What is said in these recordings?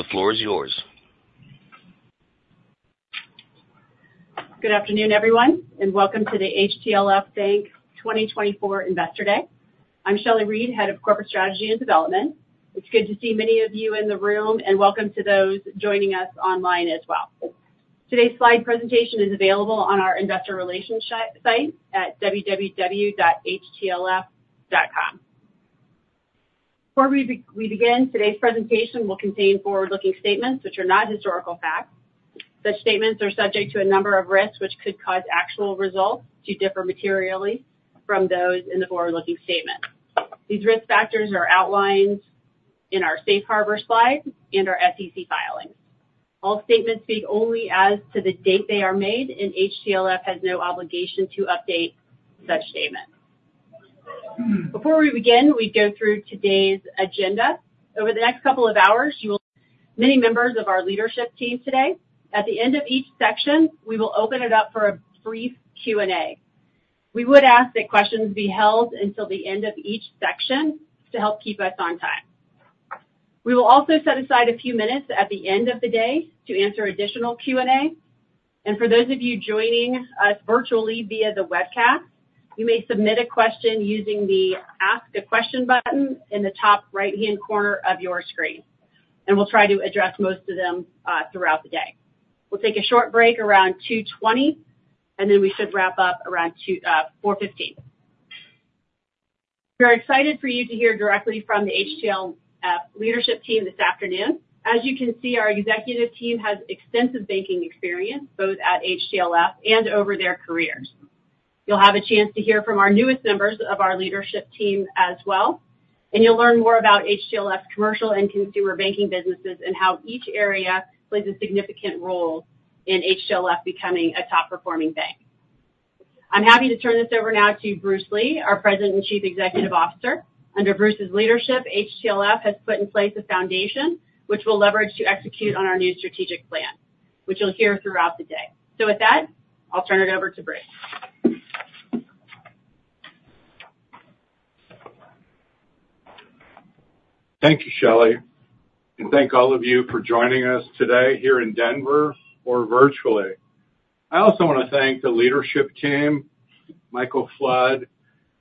The floor is yours. Good afternoon, everyone, and welcome to the HTLF Bank 2024 Investor Day. I'm Shelley Reid, Head of Corporate Strategy and Development. It's good to see many of you in the room, and welcome to those joining us online as well. Today's slide presentation is available on our investor relations site at www.htlf.com. Before we begin, today's presentation will contain forward-looking statements which are not historical facts. Such statements are subject to a number of risks which could cause actual results to differ materially from those in the forward-looking statements. These risk factors are outlined in our Safe Harbor slides and our SEC filings. All statements speak only as to the date they are made, and HTLF has no obligation to update such statements. Before we begin, we'd go through today's agenda. Over the next couple of hours, you will see many members of our leadership team today. At the end of each section, we will open it up for a brief Q&A. We would ask that questions be held until the end of each section to help keep us on time. We will also set aside a few minutes at the end of the day to answer additional Q&A. For those of you joining us virtually via the webcast, you may submit a question using the Ask a Question button in the top right-hand corner of your screen, and we'll try to address most of them throughout the day. We'll take a short break around 2:20 P.M., and then we should wrap up around 4:15 P.M. We're excited for you to hear directly from the HTLF leadership team this afternoon. As you can see, our executive team has extensive banking experience both at HTLF and over their careers. You'll have a chance to hear from our newest members of our leadership team as well, and you'll learn more about HTLF's commercial and consumer banking businesses and how each area plays a significant role in HTLF becoming a top-performing bank. I'm happy to turn this over now to Bruce Lee, our President and Chief Executive Officer. Under Bruce's leadership, HTLF has put in place a foundation which we'll leverage to execute on our new strategic plan, which you'll hear throughout the day. With that, I'll turn it over to Bruce. Thank you, Shelley, and thank all of you for joining us today here in Denver or virtually. I also want to thank the leadership team, Michael Flood,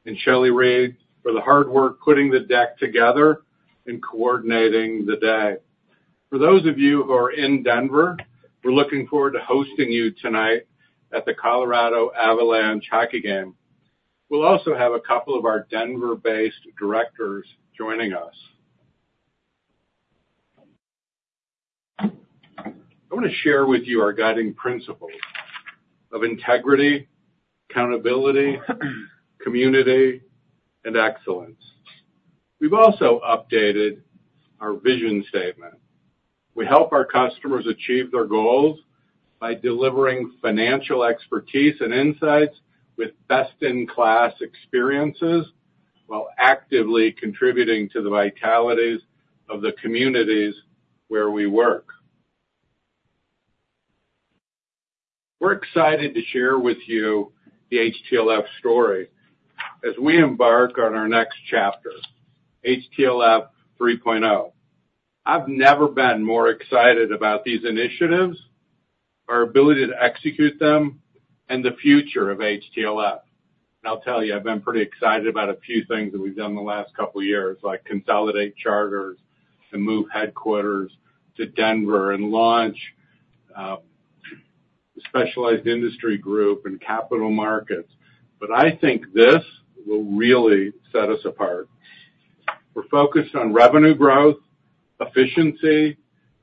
and Shelley Reid, for the hard work putting the deck together and coordinating the day. For those of you who are in Denver, we're looking forward to hosting you tonight at the Colorado Avalanche Hockey Game. We'll also have a couple of our Denver-based directors joining us. I want to share with you our guiding principles of integrity, accountability, community, and excellence. We've also updated our vision statement. We help our customers achieve their goals by delivering financial expertise and insights with best-in-class experiences while actively contributing to the vitalities of the communities where we work. We're excited to share with you the HTLF story as we embark on our next chapter, HTLF 3.0. I've never been more excited about these initiatives, our ability to execute them, and the future of HTLF. I'll tell you, I've been pretty excited about a few things that we've done the last couple of years, like consolidate charters and move headquarters to Denver and launch a Specialized Industries group in capital markets. I think this will really set us apart. We're focused on revenue growth, efficiency,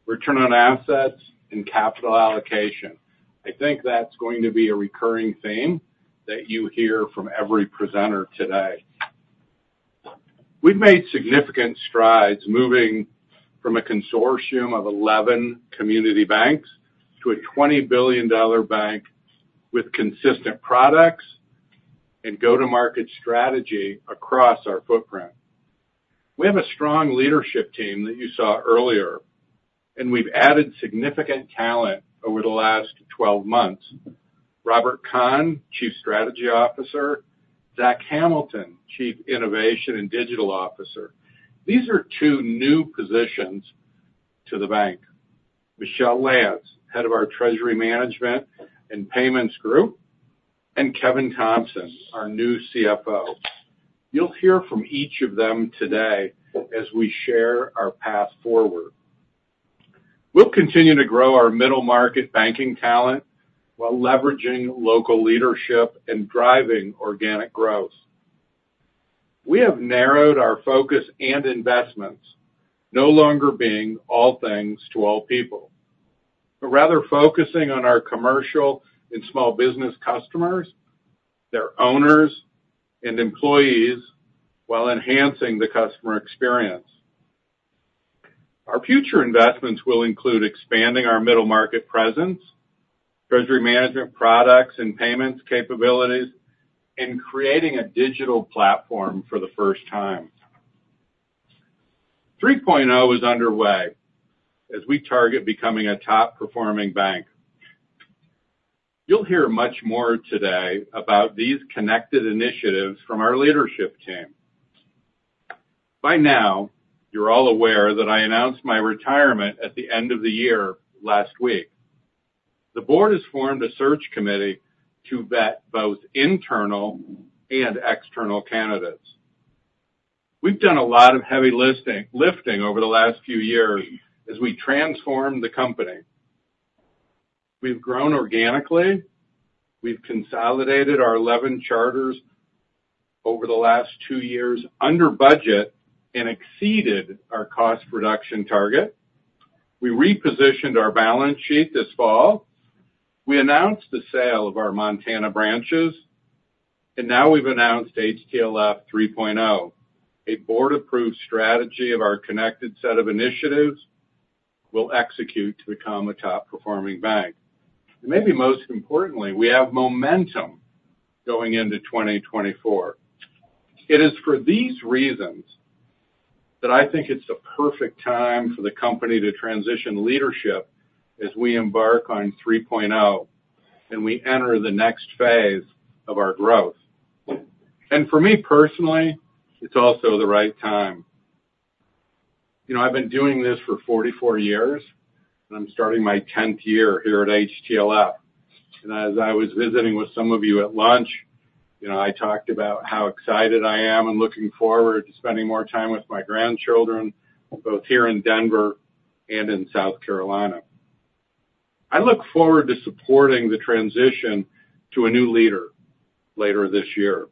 return on assets, and capital allocation. I think that's going to be a recurring theme that you hear from every presenter today. We've made significant strides moving from a consortium of 11 community banks to a $20 billion bank with consistent products and go-to-market strategy across our footprint. We have a strong leadership team that you saw earlier, and we've added significant talent over the last 12 months: Robert Kahn, Chief Strategy Officer; Zach Hamilton, Chief Innovation and Digital Officer. These are two new positions to the bank: Michelle Lance, Head of our Treasury Management and Payments Group, and Kevin Thompson, our new CFO. You'll hear from each of them today as we share our path forward. We'll continue to grow our middle-market banking talent while leveraging local leadership and driving organic growth. We have narrowed our focus and investments, no longer being all things to all people, but rather focusing on our commercial and small business customers, their owners, and employees while enhancing the customer experience. Our future investments will include expanding our middle-market presence, treasury management products and payments capabilities, and creating a digital platform for the first time. 3.0 is underway as we target becoming a top-performing bank. You'll hear much more today about these connected initiatives from our leadership team. By now, you're all aware that I announced my retirement at the end of the year last week. The board has formed a search committee to vet both internal and external candidates. We've done a lot of heavy lifting over the last few years as we transformed the company. We've grown organically. We've consolidated our 11 charters over the last two years under budget and exceeded our cost reduction target. We repositioned our balance sheet this fall. We announced the sale of our Montana branches, and now we've announced HTLF 3.0, a board-approved strategy of our connected set of initiatives we'll execute to become a top-performing bank. And maybe most importantly, we have momentum going into 2024. It is for these reasons that I think it's the perfect time for the company to transition leadership as we embark on 3.0 and we enter the next phase of our growth. For me personally, it's also the right time. I've been doing this for 44 years, and I'm starting my 10th year here at HTLF. As I was visiting with some of you at lunch, I talked about how excited I am and looking forward to spending more time with my grandchildren both here in Denver and in South Carolina. I look forward to supporting the transition to a new leader later this year.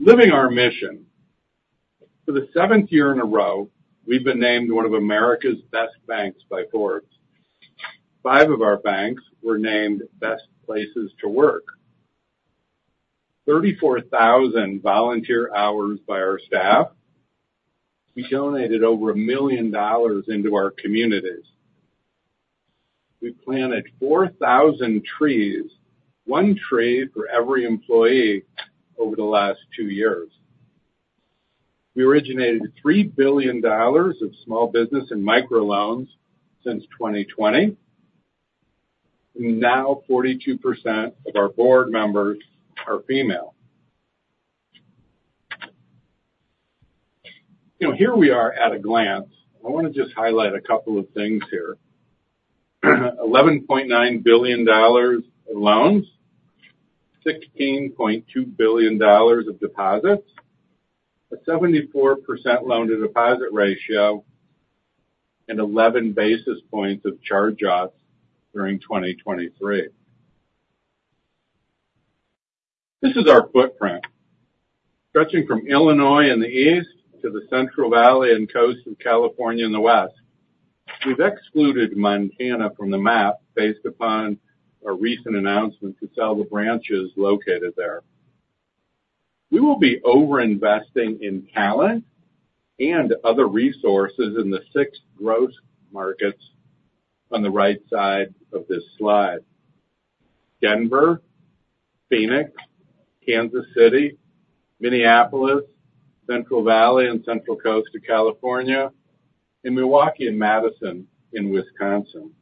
Living our mission. For the seventh year in a row, we've been named one of America's Best Banks by Forbes. Five of our banks were named Best Places to Work. 34,000 volunteer hours by our staff. We donated over $1 million into our communities. We planted 4,000 trees, one tree for every employee over the last two years. We originated $3 billion of small business and microloans since 2020. Now, 42% of our board members are female. Here we are at a glance. I want to just highlight a couple of things here: $11.9 billion of loans, $16.2 billion of deposits, a 74% loan-to-deposit ratio, and 11 basis points of charge-offs during 2023. This is our footprint, stretching from Illinois in the east to the Central Valley and coast of California in the west. We've excluded Montana from the map based upon a recent announcement to sell the branches located there. We will be over-investing in talent and other resources in the six growth markets on the right side of this slide: Denver, Phoenix, Kansas City, Minneapolis, Central Valley and Central Coast of California, and Milwaukee and Madison in Wisconsin.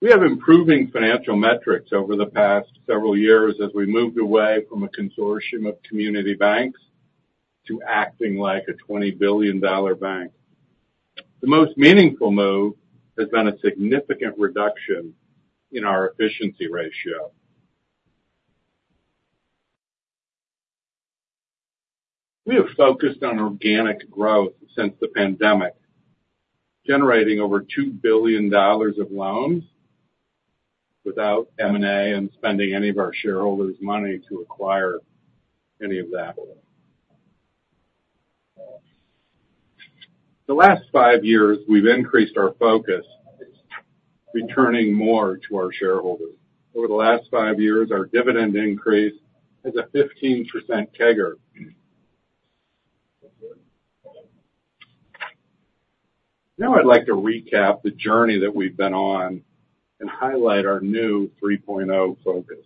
We have improving financial metrics over the past several years as we moved away from a consortium of community banks to acting like a $20 billion bank. The most meaningful move has been a significant reduction in our efficiency ratio. We have focused on organic growth since the pandemic, generating over $2 billion of loans without M&A and spending any of our shareholders' money to acquire any of that. The last 5 years, we've increased our focus, returning more to our shareholders. Over the last 5 years, our dividend increase has a 15% CAGR. Now I'd like to recap the journey that we've been on and highlight our new 3.0 focus.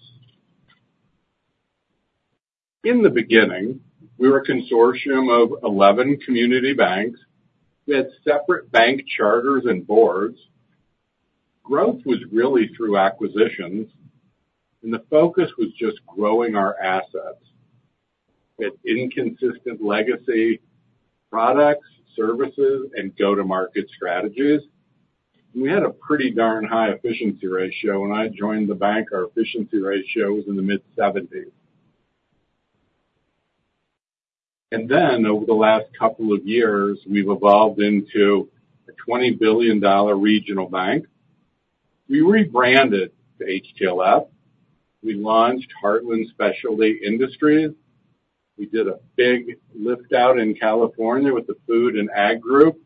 In the beginning, we were a consortium of 11 community banks. We had separate bank charters and boards. Growth was really through acquisitions, and the focus was just growing our assets. We had inconsistent legacy products, services, and go-to-market strategies. We had a pretty darn high efficiency ratio. When I joined the bank, our efficiency ratio was in the mid-70s. Then, over the last couple of years, we've evolved into a $20 billion regional bank. We rebranded to HTLF. We launched Heartland Specialized Industries. We did a big liftout in California with the Food and Ag Group,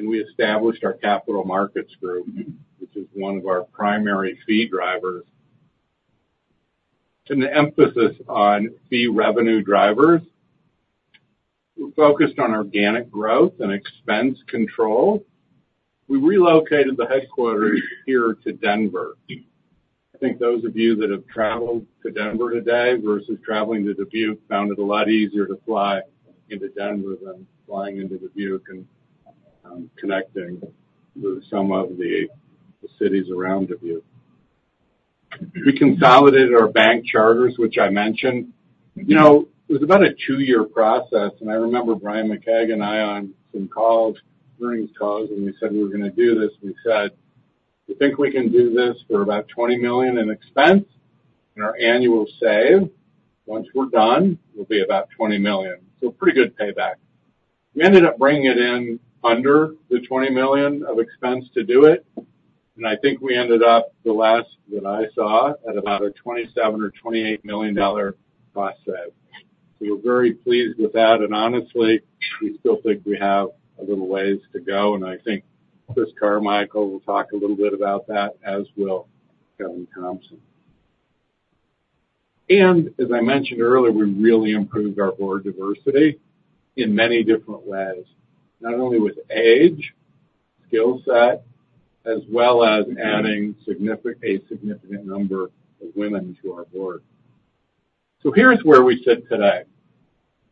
and we established our Capital Markets Group, which is one of our primary fee drivers. And the emphasis on fee revenue drivers. We focused on organic growth and expense control. We relocated the headquarters here to Denver. I think those of you that have traveled to Denver today versus traveling to Dubuque found it a lot easier to fly into Denver than flying into Dubuque and connecting with some of the cities around Dubuque. We consolidated our bank charters, which I mentioned. It was about a two-year process, and I remember Bryan McKeag and I on some earnings calls, and we said, "We're going to do this." We said, "You think we can do this for about $20 million in expense? In our annual save, once we're done, it'll be about $20 million." So pretty good payback. We ended up bringing it in under the $20 million of expense to do it, and I think we ended up, the last that I saw, at about a $27 or $28 million cost save. So we're very pleased with that, and honestly, we still think we have a little ways to go. And I think Chris Carmichael will talk a little bit about that, as will Kevin Thompson. As I mentioned earlier, we really improved our board diversity in many different ways, not only with age, skill set, as well as adding a significant number of women to our board. So here's where we sit today,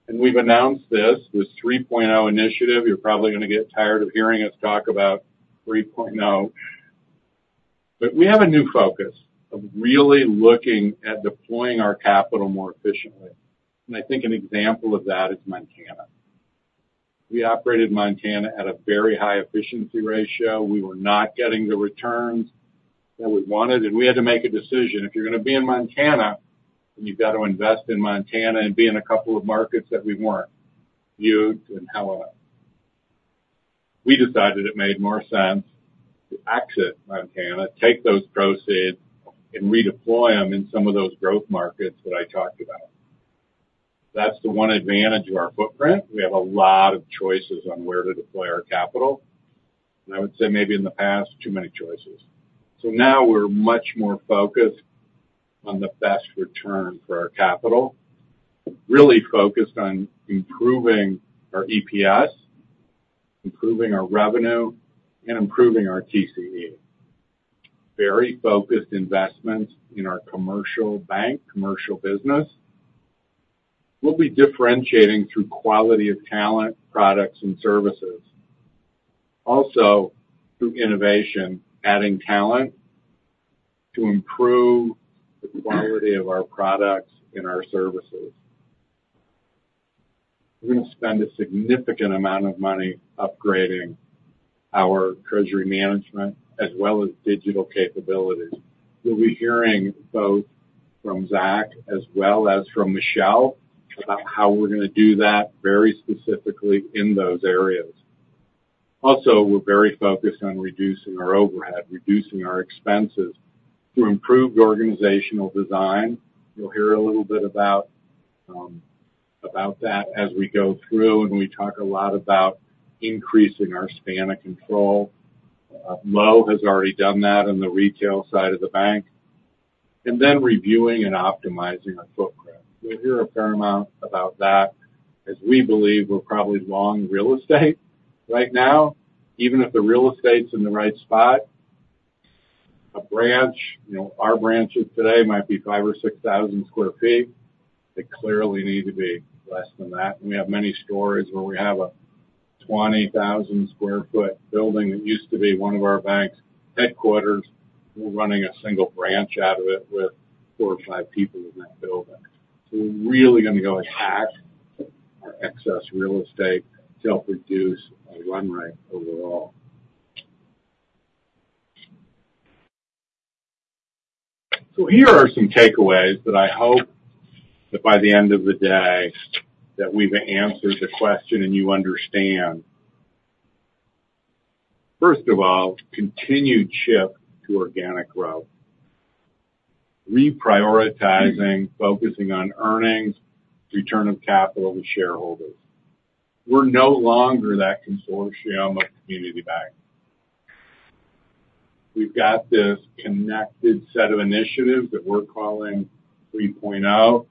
and we've announced this with 3.0 initiative. You're probably going to get tired of hearing us talk about 3.0, but we have a new focus of really looking at deploying our capital more efficiently. I think an example of that is Montana. We operated Montana at a very high efficiency ratio. We were not getting the returns that we wanted, and we had to make a decision. If you're going to be in Montana, then you've got to invest in Montana and be in a couple of markets that we weren't: Dubuque and Helena. We decided it made more sense to exit Montana, take those proceeds, and redeploy them in some of those growth markets that I talked about. That's the one advantage of our footprint. We have a lot of choices on where to deploy our capital. And I would say maybe in the past, too many choices. So now we're much more focused on the best return for our capital, really focused on improving our EPS, improving our revenue, and improving our TCE. Very focused investments in our commercial bank, commercial business. We'll be differentiating through quality of talent, products, and services. Also, through innovation, adding talent to improve the quality of our products and our services. We're going to spend a significant amount of money upgrading our treasury management as well as digital capabilities. You'll be hearing both from Zach as well as from Michelle about how we're going to do that very specifically in those areas. Also, we're very focused on reducing our overhead, reducing our expenses to improve organizational design. You'll hear a little bit about that as we go through, and we talk a lot about increasing our span of control. Lo has already done that in the retail side of the bank, and then reviewing and optimizing our footprint. You'll hear a fair amount about that as we believe we're probably long real estate right now, even if the real estate's in the right spot. Our branches today might be 5,000 or 6,000 sq ft. They clearly need to be less than that. We have many stores where we have a 20,000 sq ft building that used to be one of our bank's headquarters. We're running a single branch out of it with four or five people in that building. So we're really going to go and hack our excess real estate to help reduce our run rate overall. So here are some takeaways that I hope that by the end of the day, that we've answered the question and you understand. First of all, continued shift to organic growth, reprioritizing, focusing on earnings, return of capital to shareholders. We're no longer that consortium of community banks. We've got this connected set of initiatives that we're calling 3.0.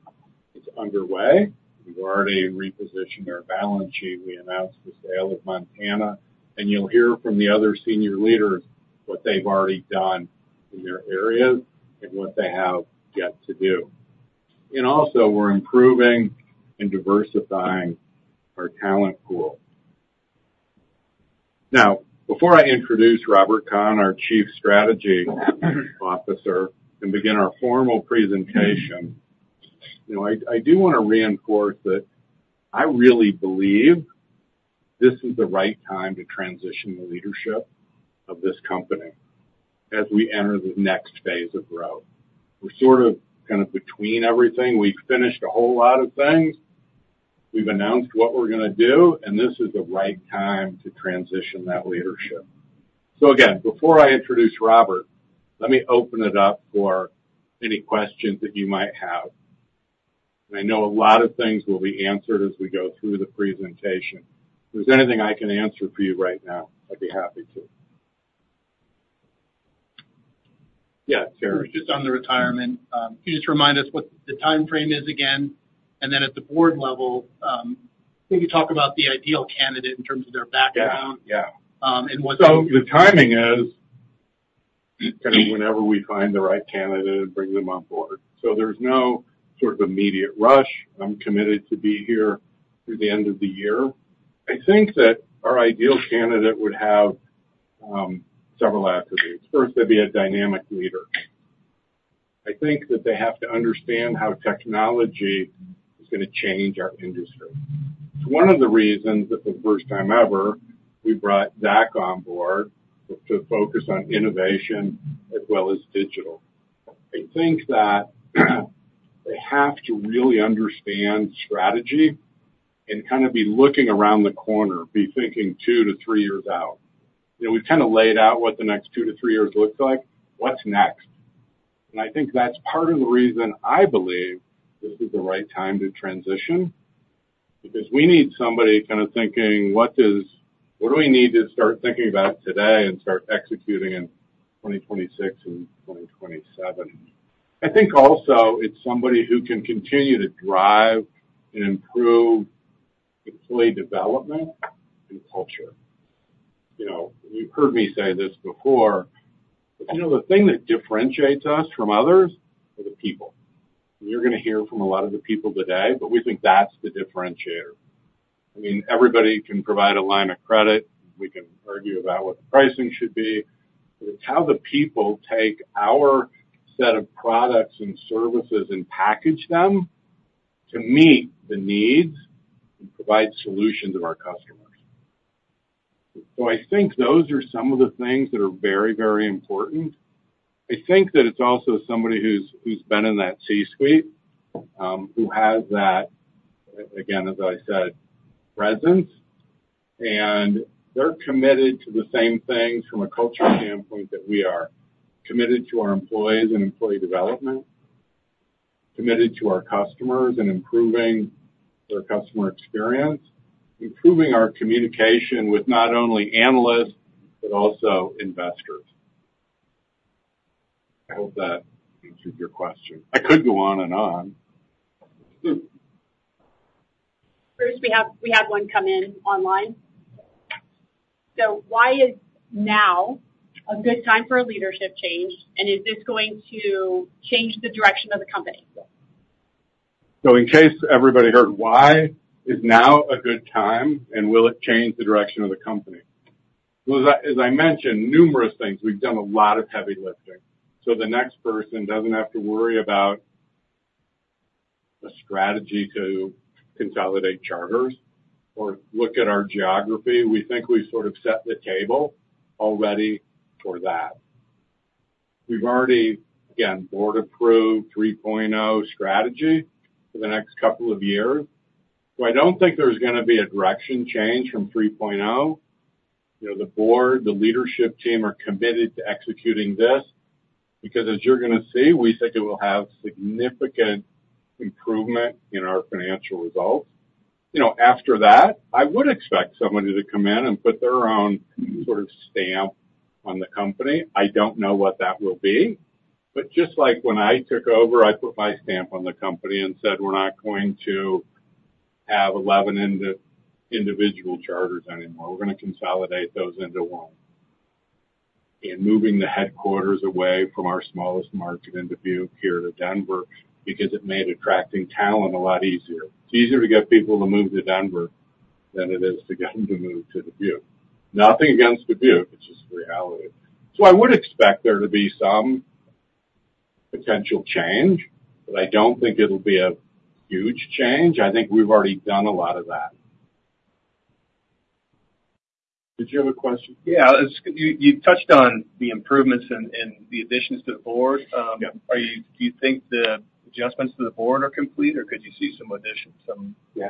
It's underway. We've already repositioned our balance sheet. We announced the sale of Montana, and you'll hear from the other senior leaders what they've already done in their areas and what they have yet to do. And also, we're improving and diversifying our talent pool. Now, before I introduce Robert Kahn, our Chief Strategy Officer, and begin our formal presentation, I do want to reinforce that I really believe this is the right time to transition the leadership of this company as we enter the next phase of growth. We're sort of kind of between everything. We've finished a whole lot of things. We've announced what we're going to do, and this is the right time to transition that leadership. So again, before I introduce Robert, let me open it up for any questions that you might have. And I know a lot of things will be answered as we go through the presentation. If there's anything I can answer for you right now, I'd be happy to. Yeah, Terry. We're just on the retirement. Can you just remind us what the time frame is again? And then at the board level, can you talk about the ideal candidate in terms of their background and what they? Yeah. Yeah. So the timing is kind of whenever we find the right candidate and bring them on board. So there's no sort of immediate rush. I'm committed to be here through the end of the year. I think that our ideal candidate would have several attributes. First, they'd be a dynamic leader. I think that they have to understand how technology is going to change our industry. It's one of the reasons that for the first time ever, we brought Zach on board to focus on innovation as well as digital. I think that they have to really understand strategy and kind of be looking around the corner, be thinking two to three years out. We've kind of laid out what the next two to three years look like. What's next? I think that's part of the reason I believe this is the right time to transition because we need somebody kind of thinking, "What do we need to start thinking about today and start executing in 2026 and 2027?" I think also, it's somebody who can continue to drive and improve employee development and culture. You've heard me say this before, but the thing that differentiates us from others are the people. You're going to hear from a lot of the people today, but we think that's the differentiator. I mean, everybody can provide a line of credit. We can argue about what the pricing should be, but it's how the people take our set of products and services and package them to meet the needs and provide solutions to our customers. So I think those are some of the things that are very, very important. I think that it's also somebody who's been in that C-suite, who has that, again, as I said, presence. And they're committed to the same things from a culture standpoint that we are: committed to our employees and employee development, committed to our customers and improving their customer experience, improving our communication with not only analysts but also investors. I hope that answers your question. I could go on and on. Chris, we had one come in online. So why is now a good time for a leadership change, and is this going to change the direction of the company? So in case everybody heard why, is now a good time, and will it change the direction of the company? Well, as I mentioned, numerous things. We've done a lot of heavy lifting so the next person doesn't have to worry about a strategy to consolidate charters or look at our geography. We think we've sort of set the table already for that. We've already, again, board-approved 3.0 strategy for the next couple of years. So I don't think there's going to be a direction change from 3.0. The board, the leadership team are committed to executing this because, as you're going to see, we think it will have significant improvement in our financial results. After that, I would expect somebody to come in and put their own sort of stamp on the company. I don't know what that will be. But just like when I took over, I put my stamp on the company and said, "We're not going to have 11 individual charters anymore. We're going to consolidate those into one." And moving the headquarters away from our smallest market in Dubuque here to Denver because it made attracting talent a lot easier. It's easier to get people to move to Denver than it is to get them to move to Dubuque. Nothing against Dubuque. It's just reality. So I would expect there to be some potential change, but I don't think it'll be a huge change. I think we've already done a lot of that. Did you have a question? Yeah. You touched on the improvements and the additions to the board. Do you think the adjustments to the board are complete, or could you see some additions? Yeah.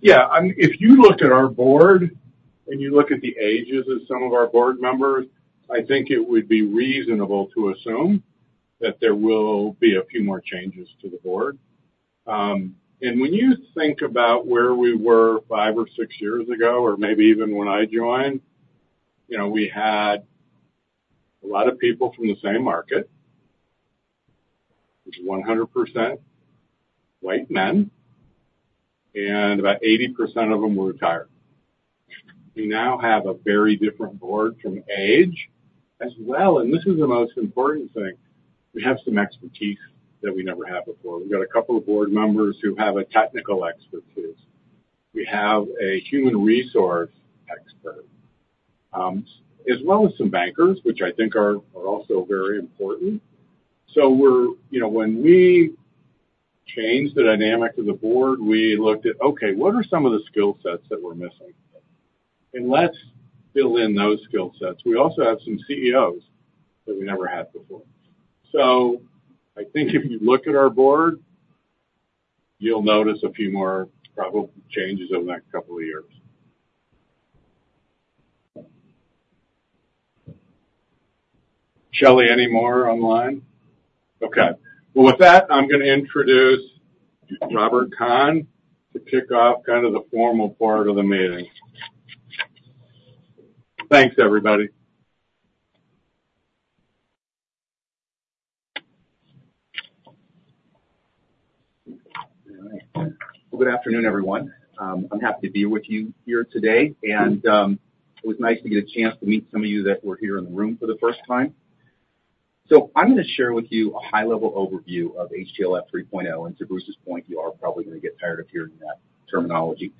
Yeah. If you look at our board and you look at the ages of some of our board members, I think it would be reasonable to assume that there will be a few more changes to the board. And when you think about where we were five or six years ago or maybe even when I joined, we had a lot of people from the same market, which is 100% white men, and about 80% of them were retired. We now have a very different board from age as well. And this is the most important thing. We have some expertise that we never had before. We've got a couple of board members who have a technical expertise. We have a human resource expert as well as some bankers, which I think are also very important. So when we changed the dynamic of the board, we looked at, "Okay, what are some of the skill sets that we're missing?" And let's fill in those skill sets. We also have some CEOs that we never had before. So I think if you look at our board, you'll notice a few more probable changes over the next couple of years. Shelley, any more online? Okay. Well, with that, I'm going to introduce Robert Kahn to kick off kind of the formal part of the meeting. Thanks, everybody. All right. Well, good afternoon, everyone. I'm happy to be with you here today, and it was nice to get a chance to meet some of you that were here in the room for the first time. So I'm going to share with you a high-level overview of HTLF 3.0. And to Bruce's point, you are probably going to get tired of hearing that terminology.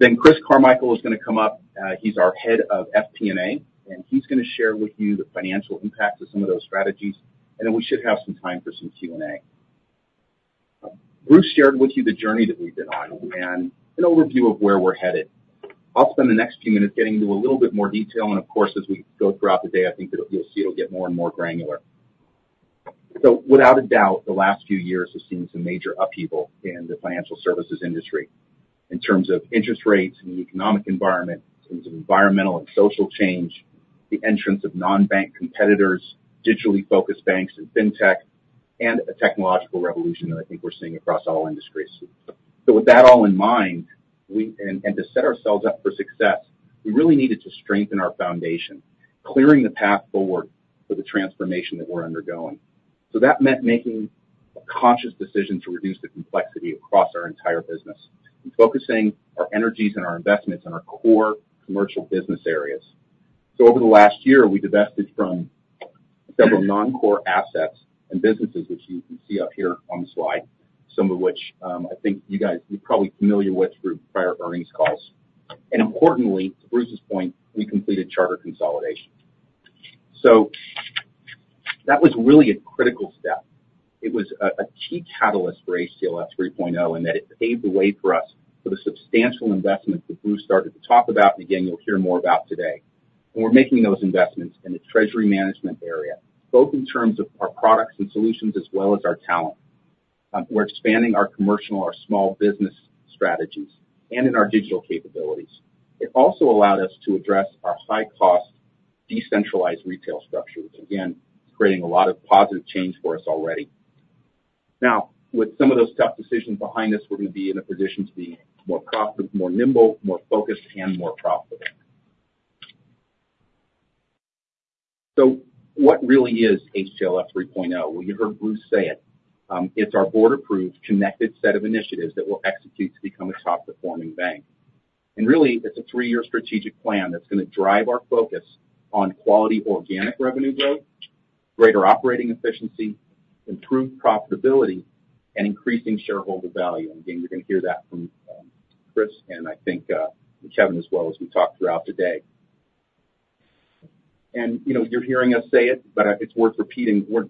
Then Chris Carmichael is going to come up. He's our head of FP&A, and he's going to share with you the financial impacts of some of those strategies. And then we should have some time for some Q&A. Bruce shared with you the journey that we've been on and an overview of where we're headed. I'll spend the next few minutes getting into a little bit more detail. And of course, as we go throughout the day, I think you'll see it'll get more and more granular. So without a doubt, the last few years have seen some major upheaval in the financial services industry in terms of interest rates and the economic environment, in terms of environmental and social change, the entrance of non-bank competitors, digitally focused banks and fintech, and a technological revolution that I think we're seeing across all industries. So with that all in mind and to set ourselves up for success, we really needed to strengthen our foundation, clearing the path forward for the transformation that we're undergoing. So that meant making a conscious decision to reduce the complexity across our entire business and focusing our energies and our investments on our core commercial business areas. So over the last year, we divested from several non-core assets and businesses, which you can see up here on the slide, some of which I think you guys, you're probably familiar with through prior earnings calls. Importantly, to Bruce's point, we completed charter consolidation. So that was really a critical step. It was a key catalyst for HTLF 3.0 in that it paved the way for us for the substantial investments that Bruce started to talk about, and again, you'll hear more about today. And we're making those investments in the treasury management area, both in terms of our products and solutions as well as our talent. We're expanding our commercial, our small business strategies, and in our digital capabilities. It also allowed us to address our high-cost decentralized retail structure, which again, is creating a lot of positive change for us already. Now, with some of those tough decisions behind us, we're going to be in a position to be more profitable, more nimble, more focused, and more profitable. So what really is HTLF 3.0? Well, you heard Bruce say it. It's our board-approved connected set of initiatives that we'll execute to become a top-performing bank. And really, it's a three-year strategic plan that's going to drive our focus on quality organic revenue growth, greater operating efficiency, improved profitability, and increasing shareholder value. And again, you're going to hear that from Chris and I think Kevin as well as we talked throughout today. And you're hearing us say it, but it's worth repeating. We're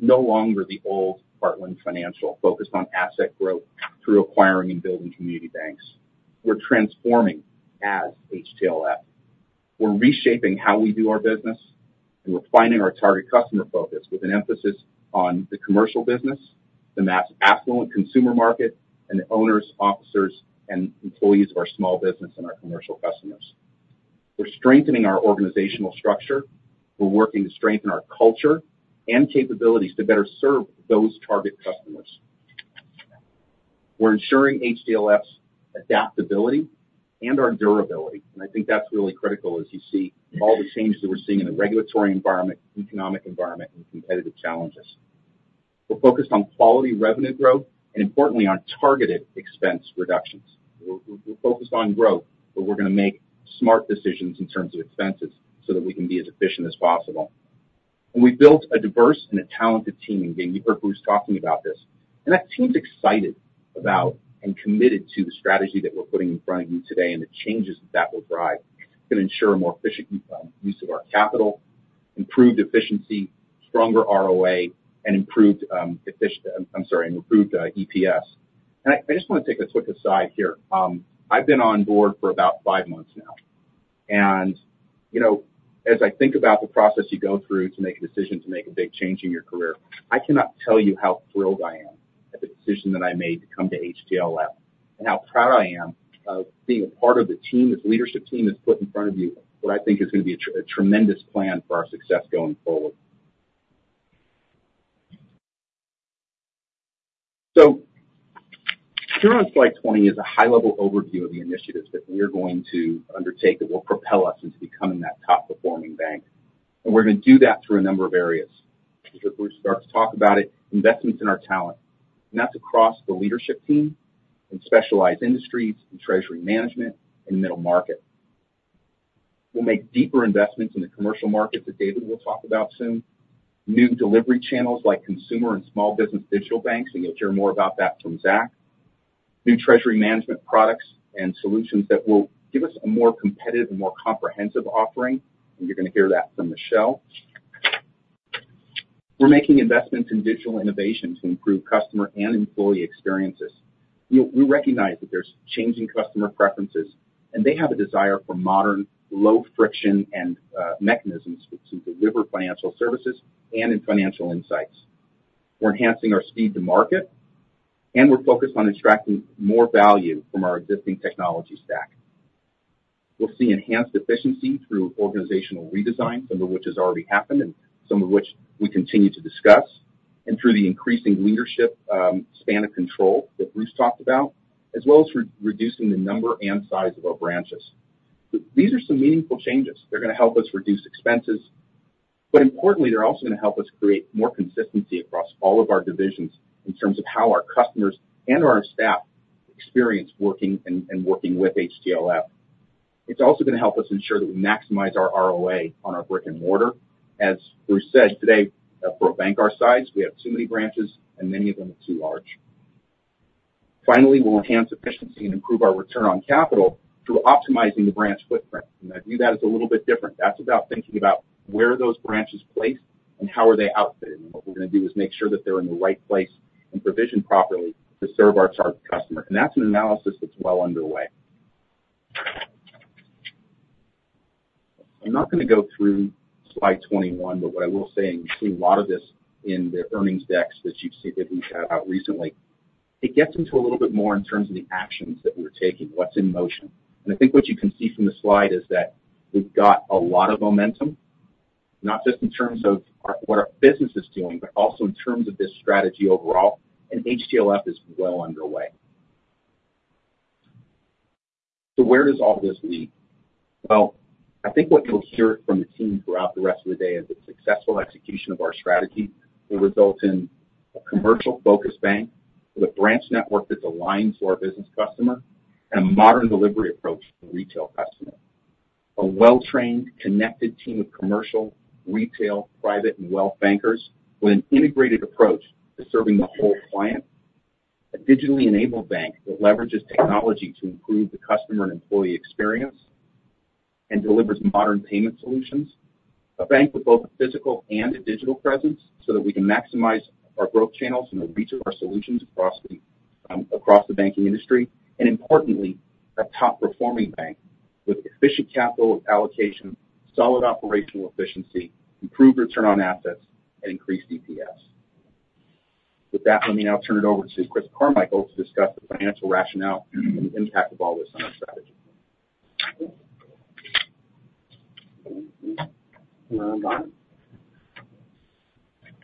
no longer the old Heartland Financial focused on asset growth through acquiring and building community banks. We're transforming as HTLF. We're reshaping how we do our business, and we're finding our target customer focus with an emphasis on the commercial business, the affluent consumer market, and the owners, officers, and employees of our small business and our commercial customers. We're strengthening our organizational structure. We're working to strengthen our culture and capabilities to better serve those target customers. We're ensuring HTLF's adaptability and our durability. And I think that's really critical as you see all the changes that we're seeing in the regulatory environment, economic environment, and competitive challenges. We're focused on quality revenue growth and, importantly, on targeted expense reductions. We're focused on growth, but we're going to make smart decisions in terms of expenses so that we can be as efficient as possible. And we've built a diverse and a talented team. And again, you heard Bruce talking about this. That team's excited about and committed to the strategy that we're putting in front of you today and the changes that that will drive. It's going to ensure a more efficient use of our capital, improved efficiency, stronger ROA, and improved—I'm sorry—and improved EPS. I just want to take a quick aside here. I've been on board for about five months now. As I think about the process you go through to make a decision to make a big change in your career, I cannot tell you how thrilled I am at the decision that I made to come to HTLF and how proud I am of being a part of the team, this leadership team that's put in front of you, what I think is going to be a tremendous plan for our success going forward. So here on slide 20 is a high-level overview of the initiatives that we are going to undertake that will propel us into becoming that top-performing bank. And we're going to do that through a number of areas. As Bruce starts to talk about it, investments in our talent. And that's across the leadership team in Specialized Industries and treasury management and the middle market. We'll make deeper investments in the commercial markets that David will talk about soon, new delivery channels like consumer and small business digital banks, and you'll hear more about that from Zach, new treasury management products and solutions that will give us a more competitive and more comprehensive offering. And you're going to hear that from Michelle. We're making investments in digital innovation to improve customer and employee experiences. We recognize that there's changing customer preferences, and they have a desire for modern, low-friction mechanisms to deliver financial services and in financial insights. We're enhancing our speed to market, and we're focused on extracting more value from our existing technology stack. We'll see enhanced efficiency through organizational redesign, some of which has already happened and some of which we continue to discuss, and through the increasing leadership span of control that Bruce talked about, as well as reducing the number and size of our branches. These are some meaningful changes. They're going to help us reduce expenses. But importantly, they're also going to help us create more consistency across all of our divisions in terms of how our customers and our staff experience working and working with HTLF. It's also going to help us ensure that we maximize our ROA on our brick and mortar. As Bruce said today, for a bank our size, we have too many branches, and many of them are too large. Finally, we'll enhance efficiency and improve our return on capital through optimizing the branch footprint. I view that as a little bit different. That's about thinking about where are those branches placed, and how are they outfitted? What we're going to do is make sure that they're in the right place and provisioned properly to serve our target customer. That's an analysis that's well underway. I'm not going to go through slide 21, but what I will say, and you've seen a lot of this in the earnings decks that we've had out recently, it gets into a little bit more in terms of the actions that we're taking, what's in motion. I think what you can see from the slide is that we've got a lot of momentum, not just in terms of what our business is doing but also in terms of this strategy overall. HTLF is well underway. Where does all this lead? Well, I think what you'll hear from the team throughout the rest of the day is that successful execution of our strategy will result in a commercial-focused bank with a branch network that's aligned to our business customer and a modern delivery approach to the retail customer, a well-trained, connected team of commercial, retail, private, and wealth bankers with an integrated approach to serving the whole client, a digitally enabled bank that leverages technology to improve the customer and employee experience and delivers modern payment solutions, a bank with both a physical and a digital presence so that we can maximize our growth channels and the reach of our solutions across the banking industry, and importantly, a top-performing bank with efficient capital allocation, solid operational efficiency, improved return on assets, and increased EPS. With that, let me now turn it over to Chris Carmichael to discuss the financial rationale and the impact of all this on our strategy. Hello everyone.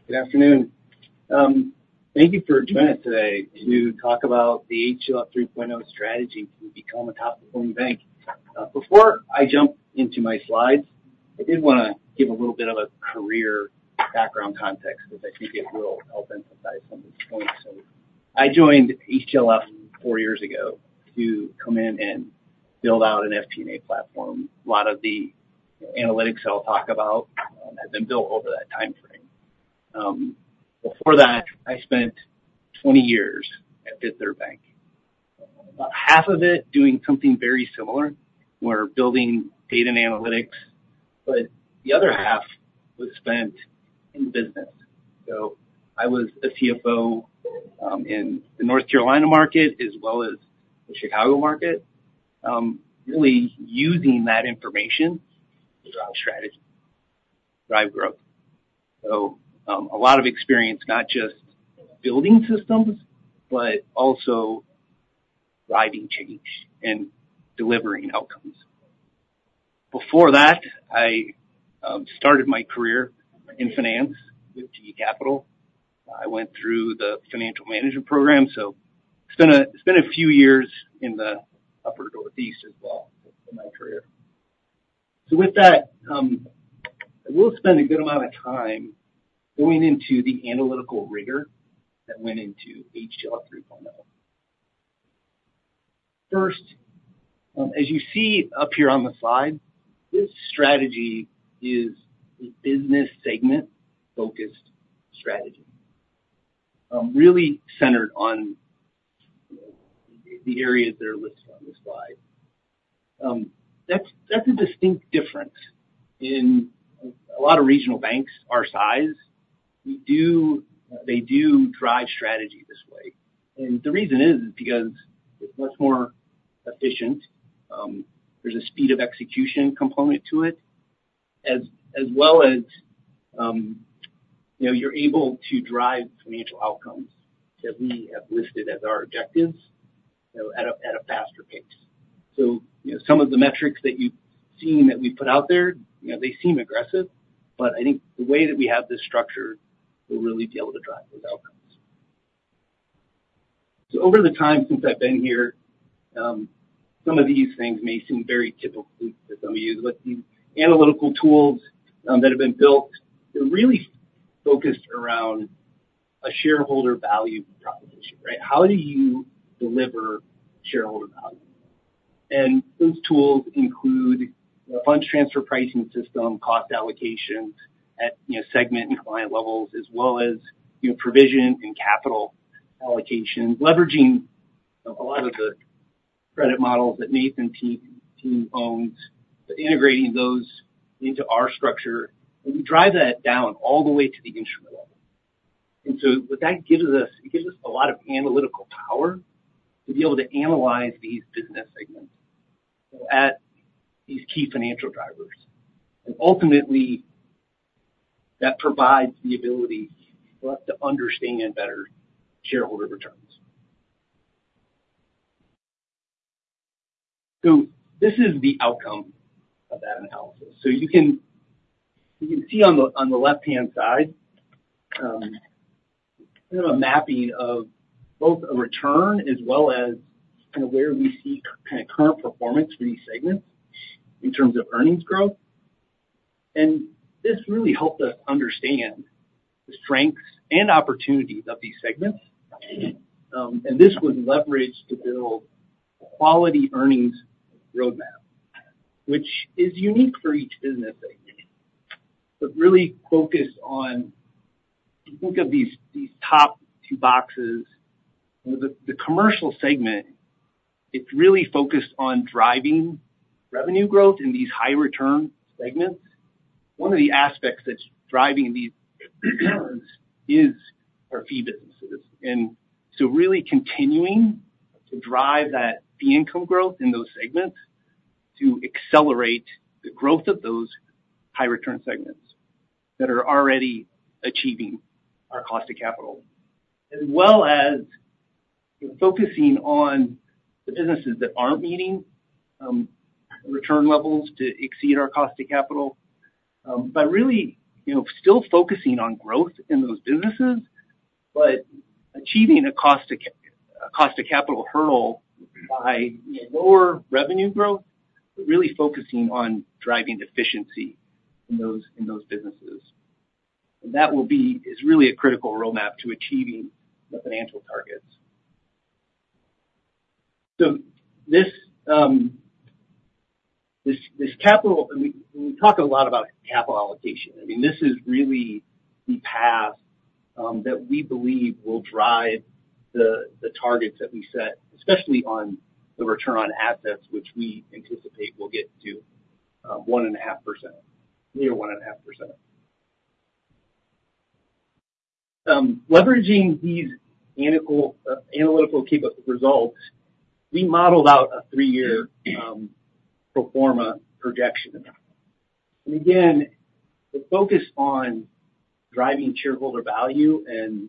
Good afternoon. Thank you for joining us today to talk about the HTLF 3.0 strategy to become a top-performing bank. Before I jump into my slides, I did want to give a little bit of a career background context because I think it will help emphasize some of these points. So I joined HTLF 4 years ago to come in and build out an FP&A platform. A lot of the analytics that I'll talk about have been built over that time frame. Before that, I spent 20 years at Fifth Third Bank, about half of it doing something very similar. We're building data and analytics, but the other half was spent in business. So I was a CFO in the North Carolina market as well as the Chicago market, really using that information to drive strategy, drive growth. So a lot of experience, not just building systems but also driving change and delivering outcomes. Before that, I started my career in finance with GE Capital. I went through the financial management program. So it's been a few years in the upper northeast as well in my career. So with that, I will spend a good amount of time going into the analytical rigor that went into HTLF 3.0. First, as you see up here on the slide, this strategy is a business segment-focused strategy, really centered on the areas that are listed on this slide. That's a distinct difference. In a lot of regional banks our size, they do drive strategy this way. And the reason is because it's much more efficient. There's a speed of execution component to it as well as you're able to drive financial outcomes that we have listed as our objectives at a faster pace. Some of the metrics that you've seen that we've put out there, they seem aggressive. I think the way that we have this structured will really be able to drive those outcomes. Over the time since I've been here, some of these things may seem very typical to some of you. The analytical tools that have been built, they're really focused around a shareholder value proposition, right? How do you deliver shareholder value? Those tools include a funds transfer pricing system, cost allocations at segment and client levels, as well as provision and capital allocations, leveraging a lot of the credit models that Nathan's team owns, integrating those into our structure. We drive that down all the way to the instrument level. So what that gives us, it gives us a lot of analytical power to be able to analyze these business segments at these key financial drivers. Ultimately, that provides the ability for us to understand better shareholder returns. So this is the outcome of that analysis. So you can see on the left-hand side kind of a mapping of both a return as well as kind of where we see kind of current performance for these segments in terms of earnings growth. This really helped us understand the strengths and opportunities of these segments. This was leveraged to build a quality earnings roadmap, which is unique for each business segment but really focused on think of these top two boxes. The commercial segment, it's really focused on driving revenue growth in these high-return segments. One of the aspects that's driving these returns are fee businesses. And so really continuing to drive that fee income growth in those segments to accelerate the growth of those high-return segments that are already achieving our cost of capital, as well as focusing on the businesses that aren't meeting return levels to exceed our cost of capital, but really still focusing on growth in those businesses but achieving a cost of capital hurdle by lower revenue growth but really focusing on driving efficiency in those businesses. And that is really a critical roadmap to achieving the financial targets. So this capital and we talk a lot about capital allocation. I mean, this is really the path that we believe will drive the targets that we set, especially on the return on assets, which we anticipate will get to 1.5%, near 1.5%. Leveraging these analytical results, we modeled out a 3-year pro forma projection. And again, with focus on driving shareholder value and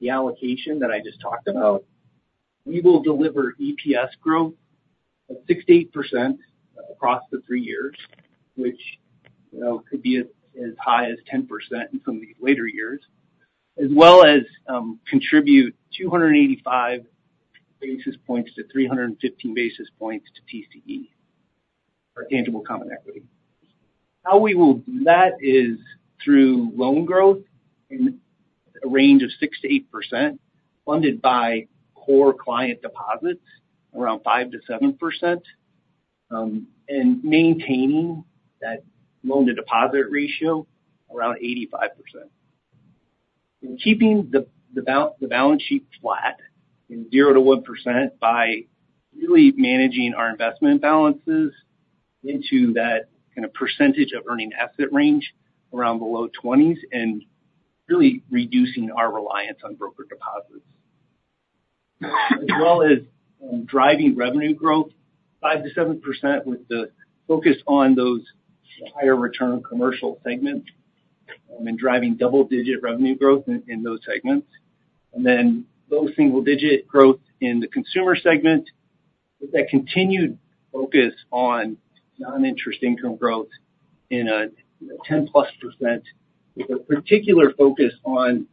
the allocation that I just talked about, we will deliver EPS growth of 6%-8% across the three years, which could be as high as 10% in some of these later years, as well as contribute 285-315 basis points to TCE, our tangible common equity. How we will do that is through loan growth in a range of 6%-8% funded by core client deposits, around 5%-7%, and maintaining that loan-to-deposit ratio around 85%, keeping the balance sheet flat in 0%-1% by really managing our investment balances into that kind of percentage of earning asset range around the low 20s and really reducing our reliance on broker deposits, as well as driving revenue growth 5%-7% with the focus on those higher-return commercial segments and driving double-digit revenue growth in those segments, and then low single-digit growth in the consumer segment with that continued focus on non-interest income growth in a 10%+ with a particular focus on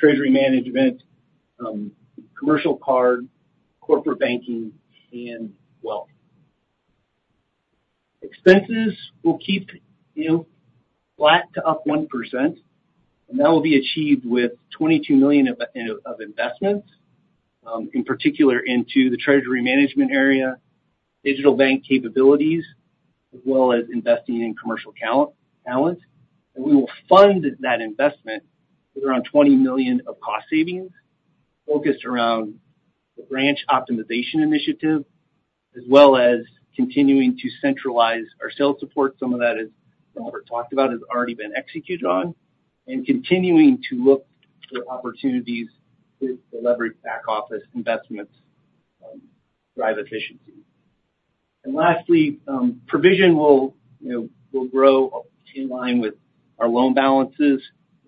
treasury management, commercial card, corporate banking, and wealth. Expenses will keep flat to up 1%. That will be achieved with $22 million of investments, in particular into the treasury management area, digital bank capabilities, as well as investing in commercial talent. We will fund that investment with around $20 million of cost savings focused around the branch optimization initiative, as well as continuing to centralize our sales support. Some of that, as Robert talked about, has already been executed on and continuing to look for opportunities to leverage back-office investments, drive efficiency. Lastly, provision will grow in line with our loan balances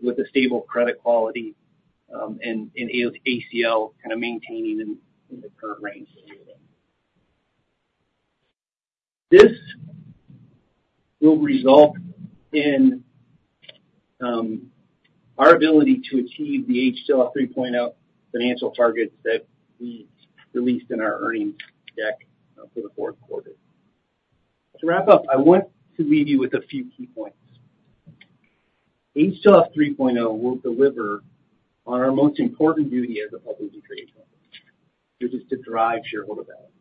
with a stable credit quality and ACL kind of maintaining in the current range. This will result in our ability to achieve the HTLF 3.0 financial targets that we released in our earnings deck for the fourth quarter. To wrap up, I want to leave you with a few key points. HTLF 3.0 will deliver on our most important duty as a publicly traded company, which is to drive shareholder value.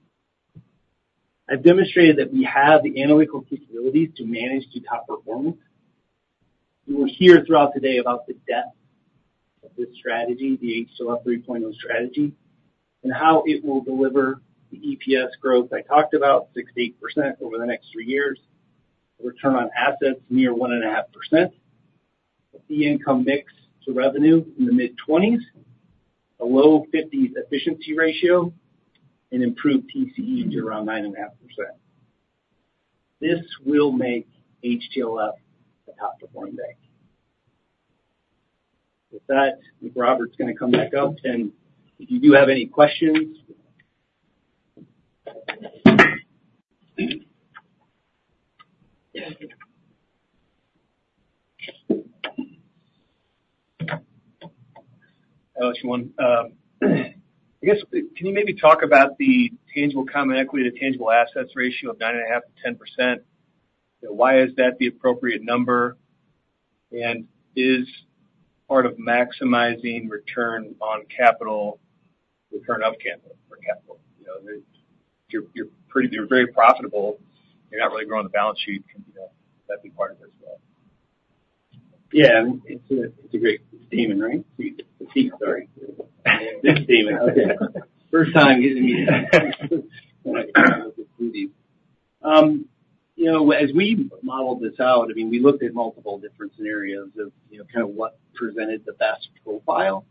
I've demonstrated that we have the analytical capabilities to manage to top performance. We were here throughout today about the depth of this strategy, the HTLF 3.0 strategy, and how it will deliver the EPS growth I talked about, 6%-8% over the next three years, return on assets near 1.5%, a fee income mix to revenue in the mid-20s%, a low 50s% efficiency ratio, and improved TCE to around 9.5%. This will make HTLF a top-performing bank. With that, I think Robert's going to come back up. And if you do have any questions I'll let you one. I guess, can you maybe talk about the tangible common equity to tangible assets ratio of 9.5%-10%? Why is that the appropriate number? Is part of maximizing return on capital, return of capital for capital? If you're very profitable, you're not really growing the balance sheet, could that be part of it as well? Yeah. It's a great statement, right? Sorry. This statement. Okay. First time getting me to look at these. As we modeled this out, I mean, we looked at multiple different scenarios of kind of what presented the best profile.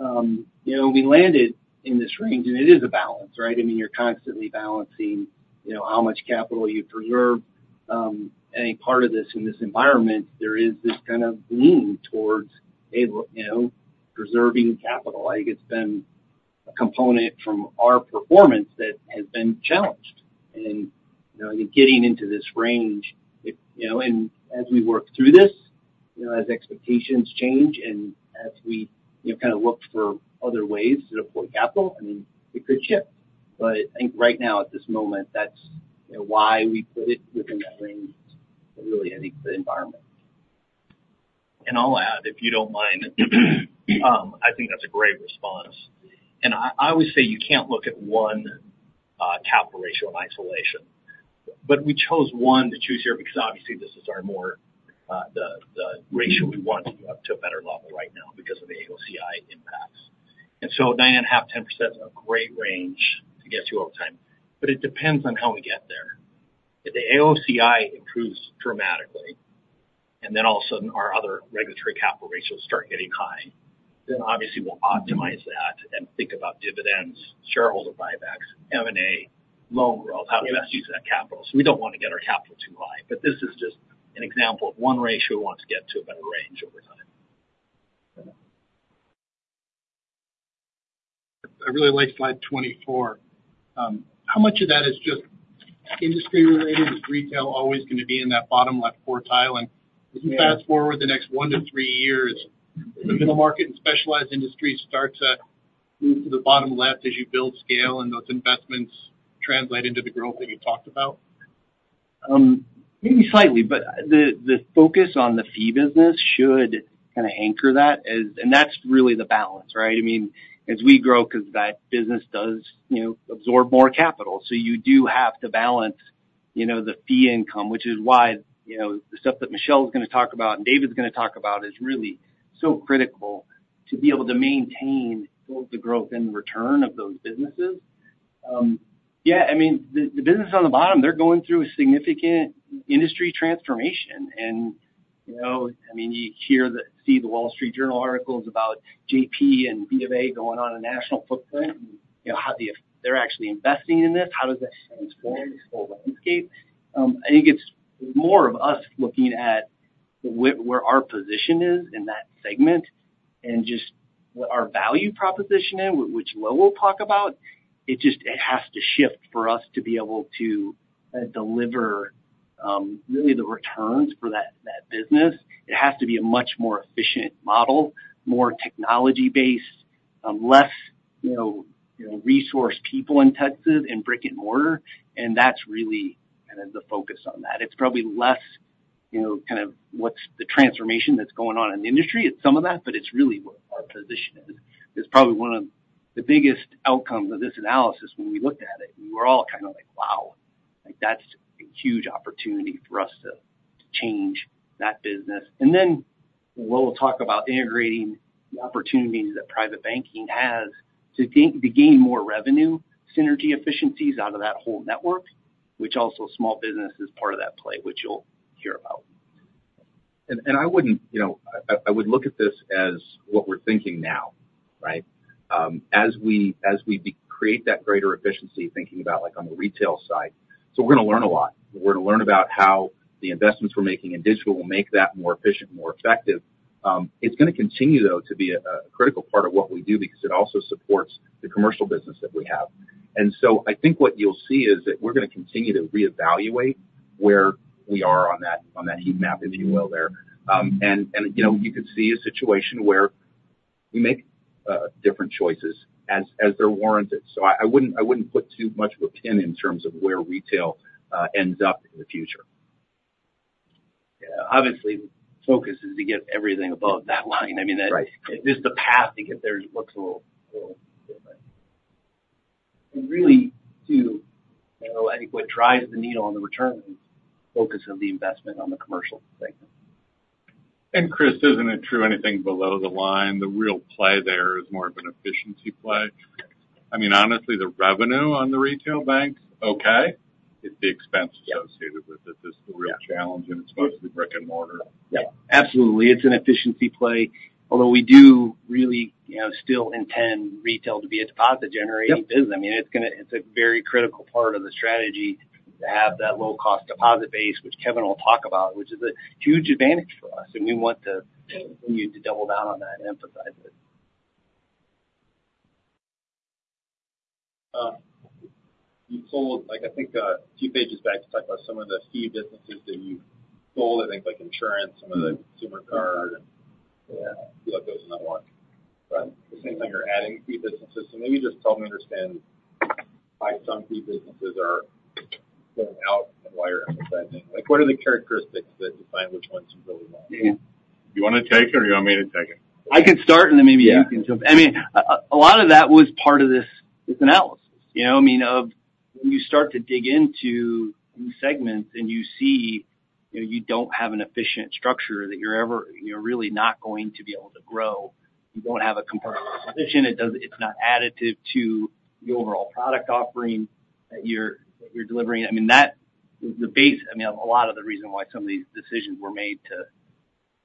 We landed in this range. It is a balance, right? I mean, you're constantly balancing how much capital you've preserved. Part of this, in this environment, there is this kind of lean towards preserving capital. I think it's been a component from our performance that has been challenged. And I think getting into this range and as we work through this, as expectations change and as we kind of look for other ways to deploy capital, I mean, it could shift. But I think right now, at this moment, that's why we put it within that range of really, I think, the environment. And I'll add, if you don't mind, I think that's a great response. And I always say you can't look at one capital ratio in isolation. But we chose one to choose here because, obviously, this is our more the ratio we want to a better level right now because of the AOCI impacts. And so 9.5%-10% is a great range to get to over time. But it depends on how we get there. If the AOCI improves dramatically and then, all of a sudden, our other regulatory capital ratios start getting high, then, obviously, we'll optimize that and think about dividends, shareholder buybacks, M&A, loan growth, how to best use that capital. So we don't want to get our capital too high. But this is just an example of one ratio we want to get to a better range over time. I really like slide 24. How much of that is just industry-related? Is retail always going to be in that bottom-left quartile? And as you fast-forward the next 1-3 years, does the middle market and Specialized Industries start to move to the bottom left as you build scale and those investments translate into the growth that you talked about? Maybe slightly. But the focus on the fee business should kind of anchor that. And that's really the balance, right? I mean, as we grow because that business does absorb more capital. So you do have to balance the fee income, which is why the stuff that Michelle's going to talk about and David's going to talk about is really so critical to be able to maintain both the growth and return of those businesses. Yeah. I mean, the businesses on the bottom, they're going through a significant industry transformation. And I mean, you see the Wall Street Journal articles about JP and B of A going on a national footprint and how they're actually investing in this. How does that transform this whole landscape? I think it's more of us looking at where our position is in that segment and just what our value proposition is, which Lo will talk about. It has to shift for us to be able to deliver really the returns for that business. It has to be a much more efficient model, more technology-based, less resource people in Texas and brick and mortar. And that's really kind of the focus on that. It's probably less kind of what's the transformation that's going on in the industry. It's some of that. But it's really what our position is. It's probably one of the biggest outcomes of this analysis when we looked at it. We were all kind of like, "Wow. That's a huge opportunity for us to change that business." Then Lo will talk about integrating the opportunities that private banking has to gain more revenue synergy efficiencies out of that whole network, which also small business is part of that play, which you'll hear about. And I would look at this as what we're thinking now, right, as we create that greater efficiency thinking about on the retail side. So we're going to learn a lot. We're going to learn about how the investments we're making in digital will make that more efficient, more effective. It's going to continue, though, to be a critical part of what we do because it also supports the commercial business that we have. And so I think what you'll see is that we're going to continue to reevaluate where we are on that heat map, if you will, there. And you could see a situation where we make different choices as they're warranted. So I wouldn't put too much of a pin in terms of where retail ends up in the future. Yeah. Obviously, the focus is to get everything above that line. I mean, just the path to get there looks a little different. And really, too, I think what drives the needle on the return is the focus of the investment on the commercial segment. And, Chris, isn't it true anything below the line, the real play there is more of an efficiency play? I mean, honestly, the revenue on the retail bank, okay. It's the expense associated with it. This is the real challenge. And it's mostly brick and mortar. Yeah. Absolutely. It's an efficiency play. Although we do really still intend retail to be a deposit-generating business. I mean, it's a very critical part of the strategy to have that low-cost deposit base, which Kevin will talk about, which is a huge advantage for us. And we want to continue to double down on that and emphasize it. You pulled, I think, a few pages back to talk about some of the fee businesses that you pulled. I think insurance, some of the consumer card, and I feel like those are not one. But at the same time, you're adding fee businesses. So maybe just help me understand why some fee businesses are going out and why you're emphasizing. What are the characteristics that define which ones you really want? Yeah. You want to take it, or do you want me to take it? I could start. And then maybe you can jump in. I mean, a lot of that was part of this analysis, I mean, of when you start to dig into new segments and you see you don't have an efficient structure that you're ever really not going to be able to grow. You don't have a competitive position. It's not additive to the overall product offering that you're delivering. I mean, that was the base, I mean, of a lot of the reason why some of these decisions were made to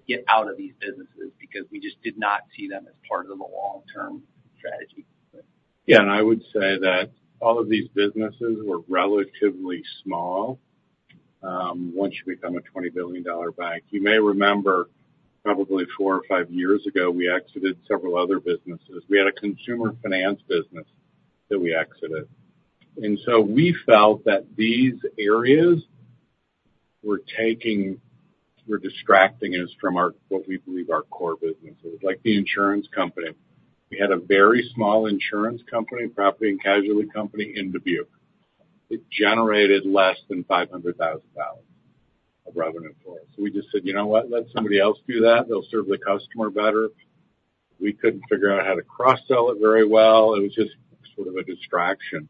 get out of these businesses because we just did not see them as part of the long-term strategy. Yeah. And I would say that all of these businesses were relatively small once you become a $20 billion bank. You may remember, probably four or five years ago, we exited several other businesses. We had a consumer finance business that we exited. And so we felt that these areas were distracting us from what we believe are core businesses. Like the insurance company. We had a very small insurance company, property and casualty company, in Dubuque. It generated less than $500,000 of revenue for us. So we just said, "You know what? Let somebody else do that. They'll serve the customer better." We couldn't figure out how to cross-sell it very well. It was just sort of a distraction.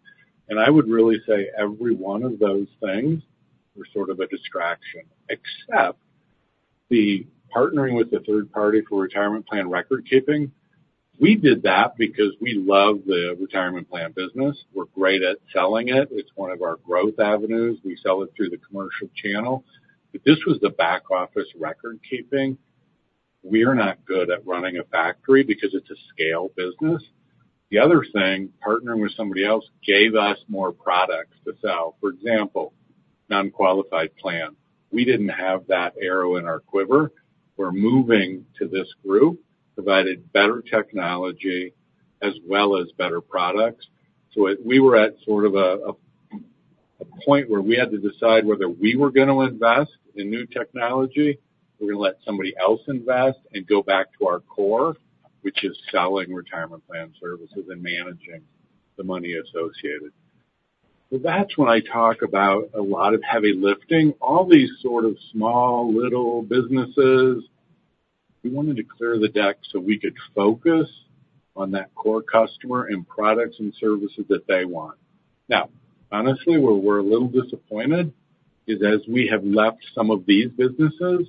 And I would really say every one of those things were sort of a distraction except the partnering with the third party for retirement plan record keeping. We did that because we love the retirement plan business. We're great at selling it. It's one of our growth avenues. We sell it through the commercial channel. But this was the back-office record keeping. We are not good at running a factory because it's a scale business. The other thing, partnering with somebody else gave us more products to sell. For example, non-qualified plan. We didn't have that arrow in our quiver. We're moving to this group, provided better technology as well as better products. So we were at sort of a point where we had to decide whether we were going to invest in new technology, we're going to let somebody else invest, and go back to our core, which is selling retirement plan services and managing the money associated. So that's when I talk about a lot of heavy lifting, all these sort of small, little businesses. We wanted to clear the deck so we could focus on that core customer and products and services that they want. Now, honestly, where we're a little disappointed is as we have left some of these businesses,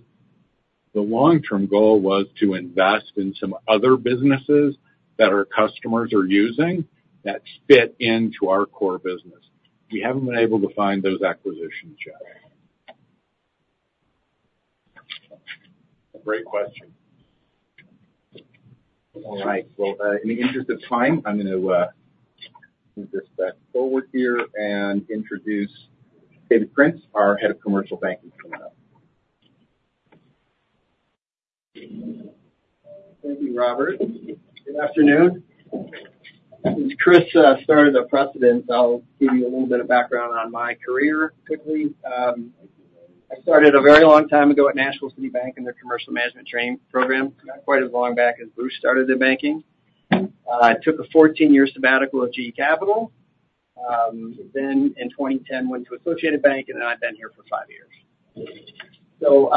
the long-term goal was to invest in some other businesses that our customers are using that fit into our core business. We haven't been able to find those acquisitions yet. Great question. All right. Well, in the interest of time, I'm going to move this back forward here and introduce David Prince, our Head of Commercial Banking coming up. Thank you, Robert. Good afternoon. Chris started the presentation. I'll give you a little bit of background on my career quickly. I started a very long time ago at National City Bank in their commercial management training program, not quite as long back as Bruce started in banking. I took a 14-year sabbatical at GE Capital. Then, in 2010, went to Associated Bank. And then I've been here for five years. So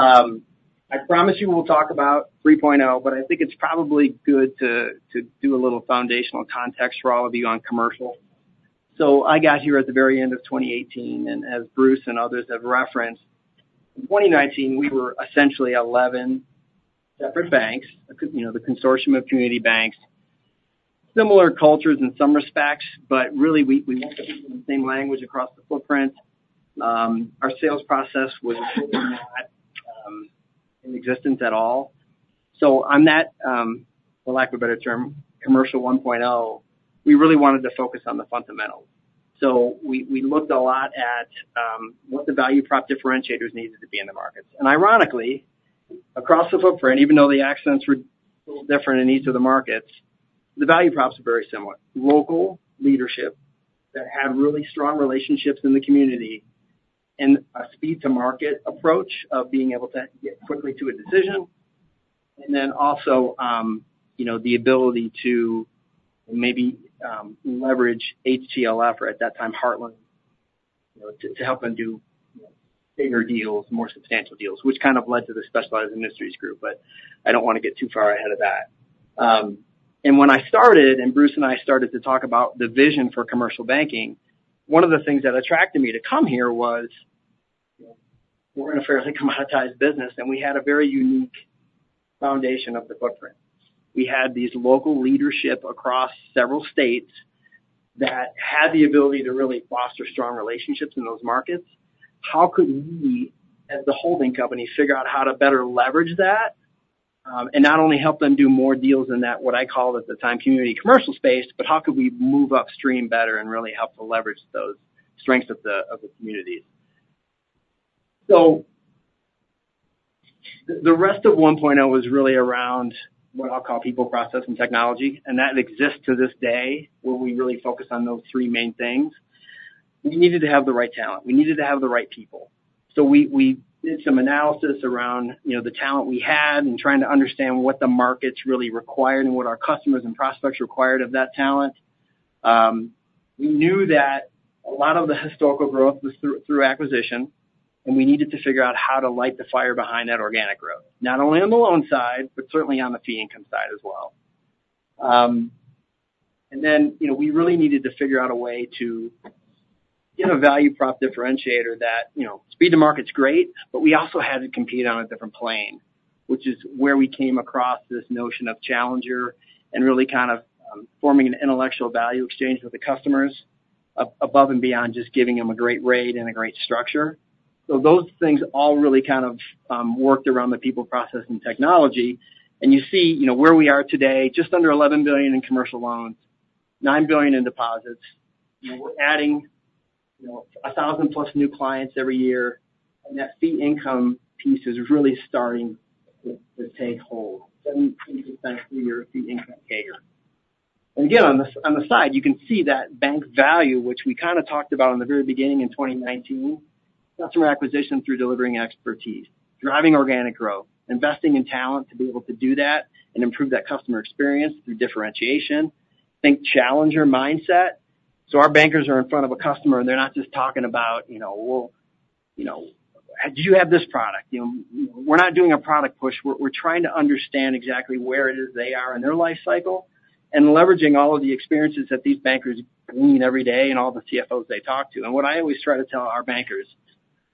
I promise you we'll talk about 3.0. But I think it's probably good to do a little foundational context for all of you on commercial. So I got here at the very end of 2018. And as Bruce and others have referenced, in 2019, we were essentially 11 separate banks, the consortium of community banks, similar cultures in some respects. But really, we wanted to be in the same language across the footprint. Our sales process was really not in existence at all. So on that, for lack of a better term, Commercial 1.0, we really wanted to focus on the fundamentals. So we looked a lot at what the value prop differentiators needed to be in the markets. And ironically, across the footprint, even though the accents were a little different in each of the markets, the value props were very similar: local leadership that had really strong relationships in the community and a speed-to-market approach of being able to get quickly to a decision and then also the ability to maybe leverage HTLF or, at that time, Heartland to help them do bigger deals, more substantial deals, which kind of led to the Specialized Industries group. But I don't want to get too far ahead of that. When I started and Bruce and I started to talk about the vision for commercial banking, one of the things that attracted me to come here was we're in a fairly commoditized business. We had a very unique foundation of the footprint. We had these local leadership across several states that had the ability to really foster strong relationships in those markets. How could we, as the holding company, figure out how to better leverage that and not only help them do more deals in that, what I called at the time, community commercial space, but how could we move upstream better and really help to leverage those strengths of the communities? So the rest of 1.0 was really around what I'll call people process and technology. That exists to this day where we really focus on those three main things. We needed to have the right talent. We needed to have the right people. We did some analysis around the talent we had and trying to understand what the markets really required and what our customers and prospects required of that talent. We knew that a lot of the historical growth was through acquisition. We needed to figure out how to light the fire behind that organic growth, not only on the loan side but certainly on the fee income side as well. Then we really needed to figure out a way to get a value prop differentiator that speed-to-market's great. We also had to compete on a different plane, which is where we came across this notion of challenger and really kind of forming an intellectual value exchange with the customers above and beyond just giving them a great rate and a great structure. So those things all really kind of worked around the people process and technology. You see where we are today, just under $11 billion in commercial loans, $9 billion in deposits. We're adding 1,000+ new clients every year. That fee income piece is really starting to take hold, 70% per year fee income CAGR. Again, on the side, you can see that bank value, which we kind of talked about in the very beginning in 2019, customer acquisition through delivering expertise, driving organic growth, investing in talent to be able to do that and improve that customer experience through differentiation, think challenger mindset. Our bankers are in front of a customer. They're not just talking about, "Well, did you have this product?" We're not doing a product push. We're trying to understand exactly where it is they are in their life cycle and leveraging all of the experiences that these bankers glean every day and all the CFOs they talk to. And what I always try to tell our bankers,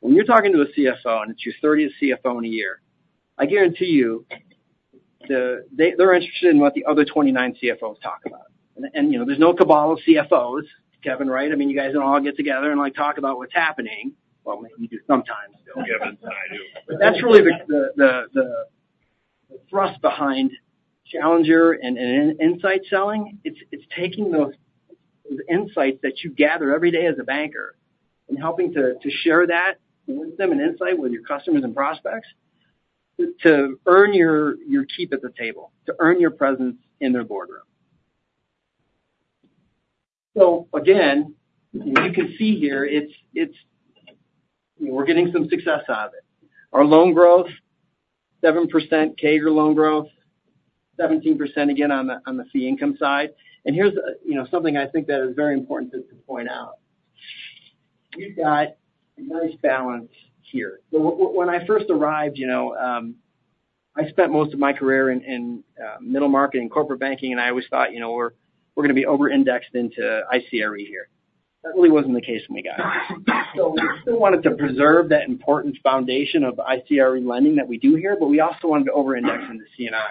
"When you're talking to a CFO, and it's your 30th CFO in a year, I guarantee you they're interested in what the other 29 CFOs talk about." And there's no cabal of CFOs, Kevin, right? I mean, you guys don't all get together and talk about what's happening. Well, maybe you do sometimes. Kevin and I do. But that's really the thrust behind challenger and insight selling. It's taking those insights that you gather every day as a banker and helping to share that with them and insight with your customers and prospects to earn your keep at the table, to earn your presence in their boardroom. So again, you can see here, we're getting some success out of it. Our loan growth, 7% CAGR loan growth, 17% again on the fee income side. And here's something I think that is very important to point out. We've got a nice balance here. So when I first arrived, I spent most of my career in middle market, corporate banking. And I always thought, "We're going to be over-indexed into ICRE here." That really wasn't the case when we got here. So we still wanted to preserve that important foundation of ICRE lending that we do here. But we also wanted to over-index into C&I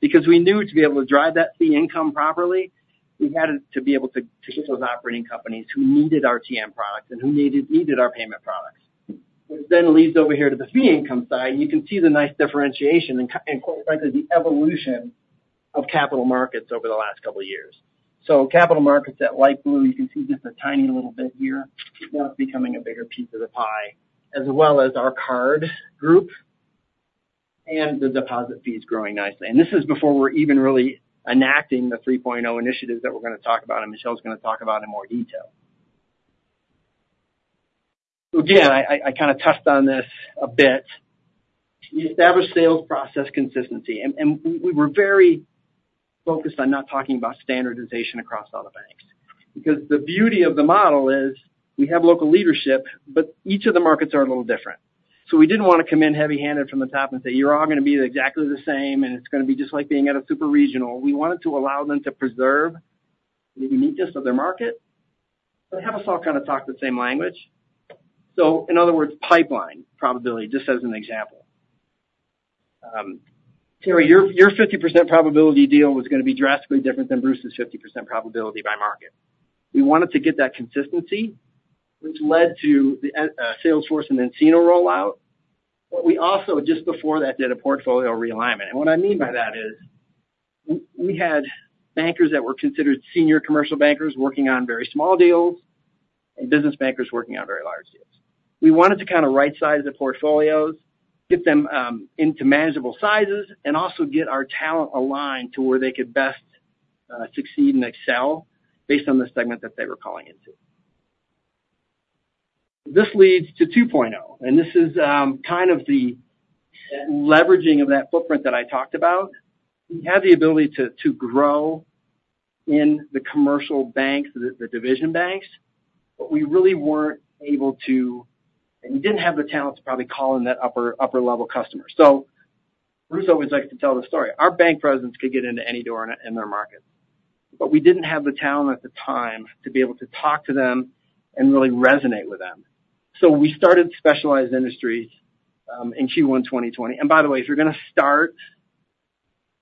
because we knew to be able to drive that fee income properly, we had to be able to get those operating companies who needed TM products and who needed our payment products, which then leads over here to the fee income side. And you can see the nice differentiation and, quite frankly, the evolution of capital markets over the last couple of years. So capital markets at light blue, you can see just a tiny little bit here. Now it's becoming a bigger piece of the pie as well as our card group and the deposit fees growing nicely. And this is before we're even really enacting the 3.0 initiatives that we're going to talk about. And Michelle's going to talk about in more detail. So again, I kind of touched on this a bit. We established sales process consistency. And we were very focused on not talking about standardization across all the banks because the beauty of the model is we have local leadership. But each of the markets are a little different. So we didn't want to come in heavy-handed from the top and say, "You're all going to be exactly the same. And it's going to be just like being at a super regional." We wanted to allow them to preserve the uniqueness of their market but have us all kind of talk the same language. So in other words, pipeline probability just as an example. Terry, your 50% probability deal was going to be drastically different than Bruce's 50% probability by market. We wanted to get that consistency, which led to the Salesforce and nCino rollout. But we also, just before that, did a portfolio realignment. What I mean by that is we had bankers that were considered senior commercial bankers working on very small deals and business bankers working on very large deals. We wanted to kind of right-size the portfolios, get them into manageable sizes, and also get our talent aligned to where they could best succeed and excel based on the segment that they were calling into. This leads to 2.0. This is kind of the leveraging of that footprint that I talked about. We had the ability to grow in the commercial banks, the division banks. But we really weren't able to and we didn't have the talent to probably call in that upper-level customer. So Bruce always likes to tell the story. Our bank presidents could get into any door in their market. But we didn't have the talent at the time to be able to talk to them and really resonate with them. So we started Specialized Industries in Q1 2020. And by the way, if you're going to start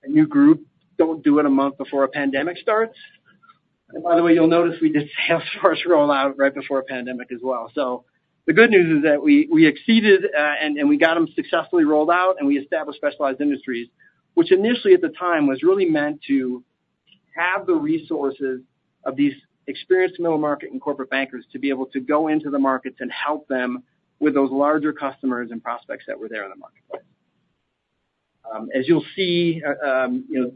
a new group, don't do it a month before a pandemic starts. And by the way, you'll notice we did Salesforce rollout right before a pandemic as well. So the good news is that we exceeded and we got them successfully rolled out. And we established Specialized Industries, which initially, at the time, was really meant to have the resources of these experienced middle market and corporate bankers to be able to go into the markets and help them with those larger customers and prospects that were there in the marketplace. As you'll see,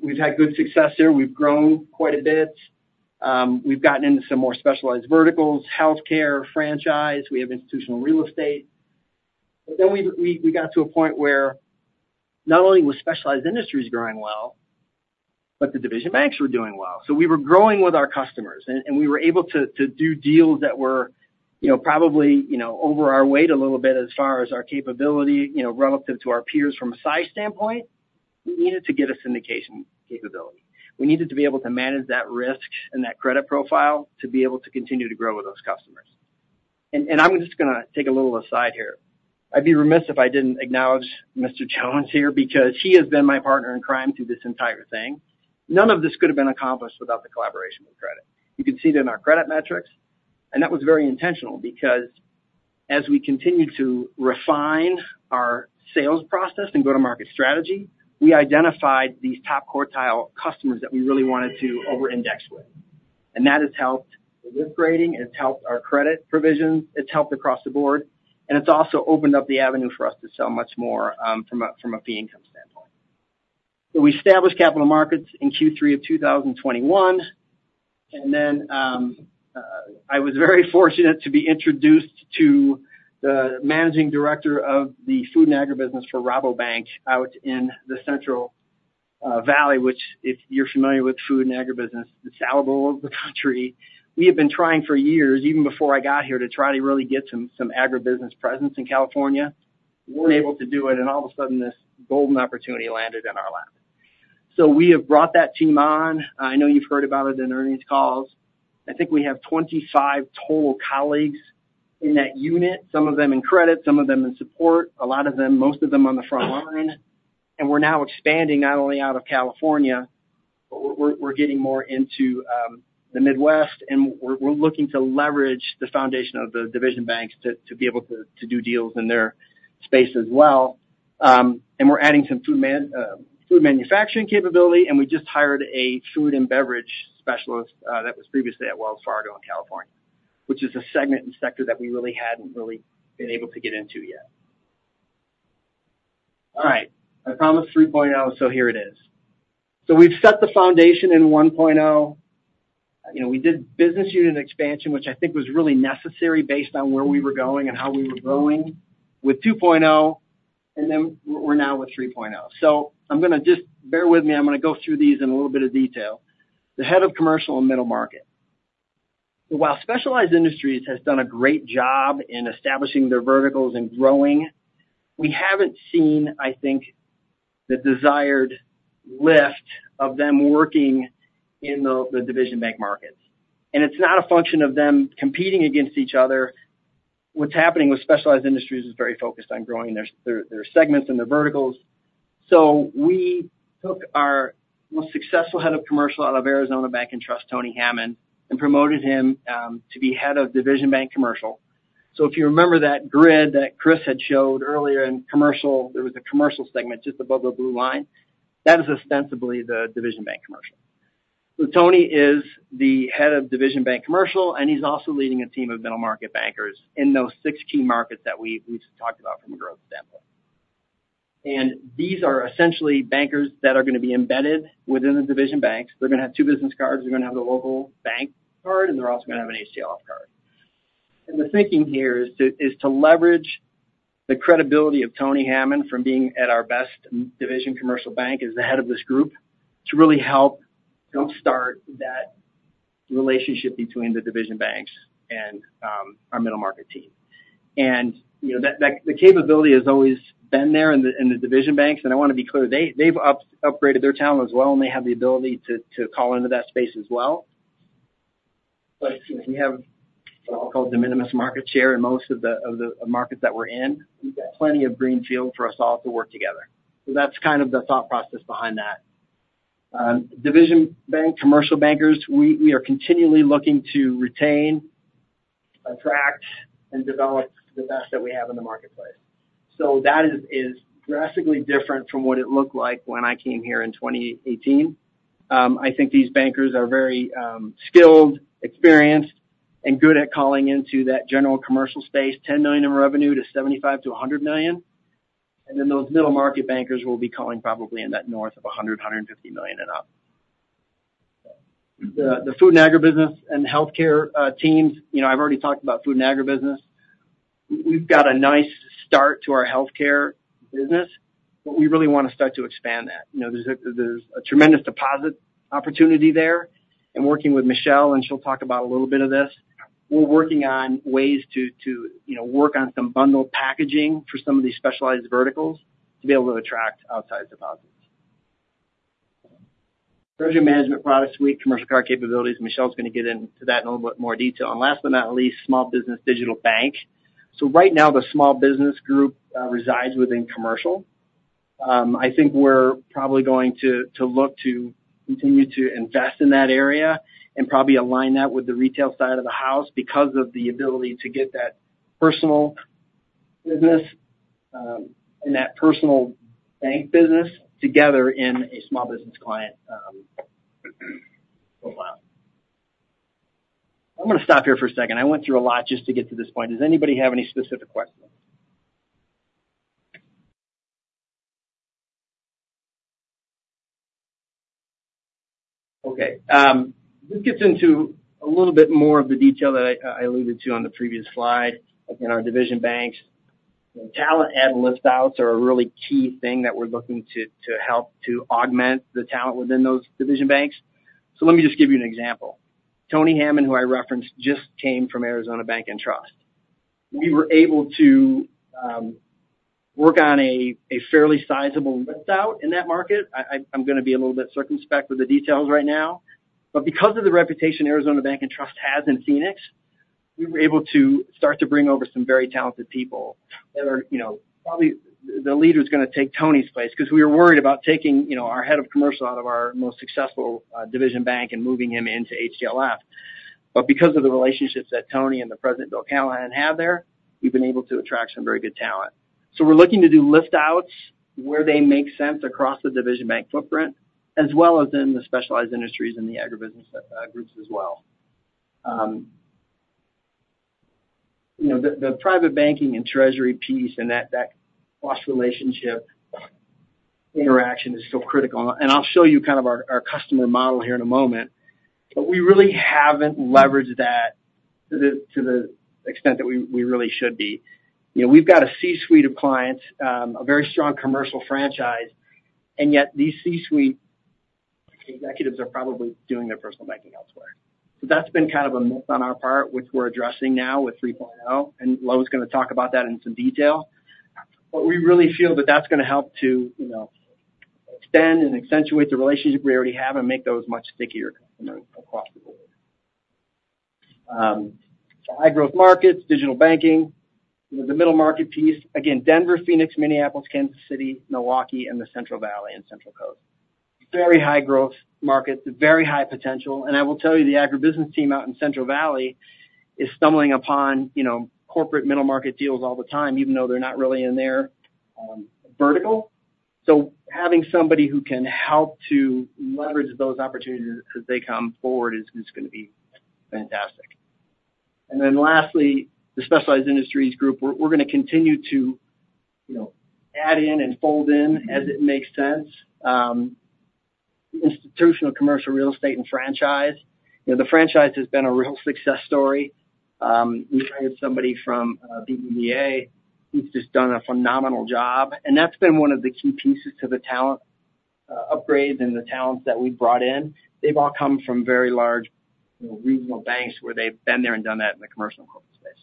we've had good success here. We've grown quite a bit. We've gotten into some more specialized verticals: healthcare, franchise. We have institutional real estate. But then we got to a point where not only were Specialized Industries growing well but the division banks were doing well. So we were growing with our customers. And we were able to do deals that were probably over our weight a little bit as far as our capability relative to our peers from a size standpoint. We needed to get a syndication capability. We needed to be able to manage that risk and that credit profile to be able to continue to grow with those customers. And I'm just going to take a little aside here. I'd be remiss if I didn't acknowledge Mr. Jones here because he has been my partner in crime through this entire thing. None of this could have been accomplished without the collaboration with Credit. You can see it in our credit metrics. That was very intentional because as we continued to refine our sales process and go-to-market strategy, we identified these top quartile customers that we really wanted to over-index with. That has helped with risk rating. It's helped our credit provisions. It's helped across the board. It's also opened up the avenue for us to sell much more from a fee income standpoint. We established capital markets in Q3 of 2021. Then I was very fortunate to be introduced to the managing director of the Food and Agribusiness for Rabobank out in the Central Valley, which, if you're familiar with Food and Agribusiness, the salad bowl of the country, we had been trying for years, even before I got here, to try to really get some agribusiness presence in California. We weren't able to do it. All of a sudden, this golden opportunity landed in our lap. So we have brought that team on. I know you've heard about it in earnings calls. I think we have 25 total colleagues in that unit, some of them in credit, some of them in support, a lot of them, most of them on the front line. And we're now expanding not only out of California. But we're getting more into the Midwest. And we're looking to leverage the foundation of the division banks to be able to do deals in their space as well. And we're adding some food manufacturing capability. And we just hired a food and beverage specialist that was previously at Wells Fargo in California, which is a segment and sector that we really hadn't really been able to get into yet. All right. I promised 3.0. So here it is. So we've set the foundation in 1.0. We did business unit expansion, which I think was really necessary based on where we were going and how we were growing with 2.0. And then we're now with 3.0. So I'm going to just bear with me. I'm going to go through these in a little bit of detail. The head of commercial and middle market. So while Specialized Industries has done a great job in establishing their verticals and growing, we haven't seen, I think, the desired lift of them working in the division bank markets. And it's not a function of them competing against each other. What's happening with Specialized Industries is very focused on growing their segments and their verticals. So we took our most successful head of commercial out of Arizona Bank & Trust, Tony Hammond, and promoted him to be Head of Division Bank Commercial. So if you remember that grid that Chris had showed earlier in commercial, there was a commercial segment just above the blue line. That is ostensibly the division bank commercial. So Tony is the Head of Division Bank Commercial. And he's also leading a team of middle market bankers in those six key markets that we've talked about from a growth standpoint. And these are essentially bankers that are going to be embedded within the division banks. They're going to have two business cards. They're going to have the local bank card. And they're also going to have an HTLF card. And the thinking here is to leverage the credibility of Tony Hammond from being at our best division commercial bank as the head of this group to really help jump-start that relationship between the division banks and our middle market team. The capability has always been there in the division banks. I want to be clear. They've upgraded their talent as well. They have the ability to call into that space as well. But we have what I'll call de minimis market share in most of the markets that we're in. We've got plenty of green field for us all to work together. That's kind of the thought process behind that. Division bank commercial bankers, we are continually looking to retain, attract, and develop the best that we have in the marketplace. That is drastically different from what it looked like when I came here in 2018. I think these bankers are very skilled, experienced, and good at calling into that general commercial space, $10 million in revenue to $75 million-$100 million. And then those middle market bankers will be calling probably in that north of $100 mllion-$150 million and up. The Food and Agribusiness and healthcare teams, I've already talked about Food and Agribusiness. We've got a nice start to our healthcare business. But we really want to start to expand that. There's a tremendous deposit opportunity there. And working with Michelle, and she'll talk about a little bit of this, we're working on ways to work on some bundled packaging for some of these specialized verticals to be able to attract outside deposits. Treasury management products suite, commercial card capabilities. Michelle's going to get into that in a little bit more detail. And last but not least, small business digital bank. So right now, the small business group resides within commercial. I think we're probably going to look to continue to invest in that area and probably align that with the retail side of the house because of the ability to get that personal business and that personal bank business together in a small business client profile. I'm going to stop here for a second. I went through a lot just to get to this point. Does anybody have any specific questions? Okay. This gets into a little bit more of the detail that I alluded to on the previous slide. Again, our division banks, talent add liftouts are a really key thing that we're looking to help to augment the talent within those division banks. So let me just give you an example. Tony Hammond, who I referenced, just came from Arizona Bank & Trust. We were able to work on a fairly sizable liftout in that market. I'm going to be a little bit circumspect with the details right now. But because of the reputation Arizona Bank & Trust has in Phoenix, we were able to start to bring over some very talented people that are probably the leader's going to take Tony's place because we were worried about taking our head of commercial out of our most successful division bank and moving him into HTLF. But because of the relationships that Tony and the president, Bill Callahan, had there, we've been able to attract some very good talent. So we're looking to do liftouts where they make sense across the division bank footprint as well as in the Specialized Industries and the agribusiness groups as well. The private banking and treasury piece and that cross-relationship interaction is still critical. And I'll show you kind of our customer model here in a moment. But we really haven't leveraged that to the extent that we really should be. We've got a C-suite of clients, a very strong commercial franchise. And yet, these C-suite executives are probably doing their personal banking elsewhere. So that's been kind of a myth on our part, which we're addressing now with 3.0. And Lo is going to talk about that in some detail. But we really feel that that's going to help to extend and accentuate the relationship we already have and make those much stickier customers across the board. High-growth markets, digital banking, the middle market piece, again, Denver, Phoenix, Minneapolis, Kansas City, Milwaukee, and the Central Valley and Central Coast. Very high-growth markets, very high potential. And I will tell you, the agribusiness team out in Central Valley is stumbling upon corporate middle market deals all the time, even though they're not really in their vertical. So having somebody who can help to leverage those opportunities as they come forward is going to be fantastic. And then lastly, the Specialized Industries group, we're going to continue to add in and fold in as it makes sense. Institutional commercial real estate and franchise, the franchise has been a real success story. We hired somebody from BBVA. He's just done a phenomenal job. And that's been one of the key pieces to the talent upgrades and the talents that we've brought in. They've all come from very large regional banks where they've been there and done that in the commercial and corporate space.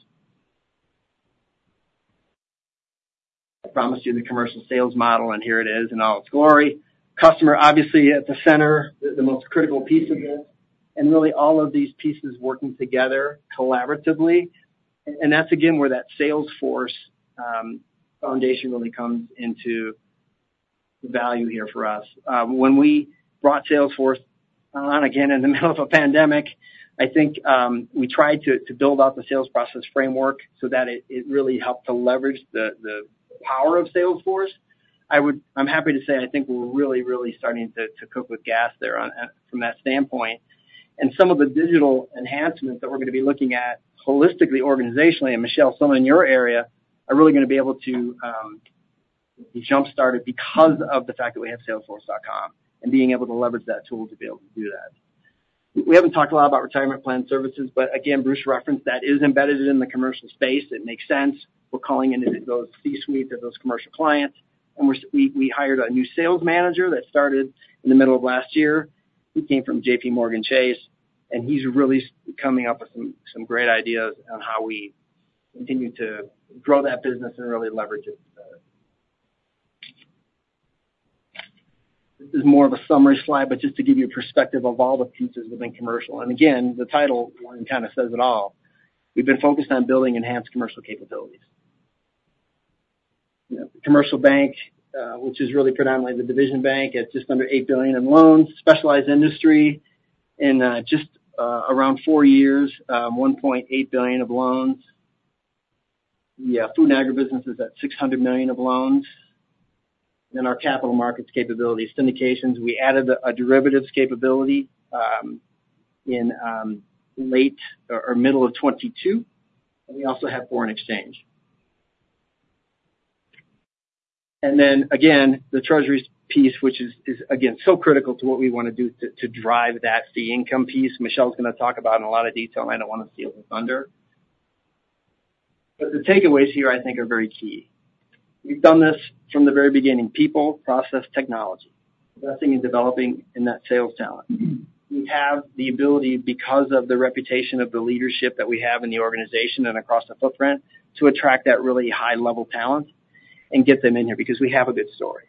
I promised you the commercial sales model. And here it is in all its glory. Customer, obviously, at the center, the most critical piece of this. And really, all of these pieces working together collaboratively. And that's, again, where that Salesforce foundation really comes into value here for us. When we brought Salesforce on, again, in the middle of a pandemic, I think we tried to build out the sales process framework so that it really helped to leverage the power of Salesforce. I'm happy to say I think we're really, really starting to cook with gas there from that standpoint. And some of the digital enhancements that we're going to be looking at holistically, organizationally, and Michelle, some in your area, are really going to be able to be jump-started because of the fact that we have Salesforce.com and being able to leverage that tool to be able to do that. We haven't talked a lot about retirement plan services. But again, Bruce referenced. That is embedded in the commercial space. It makes sense. We're calling into those C-suites of those commercial clients. And we hired a new sales manager that started in the middle of last year. He came from JPMorgan Chase. And he's really coming up with some great ideas on how we continue to grow that business and really leverage it. This is more of a summary slide. But just to give you a perspective of all the pieces within commercial and again, the title one kind of says it all. We've been focused on building enhanced commercial capabilities. Commercial bank, which is really predominantly the division bank, at just under $8 billion in loans, Specialized Industries in just around 4 years, $1.8 billion of loans. Yeah. Food and Agribusiness is at $600 million of loans. And then our capital markets capabilities, syndications, we added a derivatives capability in late or middle of 2022. And we also have foreign exchange. And then again, the treasuries piece, which is, again, so critical to what we want to do to drive that fee income piece, Michelle's going to talk about in a lot of detail. And I don't want to steal the thunder. But the takeaways here, I think, are very key. We've done this from the very beginning, people, process, technology, investing and developing in that sales talent. We have the ability, because of the reputation of the leadership that we have in the organization and across the footprint, to attract that really high-level talent and get them in here because we have a good story.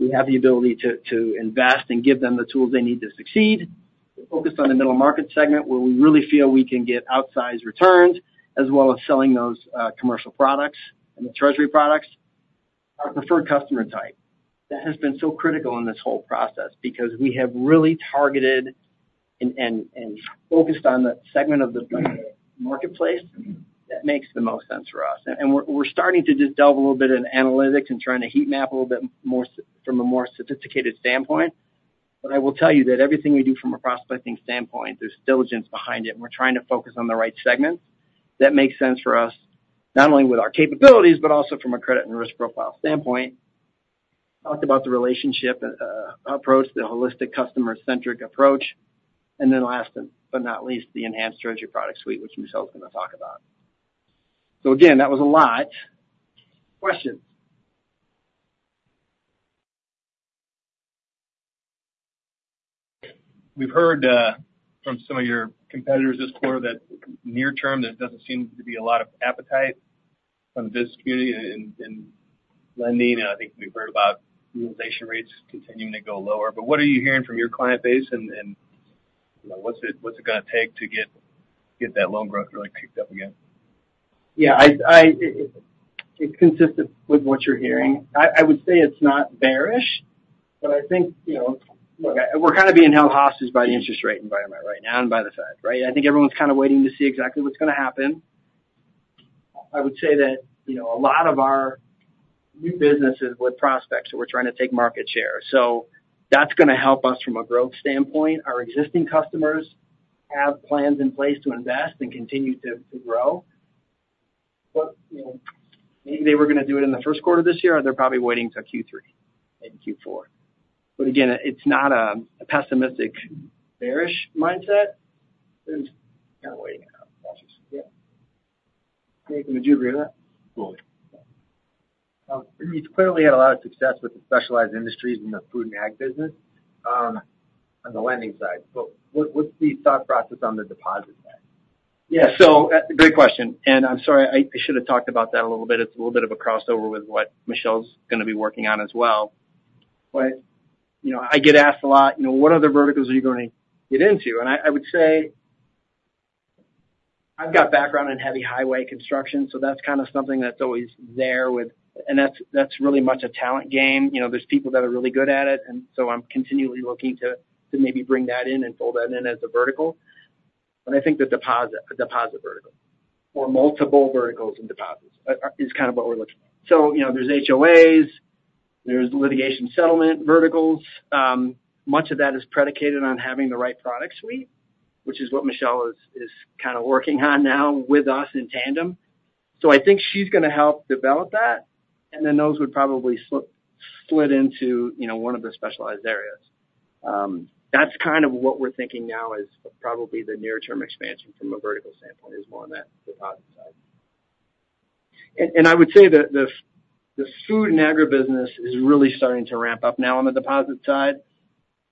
We have the ability to invest and give them the tools they need to succeed. We're focused on the middle market segment where we really feel we can get outsized returns as well as selling those commercial products and the treasury products. Our preferred customer type, that has been so critical in this whole process because we have really targeted and focused on the segment of the marketplace that makes the most sense for us. We're starting to just delve a little bit in analytics and trying to heat map a little bit more from a more sophisticated standpoint. I will tell you that everything we do from a prospecting standpoint, there's diligence behind it. We're trying to focus on the right segments that make sense for us not only with our capabilities but also from a credit and risk profile standpoint. I talked about the relationship approach, the holistic customer-centric approach. Then last but not least, the enhanced treasury product suite, which Michelle's going to talk about. Again, that was a lot. Questions? We've heard from some of your competitors this quarter that near-term, there doesn't seem to be a lot of appetite from the business community in lending. And I think we've heard about utilization rates continuing to go lower. But what are you hearing from your client base? And what's it going to take to get that loan growth really kicked up again? Yeah. It's consistent with what you're hearing. I would say it's not bearish. But I think, look, we're kind of being held hostage by the interest rate environment right now and by the Fed, right? I think everyone's kind of waiting to see exactly what's going to happen. I would say that a lot of our new businesses with prospects that we're trying to take market share. So that's going to help us from a growth standpoint. Our existing customers have plans in place to invest and continue to grow. But maybe they were going to do it in the first quarter this year. They're probably waiting until Q3 and Q4. But again, it's not a pessimistic bearish mindset. They're just kind of waiting out. Yeah. Nathan, would you agree with that? Fully. You've clearly had a lot of success with the Specialized Industries in the Food and Ag business on the lending side. But what's the thought process on the deposit side? Yeah. So great question. And I'm sorry. I should have talked about that a little bit. It's a little bit of a crossover with what Michelle's going to be working on as well. But I get asked a lot, "What other verticals are you going to get into?" And I would say I've got background in heavy highway construction. So that's kind of something that's always there with and that's really much a talent game. There's people that are really good at it. And so I'm continually looking to maybe bring that in and fold that in as a vertical. But I think the deposit vertical or multiple verticals and deposits is kind of what we're looking at. So there's HOAs. There's litigation settlement verticals. Much of that is predicated on having the right product suite, which is what Michelle is kind of working on now with us in tandem. So I think she's going to help develop that. And then those would probably slide into one of the specialized areas. That's kind of what we're thinking now is probably the near-term expansion from a vertical standpoint is more on that deposit side. I would say the Food and Agribusiness is really starting to ramp up now on the deposit side.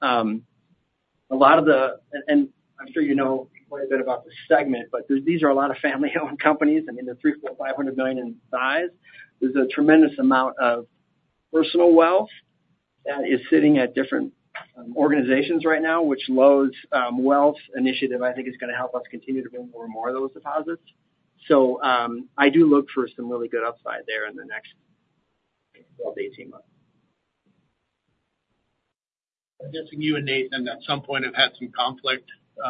A lot of the and I'm sure you know quite a bit about the segment. But these are a lot of family-owned companies. I mean, they're $3, $4, $500 million in size. There's a tremendous amount of personal wealth that is sitting at different organizations right now, which Lo's Wealth Initiative, I think, is going to help us continue to bring more and more of those deposits. So I do look for some really good upside there in the next 12-18 months. I'm guessing you and Nathan at some point have had some conflict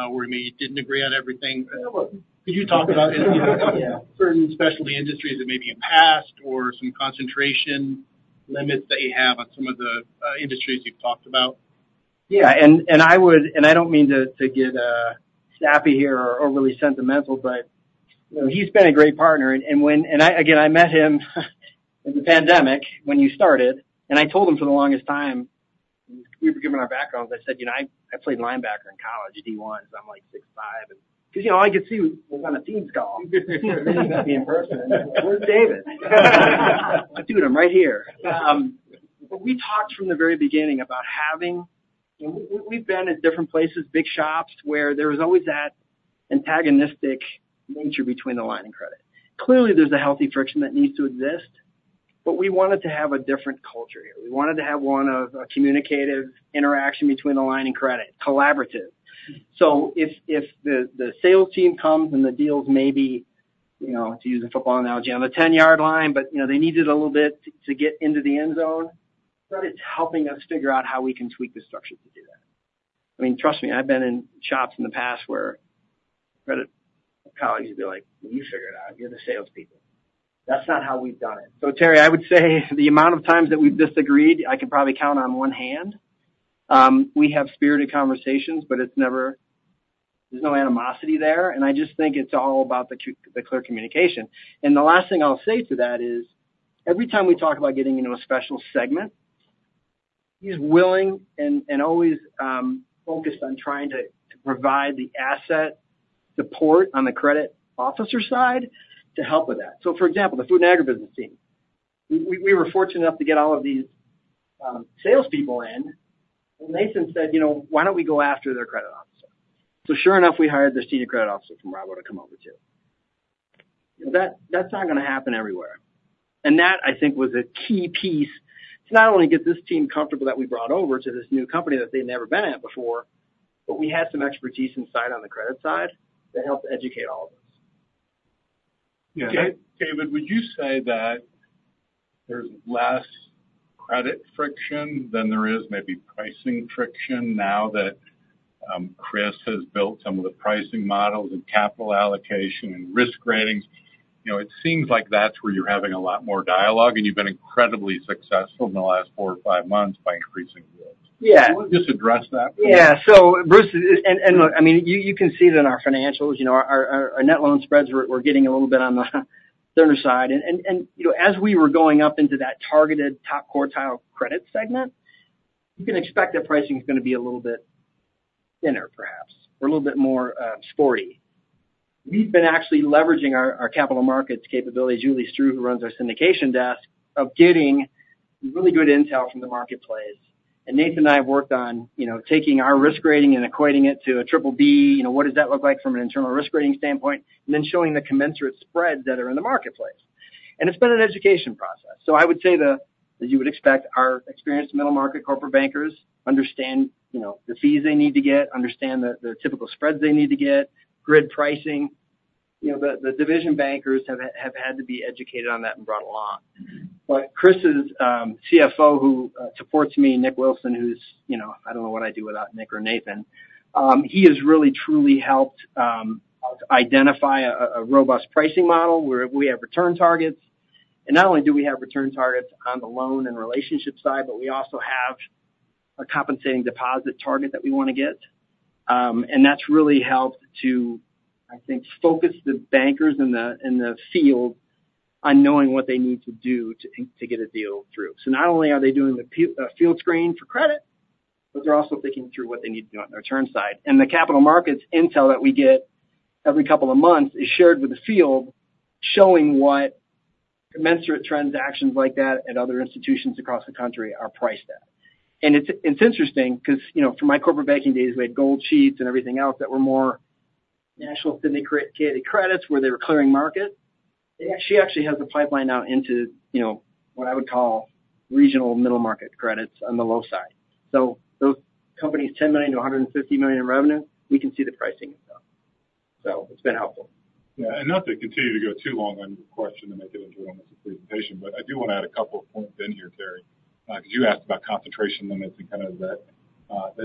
where maybe you didn't agree on everything. Could you talk about certain specialty industries that maybe you passed or some concentration limits that you have on some of the industries you've talked about? Yeah. I don't mean to get sappy here or really sentimental. But he's been a great partner. And again, I met him in the pandemic when you started. And I told him for the longest time we were giving our backgrounds. I said, "I played linebacker in college at D1. So I'm like 6'5"" because all I could see was on a team's call. He didn't see me in person. And I said, "Where's David?" I said, "Dude, I'm right here." But we talked from the very beginning about having we've been at different places, big shops, where there was always that antagonistic nature between the line and credit. Clearly, there's a healthy friction that needs to exist. But we wanted to have a different culture here. We wanted to have one of a communicative interaction between the line and credit, collaborative. So if the sales team comes and the deals maybe, to use a football analogy, on the 10-yard line, but they needed a little bit to get into the end zone, credit's helping us figure out how we can tweak the structure to do that. I mean, trust me. I've been in shops in the past where credit colleagues would be like, "Well, you figured it out. You're the salespeople." That's not how we've done it. So Terry, I would say the amount of times that we've disagreed, I can probably count on one hand. We have spirited conversations. But there's no animosity there. And I just think it's all about the clear communication. The last thing I'll say to that is every time we talk about getting into a special segment, he's willing and always focused on trying to provide the asset support on the credit officer side to help with that. So for example, the Food and Agribusiness team, we were fortunate enough to get all of these salespeople in. And Nathan said, "Why don't we go after their credit officer?" So sure enough, we hired their senior credit officer from Rabobank to come over too. That's not going to happen everywhere. And that, I think, was a key piece to not only get this team comfortable that we brought over to this new company that they'd never been at before, but we had some expertise inside on the credit side to help educate all of us. Yeah. David, would you say that there's less credit friction than there is maybe pricing friction now that Chris has built some of the pricing models and capital allocation and risk ratings? It seems like that's where you're having a lot more dialogue. And you've been incredibly successful in the last 4 or 5 months by increasing yours. Do you want to just address that for me? Yeah. So Bruce, and look, I mean, you can see it in our financials. Our net loan spreads, we're getting a little bit on the thinner side. And as we were going up into that targeted top quartile credit segment, you can expect that pricing's going to be a little bit thinner perhaps or a little bit more sporty. We've been actually leveraging our capital markets capabilities, Julie Stroh, who runs our syndication desk, of getting really good intel from the marketplace. Nathan and I have worked on taking our risk rating and equating it to a BBB. What does that look like from an internal risk rating standpoint? Then showing the commensurate spreads that are in the marketplace. It's been an education process. So I would say that you would expect our experienced middle-market corporate bankers understand the fees they need to get, understand the typical spreads they need to get, grid pricing. The division bankers have had to be educated on that and brought along. But Chris's CFO who supports me, Nick Wilson, who's I don't know what I do without Nick or Nathan. He has really, truly helped identify a robust pricing model where we have return targets. Not only do we have return targets on the loan and relationship side, but we also have a compensating deposit target that we want to get. That's really helped to, I think, focus the bankers in the field on knowing what they need to do to get a deal through. So not only are they doing the field screen for credit, but they're also thinking through what they need to do on the return side. The capital markets intel that we get every couple of months is shared with the field showing what commensurate transactions like that at other institutions across the country are priced at. It's interesting because from my corporate banking days, we had Gold Sheets and everything else that were more national syndicated credits where they were clearing market. She actually has a pipeline now into what I would call regional middle-market credits on the low side. So those companies, $10 million-$150 million in revenue, we can see the pricing of them. It's been helpful. Yeah. And not to continue to go too long on your question to make it into almost a presentation. But I do want to add a couple of points in here, Terry, because you asked about concentration limits and kind of that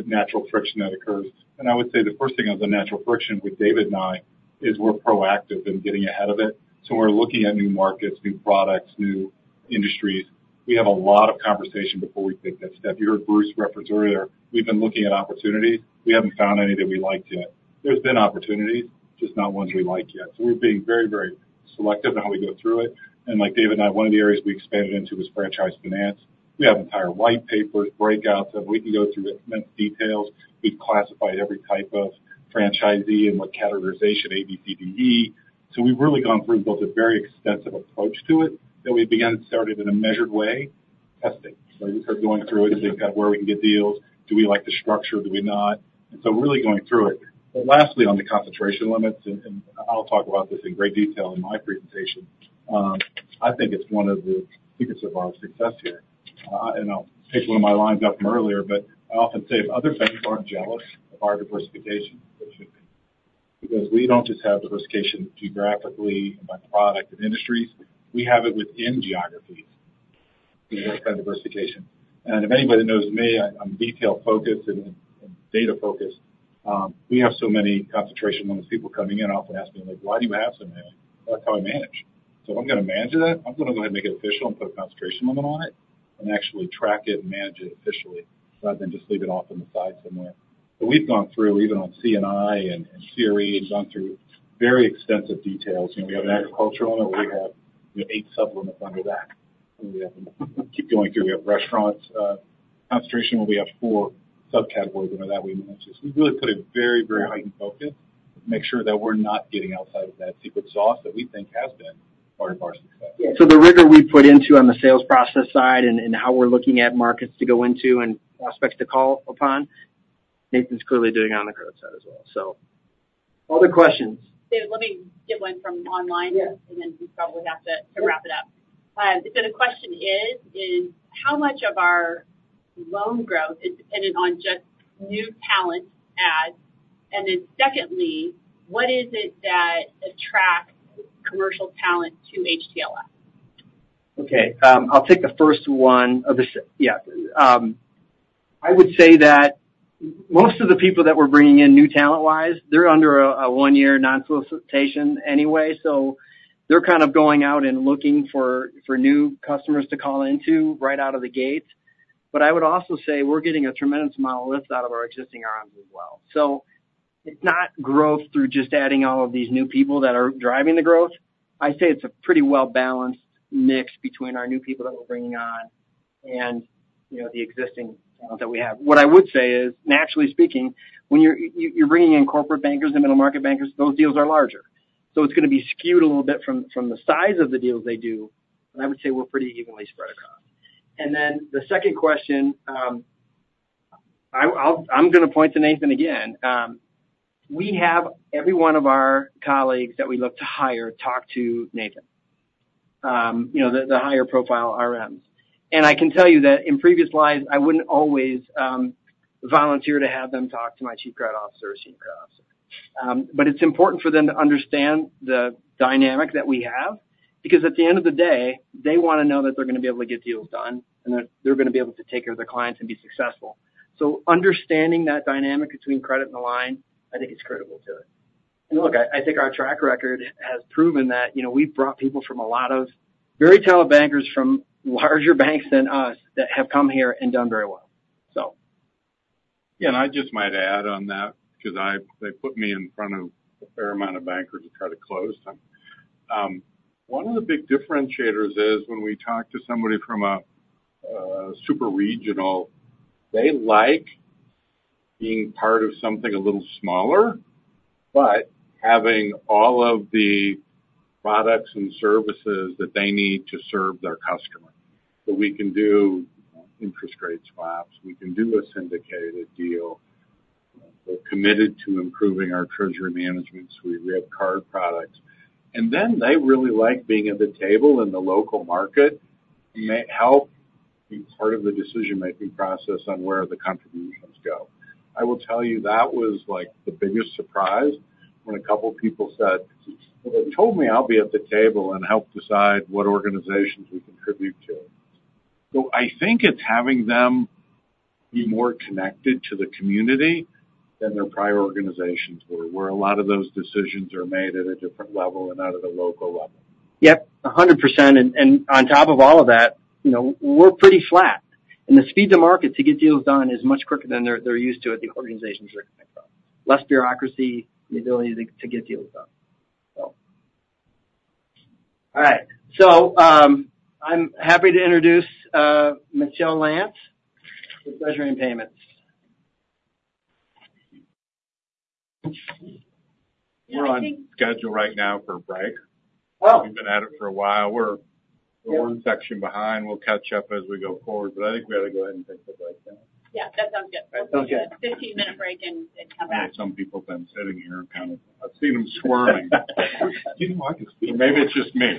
natural friction that occurs. And I would say the first thing of the natural friction with David and I is we're proactive in getting ahead of it. So we're looking at new markets, new products, new industries. We have a lot of conversation before we take that step. You heard Bruce reference earlier. We've been looking at opportunities. We haven't found any that we like yet. There's been opportunities, just not ones we like yet. So we're being very, very selective in how we go through it. And like David and I, one of the areas we expanded into was franchise finance. We have entire white papers, breakouts. We can go through immense details. We've classified every type of franchisee and what categorization, A, B, C, D, E. So we've really gone through and built a very extensive approach to it that we began and started in a measured way, testing, right? We started going through it and thinking about where we can get deals. Do we like the structure? Do we not? So really going through it. But lastly, on the concentration limits, and I'll talk about this in great detail in my presentation, I think it's one of the secrets of our success here. I'll pick one of my lines up from earlier. But I often say, "If other banks aren't jealous of our diversification, they should be," because we don't just have diversification geographically and by product and industries. We have it within geographies. We have that diversification. If anybody knows me, I'm detail-focused and data-focused. We have so many concentration limits. People coming in often ask me, "Why do you have so many?" That's how I manage. So if I'm going to manage that, I'm going to go ahead and make it official and put a concentration limit on it and actually track it and manage it officially rather than just leave it off on the side somewhere. But we've gone through even on C&I and CRE and gone through very extensive details. We have an agricultural limit where we have 8 sub-limits under that. And we have to keep going through. We have restaurants concentration where we have 4 subcategories under that we manage. So we really put a very, very heightened focus to make sure that we're not getting outside of that secret sauce that we think has been part of our success. Yeah. So the rigor we put into on the sales process side and how we're looking at markets to go into and prospects to call upon, Nathan's clearly doing it on the growth side as well, so. Ot her questions? David, let me get one from online. And then we probably have to wrap it up. So the question is, how much of our loan growth is dependent on just new talent adds? And then secondly, what is it that attracts commercial talent to HTLF? Okay. I'll take the first one of the yeah. I would say that most of the people that we're bringing in new talent-wise, they're under a one-year non-solicitation anyway. So they're kind of going out and looking for new customers to call into right out of the gate. But I would also say we're getting a tremendous amount of lift out of our existing arms as well. So it's not growth through just adding all of these new people that are driving the growth. I'd say it's a pretty well-balanced mix between our new people that we're bringing on and the existing talent that we have. What I would say is, naturally speaking, when you're bringing in corporate bankers and middle-market bankers, those deals are larger. So it's going to be skewed a little bit from the size of the deals they do. But I would say we're pretty evenly spread across. And then the second question, I'm going to point to Nathan again. We have every one of our colleagues that we look to hire talk to Nathan, the higher-profile RMs. And I can tell you that in previous lives, I wouldn't always volunteer to have them talk to my chief credit officer or senior credit officer. But it's important for them to understand the dynamic that we have because at the end of the day, they want to know that they're going to be able to get deals done. And they're going to be able to take care of their clients and be successful. So understanding that dynamic between credit and the line, I think, is critical to it. And look, I think our track record has proven that we've brought people from a lot of very talented bankers from larger banks than us that have come here and done very well, so. Yeah. And I just might add on that because they put me in front of a fair amount of bankers to try to close them. One of the big differentiators is when we talk to somebody from a super regional, they like being part of something a little smaller but having all of the products and services that they need to serve their customer. So we can do interest rate swaps. We can do a syndicated deal. We're committed to improving our treasury management suite. We have card products. And then they really like being at the table in the local market. It may help be part of the decision-making process on where the contributions go. I will tell you, that was the biggest surprise when a couple of people said, "Well, they told me I'll be at the table and help decide what organizations we contribute to." So I think it's having them be more connected to the community than their prior organizations were where a lot of those decisions are made at a different level and not at a local level. Yep. 100%. And on top of all of that, we're pretty flat. And the speed to market to get deals done is much quicker than they're used to at the organizations they're coming from, less bureaucracy, the ability to get deals done, so. All right. So I'm happy to introduce Michelle Lance with Treasury and Payments. We're on schedule right now for a break. We've been at it for a while. We're one section behind. We'll catch up as we go forward. But I think we ought to go ahead and take the break, then. Yeah. That sounds good. We'll do a 15-minute break and come back. I've seen some people have been sitting here and kind of I've seen them squirming. Do you know why I can speak? Maybe it's just me.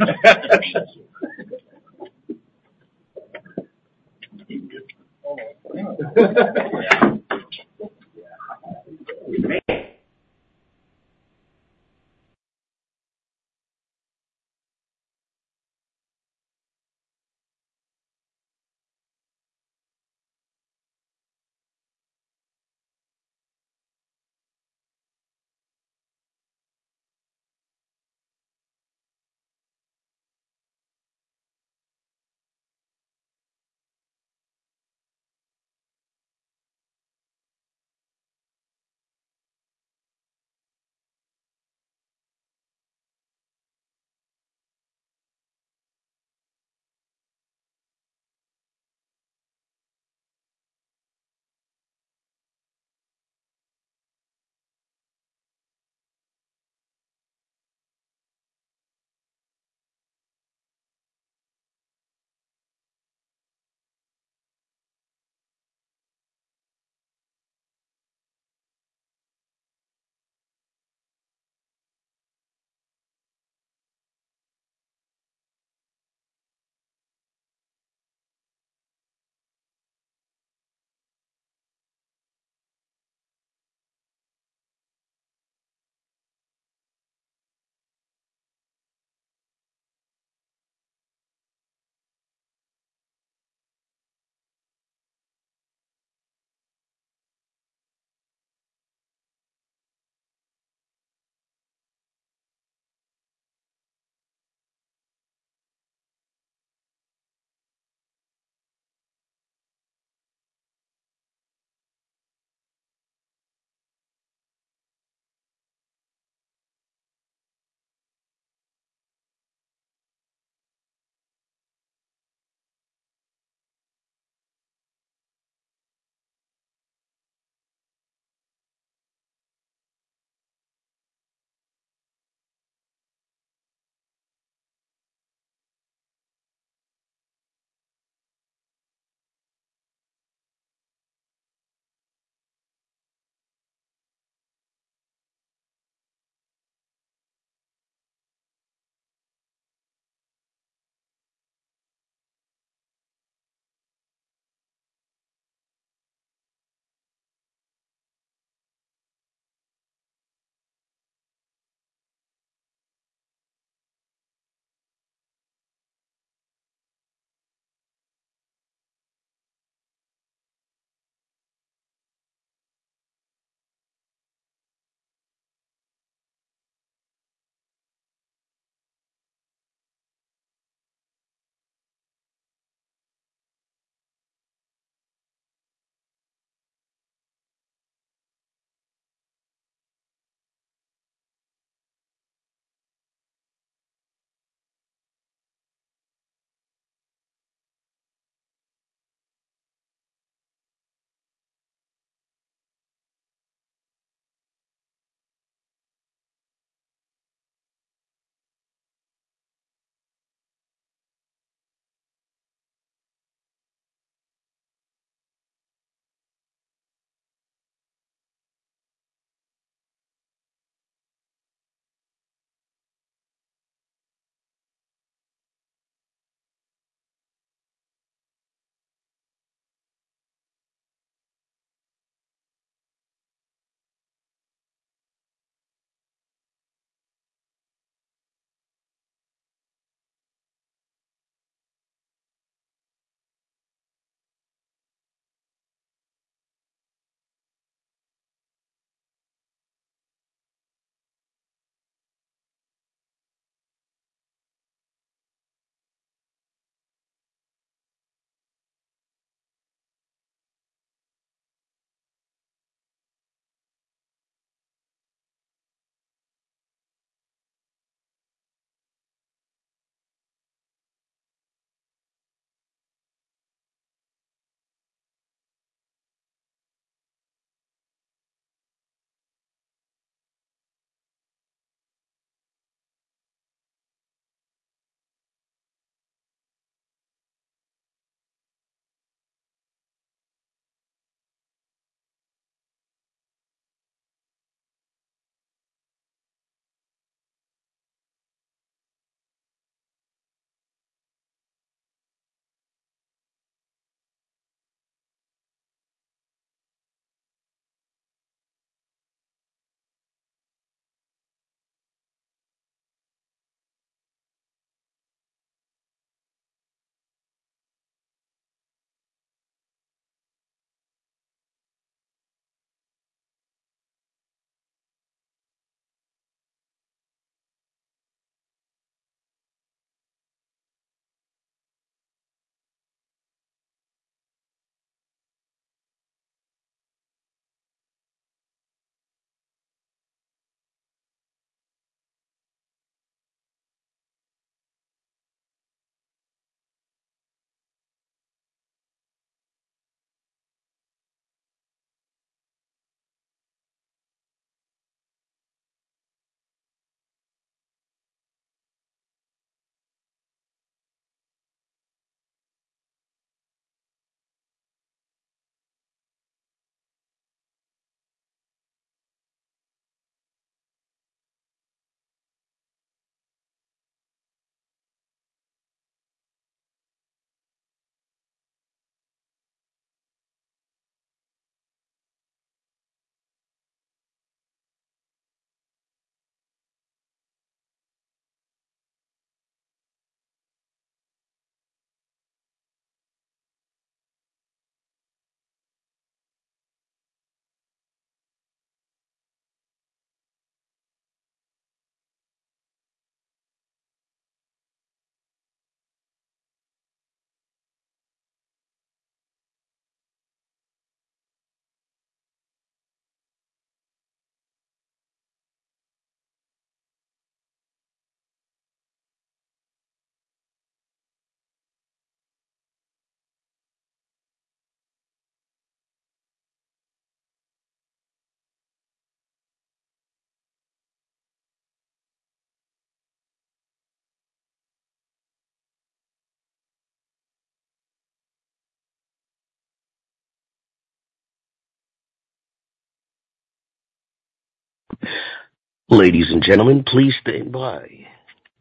Ladies and gentlemen, please stand by.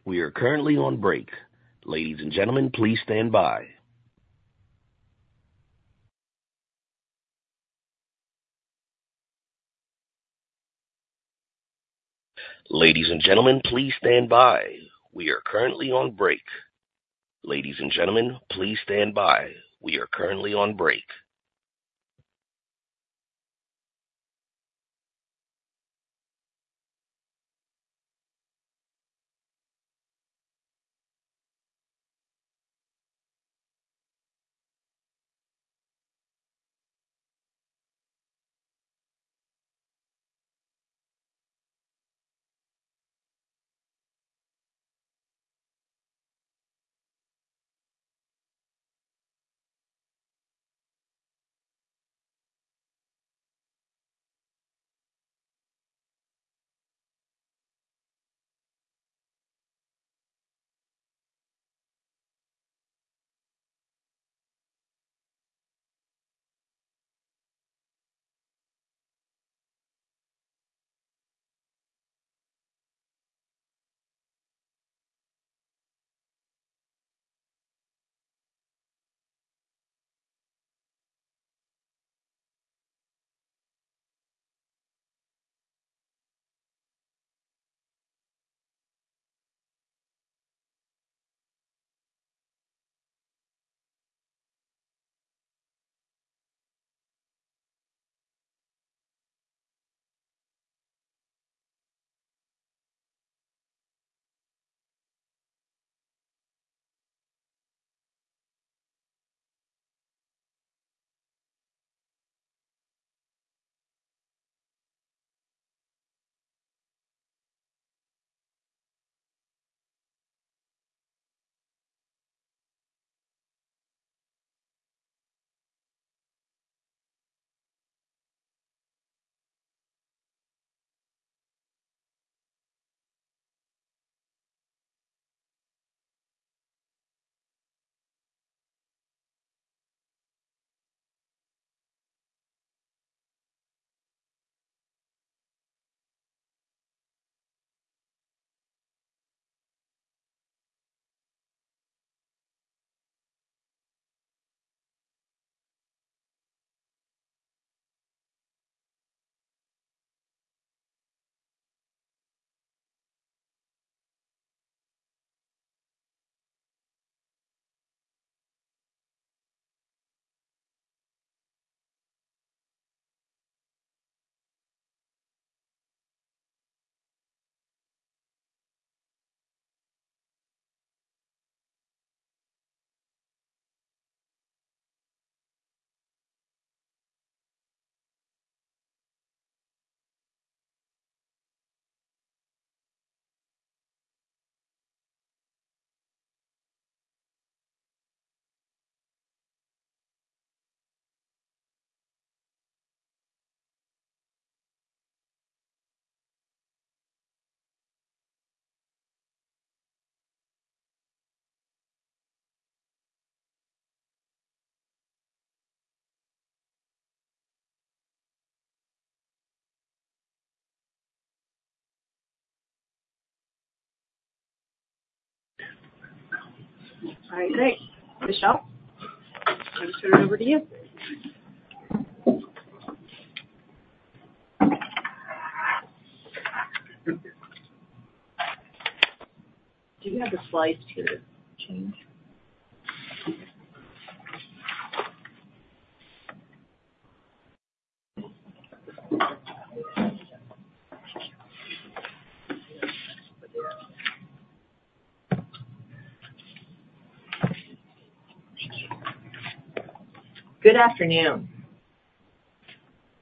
We are currently on break. Ladies and gentlemen, please stand by. Ladies and gentlemen, please stand by. We are currently on break. Ladies and gentlemen, please stand by. We are currently on break. All right. Great. Michelle, I'm going to turn it over to you. Do you have the slides here to change? Thank you. Good afternoon.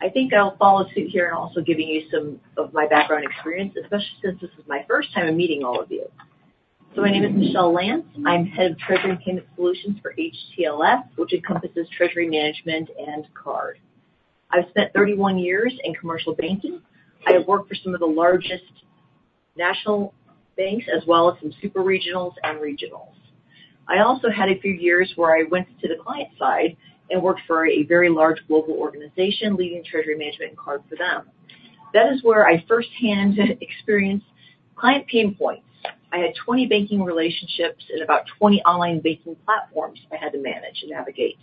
I think I'll follow suit here in also giving you some of my background experience, especially since this is my first time in meeting all of you. So my name is Michelle Lance. I'm head of Treasury and Payment Solutions for HTLF, which encompasses treasury management and card. I've spent 31 years in commercial banking. I have worked for some of the largest national banks as well as some super regionals and regionals. I also had a few years where I went to the client side and worked for a very large global organization leading treasury management and card for them. That is where I firsthand experienced client pain points. I had 20 banking relationships and about 20 online banking platforms I had to manage and navigate.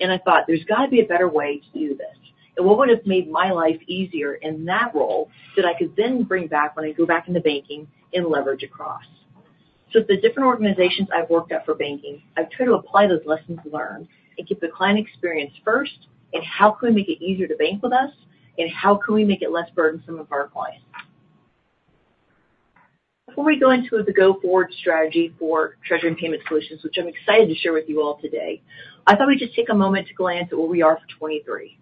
And I thought, "There's got to be a better way to do this." And what would have made my life easier in that role that I could then bring back when I go back into banking and leverage across? So the different organizations I've worked at for banking, I've tried to apply those lessons learned and keep the client experience first in how can we make it easier to bank with us and how can we make it less burdensome of our clients? Before we go into the go-forward strategy for Treasury and Payment Solutions, which I'm excited to share with you all today, I thought we'd just take a moment to glance at where we are for 2023.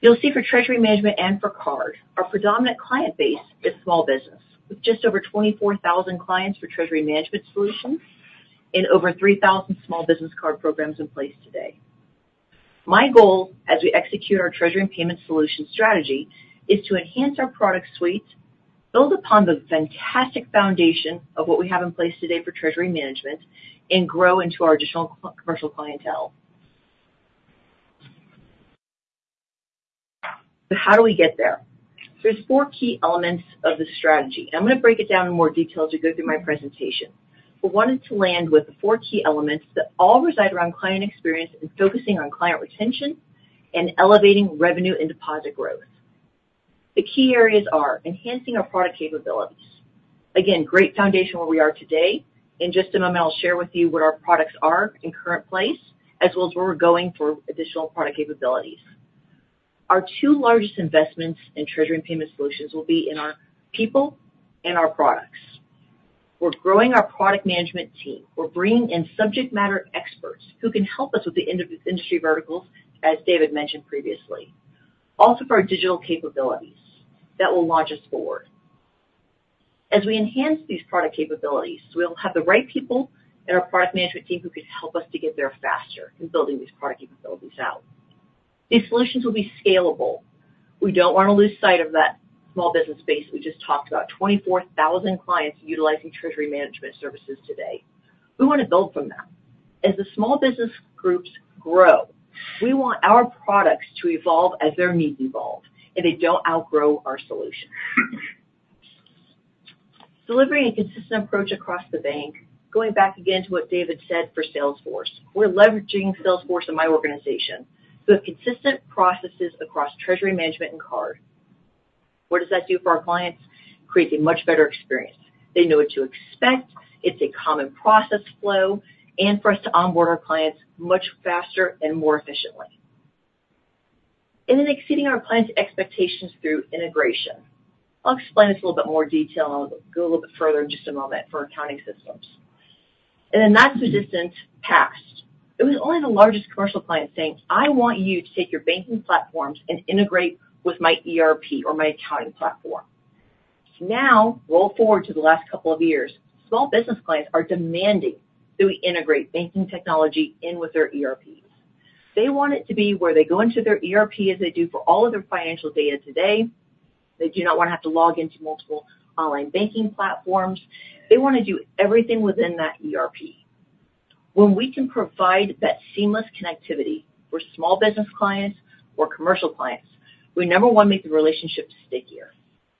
You'll see for treasury management and for card, our predominant client base is small business with just over 24,000 clients for treasury management solutions and over 3,000 small business card programs in place today. My goal as we execute our Treasury and Payment Solutions strategy is to enhance our product suite, build upon the fantastic foundation of what we have in place today for treasury management, and grow into our additional commercial clientele. So how do we get there? There's four key elements of the strategy. I'm going to break it down in more detail as we go through my presentation. We wanted to land with the four key elements that all reside around client experience and focusing on client retention and elevating revenue and deposit growth. The key areas are enhancing our product capabilities. Again, great foundation where we are today. In just a moment, I'll share with you what our products are in current place as well as where we're going for additional product capabilities. Our two largest investments in Treasury and Payment Solutions will be in our people and our products. We're growing our product management team. We're bringing in subject matter experts who can help us with the industry verticals, as David mentioned previously, also for our digital capabilities that will launch us forward. As we enhance these product capabilities, we'll have the right people in our product management team who could help us to get there faster in building these product capabilities out. These solutions will be scalable. We don't want to lose sight of that small business base we just talked about, 24,000 clients utilizing treasury management services today. We want to build from that. As the small business groups grow, we want our products to evolve as their needs evolve. They don't outgrow our solutions. Delivering a consistent approach across the bank, going back again to what David said for sales force, we're leveraging sales force in my organization. So consistent processes across treasury management and card, what does that do for our clients? Creates a much better experience. They know what to expect. It's a common process flow and for us to onboard our clients much faster and more efficiently. And then exceeding our clients' expectations through integration. I'll explain this in a little bit more detail and I'll go a little bit further in just a moment for accounting systems. And then that's recent past. It was only the largest commercial client saying, "I want you to take your banking platforms and integrate with my ERP or my accounting platform." Now, roll forward to the last couple of years, small business clients are demanding that we integrate banking technology in with their ERPs. They want it to be where they go into their ERP as they do for all of their financial data today. They do not want to have to log into multiple online banking platforms. They want to do everything within that ERP. When we can provide that seamless connectivity for small business clients or commercial clients, we, number one, make the relationship stickier.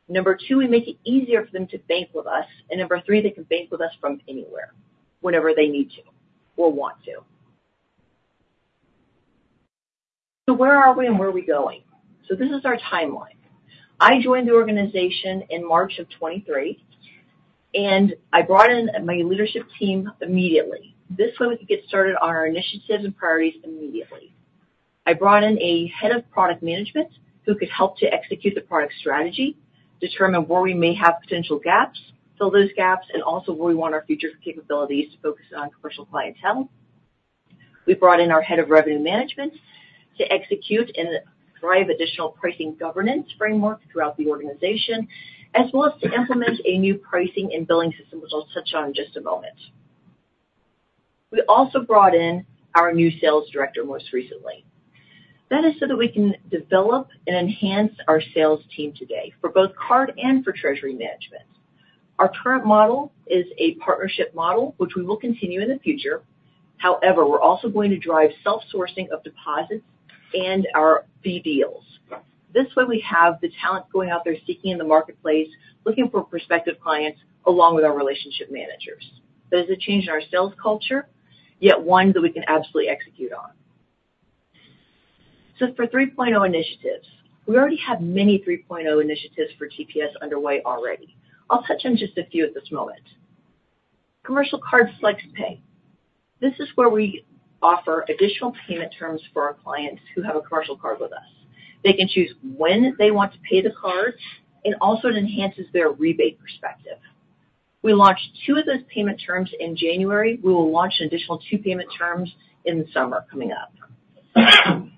Number two, we make it easier for them to bank with us. Number three, they can bank with us from anywhere whenever they need to or want to. Where are we and where are we going? This is our timeline. I joined the organization in March of 2023. I brought in my leadership team immediately. This way, we could get started on our initiatives and priorities immediately. I brought in a head of product management who could help to execute the product strategy, determine where we may have potential gaps, fill those gaps, and also where we want our future capabilities to focus on commercial clientele. We brought in our head of revenue management to execute and drive additional pricing governance framework throughout the organization as well as to implement a new pricing and billing system, which I'll touch on in just a moment. We also brought in our new sales director most recently. That is so that we can develop and enhance our sales team today for both card and for treasury management. Our current model is a partnership model, which we will continue in the future. However, we're also going to drive self-sourcing of deposits and our fee deals. This way, we have the talent going out there seeking in the marketplace, looking for prospective clients along with our relationship managers. That is a change in our sales culture, yet one that we can absolutely execute on. So for 3.0 initiatives, we already have many 3.0 initiatives for TPS underway already. I'll touch on just a few at this moment. Commercial Card Flex Pay. This is where we offer additional payment terms for our clients who have a commercial card with us. They can choose when they want to pay the card. It also enhances their rebate perspective. We launched 2 of those payment terms in January. We will launch an additional 2 payment terms in the summer coming up.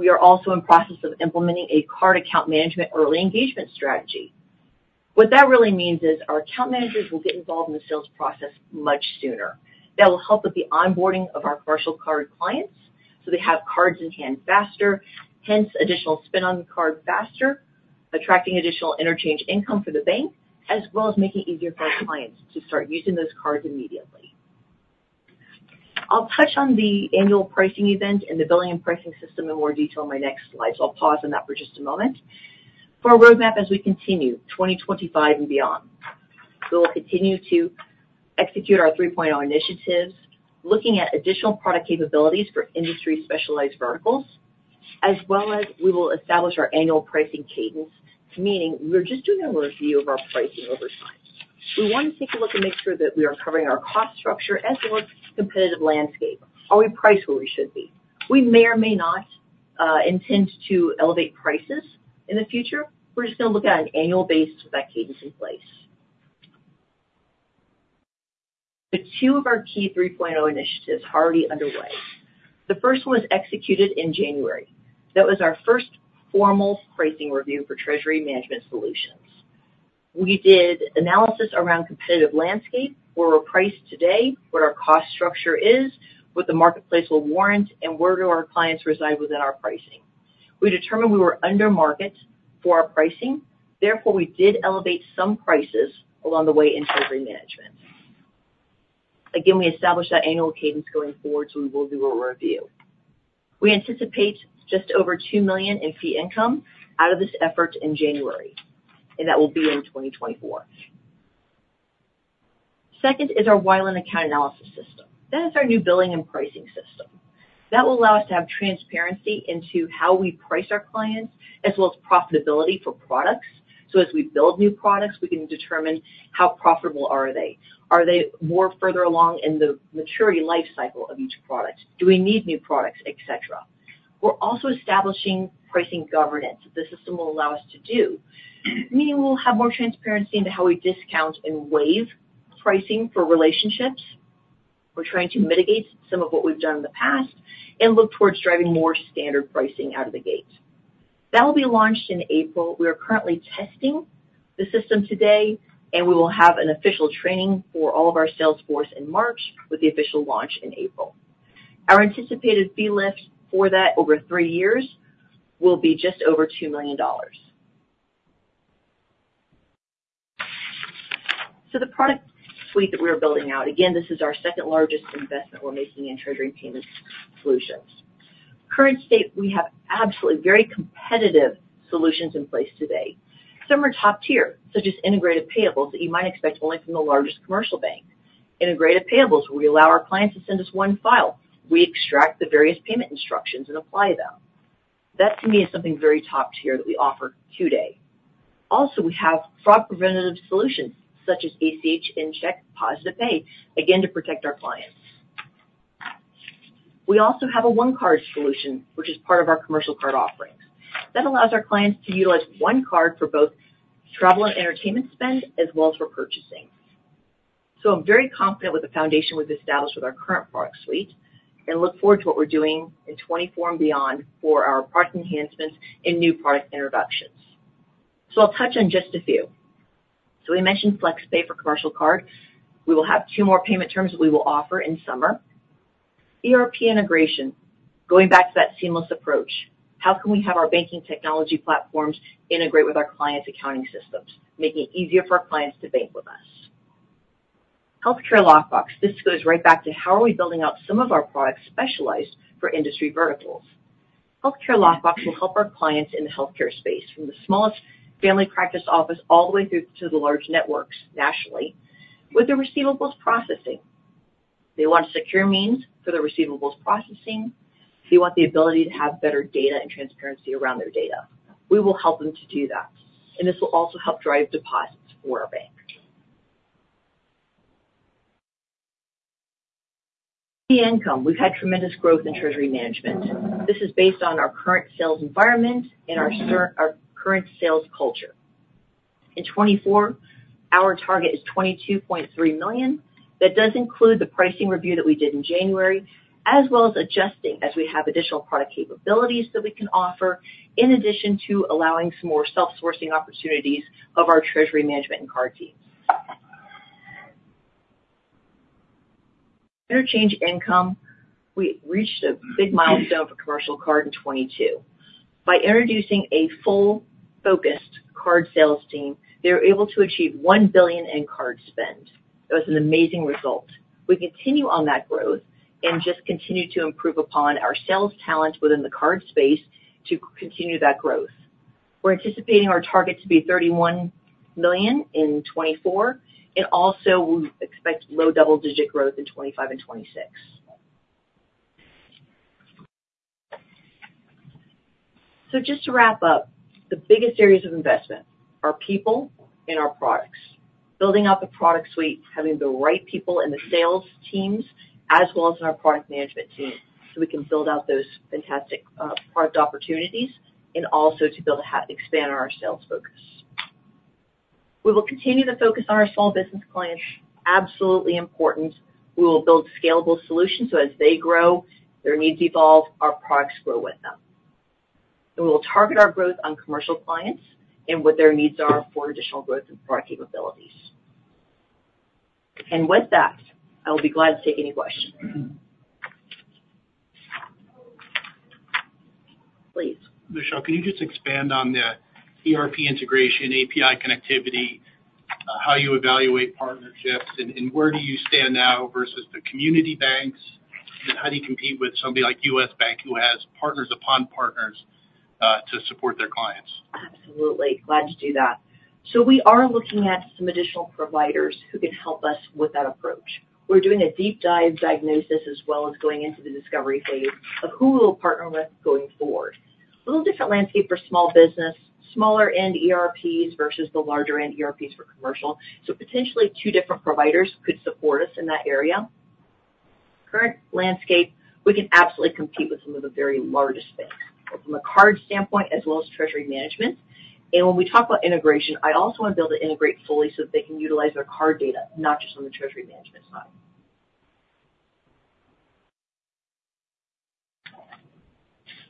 We are also in the process of implementing a card account management early engagement strategy. What that really means is our account managers will get involved in the sales process much sooner. That will help with the onboarding of our commercial card clients so they have cards in hand faster, hence additional spin on the card faster, attracting additional interchange income for the bank as well as making it easier for our clients to start using those cards immediately. I'll touch on the annual pricing event and the billing and pricing system in more detail in my next slides. So I'll pause on that for just a moment. For our roadmap as we continue 2025 and beyond, we will continue to execute our 3.0 initiatives, looking at additional product capabilities for industry specialized verticals as well as we will establish our annual pricing cadence, meaning we're just doing a review of our pricing over time. We want to take a look and make sure that we are covering our cost structure as well as competitive landscape. Are we priced where we should be? We may or may not intend to elevate prices in the future. We're just going to look at an annual base with that cadence in place. 2 of our key 3.0 initiatives are already underway. The first one was executed in January. That was our first formal pricing review for treasury management solutions. We did analysis around competitive landscape. Where we're priced today, what our cost structure is, what the marketplace will warrant, and where do our clients reside within our pricing. We determined we were under market for our pricing. Therefore, we did elevate some prices along the way in treasury management. Again, we established that annual cadence going forward. We will do a review. We anticipate just over $2 million in fee income out of this effort in January. That will be in 2024. Second is our Weiland Account Analysis System. That is our new billing and pricing system. That will allow us to have transparency into how we price our clients as well as profitability for products. So as we build new products, we can determine how profitable are they? Are they more further along in the maturity life cycle of each product? Do we need new products, et cetera? We're also establishing pricing governance. This system will allow us to do, meaning we'll have more transparency into how we discount and waive pricing for relationships. We're trying to mitigate some of what we've done in the past and look towards driving more standard pricing out of the gate. That will be launched in April. We are currently testing the system today. We will have an official training for all of our sales force in March with the official launch in April. Our anticipated fee lift for that over three years will be just over $2 million. The product suite that we are building out, again, this is our second largest investment we're making in Treasury and Payment Solutions. Current state, we have absolutely very competitive solutions in place today. Some are top-tier such as Integrated Payables that you might expect only from the largest commercial bank. Integrated Payables, we allow our clients to send us one file. We extract the various payment instructions and apply them. That, to me, is something very top-tier that we offer today. Also, we have fraud-preventative solutions such as ACH and Check Positive Pay, again, to protect our clients. We also have a one-card solution, which is part of our commercial card offerings. That allows our clients to utilize one card for both travel and entertainment spend as well as for purchasing. So I'm very confident with the foundation we've established with our current product suite and look forward to what we're doing in 2024 and beyond for our product enhancements and new product introductions. So I'll touch on just a few. So we mentioned Flex Pay for commercial card. We will have two more payment terms that we will offer in summer. ERP integration, going back to that seamless approach, how can we have our banking technology platforms integrate with our clients' accounting systems, making it easier for our clients to bank with us? Healthcare Lockbox. This goes right back to how are we building out some of our products specialized for industry verticals? Healthcare Lockbox will help our clients in the healthcare space from the smallest family practice office all the way through to the large networks nationally with their receivables processing. They want secure means for their receivables processing. They want the ability to have better data and transparency around their data. We will help them to do that. This will also help drive deposits for our bank. Fee income. We've had tremendous growth in treasury management. This is based on our current sales environment and our current sales culture. In 2024, our target is $22.3 million. That does include the pricing review that we did in January as well as adjusting as we have additional product capabilities that we can offer in addition to allowing some more self-sourcing opportunities of our treasury management and card team. Interchange income. We reached a big milestone for commercial card in 2022. By introducing a full-focused card sales team, they were able to achieve $1 billion in card spend. That was an amazing result. We continue on that growth and just continue to improve upon our sales talent within the card space to continue that growth. We're anticipating our target to be $31 million in 2024. Also, we expect low double-digit growth in 2025 and 2026. Just to wrap up, the biggest areas of investment are people and our products, building out the product suite, having the right people in the sales teams as well as in our product management team so we can build out those fantastic product opportunities and also to expand on our sales focus. We will continue to focus on our small business clients. Absolutely important. We will build scalable solutions so as they grow, their needs evolve, our products grow with them. We will target our growth on commercial clients and what their needs are for additional growth and product capabilities. With that, I will be glad to take any questions. Please. Michelle, can you just expand on the ERP integration, API connectivity, how you evaluate partnerships, and where do you stand now versus the community banks? How do you compete with somebody like U.S. Bank who has partners upon partners to support their clients? Absolutely. Glad to do that. So we are looking at some additional providers who can help us with that approach. We're doing a deep dive diagnosis as well as going into the discovery phase of who we will partner with going forward. A little different landscape for small business, smaller-end ERPs versus the larger-end ERPs for commercial. So potentially, two different providers could support us in that area. Current landscape, we can absolutely compete with some of the very largest banks from a card standpoint as well as treasury management. And when we talk about integration, I also want to be able to integrate fully so that they can utilize their card data, not just on the treasury management side.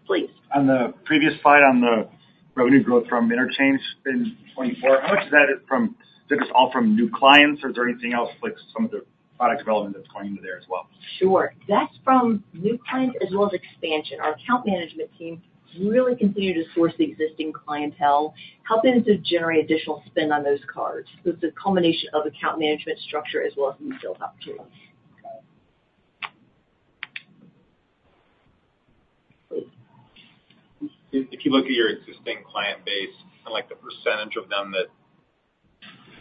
Please. On the previous slide on the revenue growth from interchange in 2024, how much of that is just all from new clients? Or is there anything else like some of the product development that's going into there as well? Sure. That's from new clients as well as expansion. Our account management team really continued to source the existing clientele, helping them to generate additional spend on those cards. So it's a combination of account management structure as well as new sales opportunities. Please. If you look at your existing client base and the percentage of them that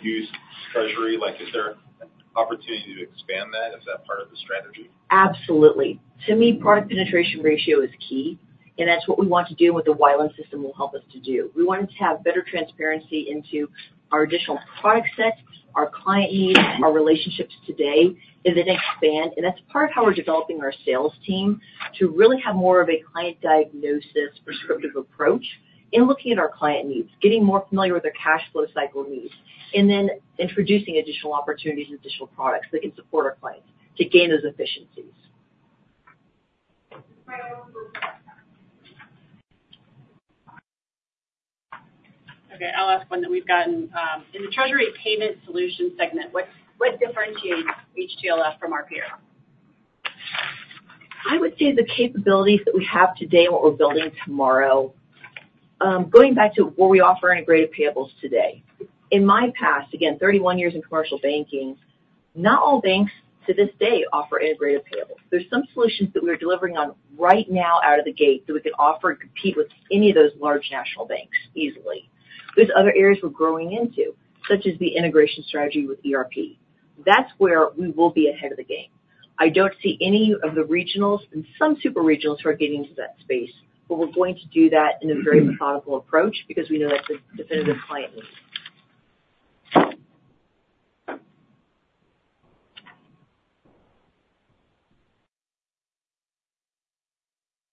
use treasury, is there an opportunity to expand that? Is that part of the strategy? Absolutely. To me, product penetration ratio is key. That's what we want to do. What the Weiland system will help us to do. We wanted to have better transparency into our additional product sets, our client needs, our relationships today as they expand. That's part of how we're developing our sales team to really have more of a client diagnosis, prescriptive approach in looking at our client needs, getting more familiar with their cash flow cycle needs, and then introducing additional opportunities, additional products that can support our clients to gain those efficiencies. Okay. I'll ask one that we've gotten. In the treasury payment solution segment, what differentiates HTLF from our peer? I would say the capabilities that we have today and what we're building tomorrow. Going back to what we offer Integrated Payables today. In my past, again, 31 years in commercial banking, not all banks to this day offer Integrated Payables. There's some solutions that we are delivering on right now out of the gate that we can offer and compete with any of those large national banks easily. There's other areas we're growing into such as the integration strategy with ERP. That's where we will be ahead of the game. I don't see any of the regionals and some super regionals who are getting into that space. But we're going to do that in a very methodical approach because we know that's a definitive client need.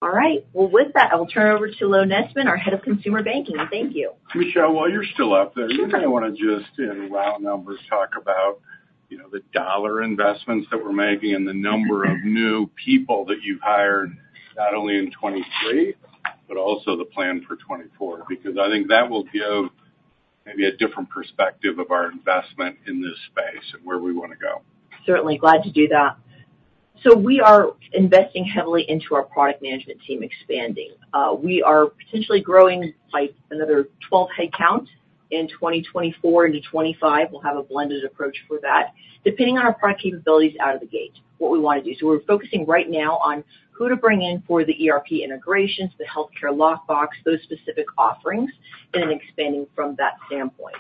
All right. Well, with that, I will turn over to Lo Nestman, our head of consumer banking. Thank you. Michelle, while you're still up there, you may want to just in raw numbers talk about the dollar investments that we're making and the number of new people that you've hired not only in 2023 but also the plan for 2024 because I think that will give maybe a different perspective of our investment in this space and where we want to go. Certainly. Glad to do that. So we are investing heavily into our product management team expanding. We are potentially growing by another 12 headcount in 2024 into 2025. We'll have a blended approach for that depending on our product capabilities out of the gate, what we want to do. So we're focusing right now on who to bring in for the ERP integrations, the Healthcare Lockbox, those specific offerings, and then expanding from that standpoint.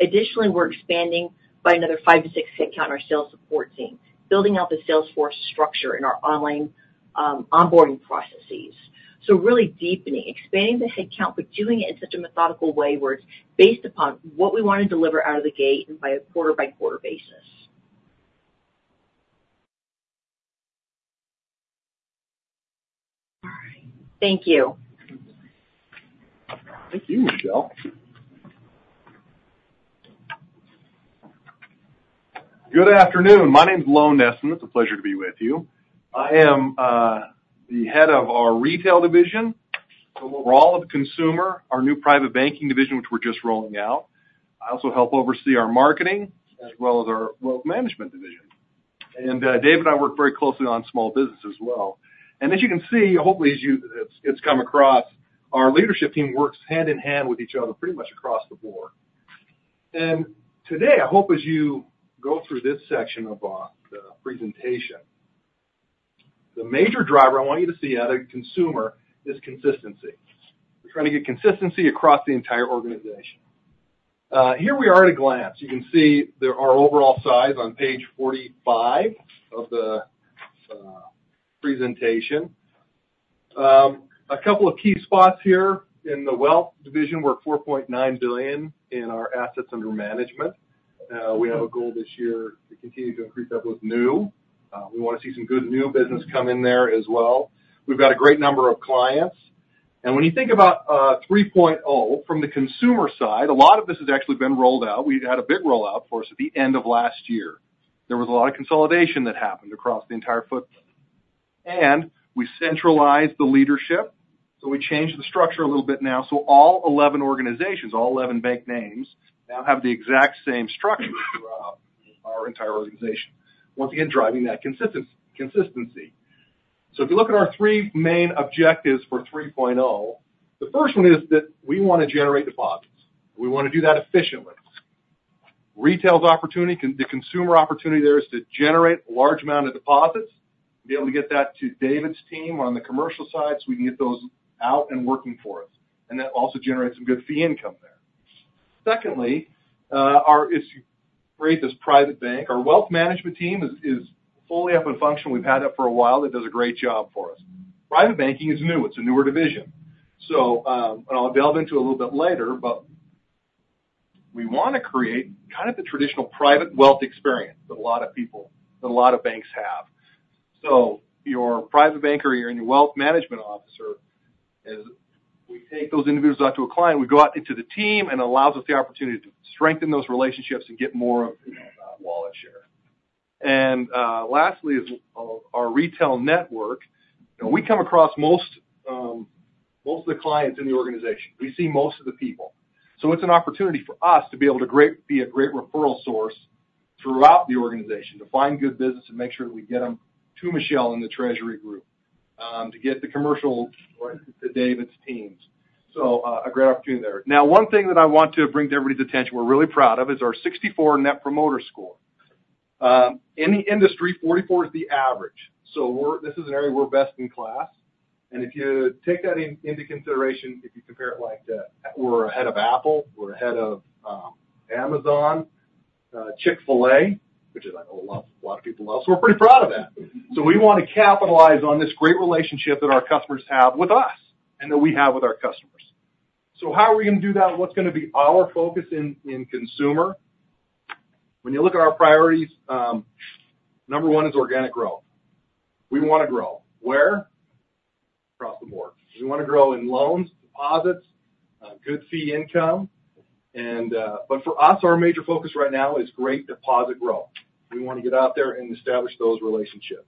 Additionally, we're expanding by another 5-6 headcount our sales support team, building out the sales force structure in our online onboarding processes. So really deepening, expanding the headcount but doing it in such a methodical way where it's based upon what we want to deliver out of the gate and by a quarter-by-quarter basis. All right. Thank you. Thank you, Michelle. Good afternoon. My name's Lo Nestman. It's a pleasure to be with you. I am the head of our retail division. So we're all of the consumer, our new private banking division, which we're just rolling out. I also help oversee our marketing as well as our wealth management division. And David and I work very closely on small business as well. And as you can see, hopefully, as you it's come across, our leadership team works hand in hand with each other pretty much across the board. And today, I hope as you go through this section of the presentation, the major driver I want you to see out of consumer is consistency. We're trying to get consistency across the entire organization. Here we are at a glance. You can see our overall size on page 45 of the presentation. A couple of key spots here in the wealth division, we're $4.9 billion in our assets under management. We have a goal this year to continue to increase that with new. We want to see some good new business come in there as well. We've got a great number of clients. And when you think about 3.0 from the consumer side, a lot of this has actually been rolled out. We had a big rollout, of course, at the end of last year. There was a lot of consolidation that happened across the entire footprint. And we centralized the leadership. So we changed the structure a little bit now. So all 11 organizations, all 11 bank names now have the exact same structure throughout our entire organization, once again, driving that consistency. So if you look at our three main objectives for 3.0, the first one is that we want to generate deposits. We want to do that efficiently. Retail's opportunity, the consumer opportunity there is to generate a large amount of deposits, be able to get that to David's team on the commercial side so we can get those out and working for us. And that also generates some good fee income there. Secondly, it's great this private bank. Our wealth management team is fully up and functional. We've had that for a while. That does a great job for us. Private banking is new. It's a newer division. And I'll delve into it a little bit later. But we want to create kind of the traditional private wealth experience that a lot of people that a lot of banks have. So your private banker here and your wealth management officer, we take those individuals out to a client. We go out into the team and allow us the opportunity to strengthen those relationships and get more of wallet share. And lastly is our retail network. We come across most of the clients in the organization. We see most of the people. So it's an opportunity for us to be able to be a great referral source throughout the organization to find good business and make sure that we get them to Michelle in the treasury group, to get the commercial right to David's teams. So a great opportunity there. Now, one thing that I want to bring to everybody's attention we're really proud of is our 64 Net Promoter Score. In the industry, 44 is the average. So this is an area we're best in class. And if you take that into consideration, if you compare it like we're ahead of Apple. We're ahead of Amazon, Chick-fil-A, which a lot of people love. So we're pretty proud of that. So we want to capitalize on this great relationship that our customers have with us and that we have with our customers. So how are we going to do that? What's going to be our focus in consumer? When you look at our priorities, number one is organic growth. We want to grow. Where? Across the board. We want to grow in loans, deposits, good fee income. But for us, our major focus right now is great deposit growth. We want to get out there and establish those relationships.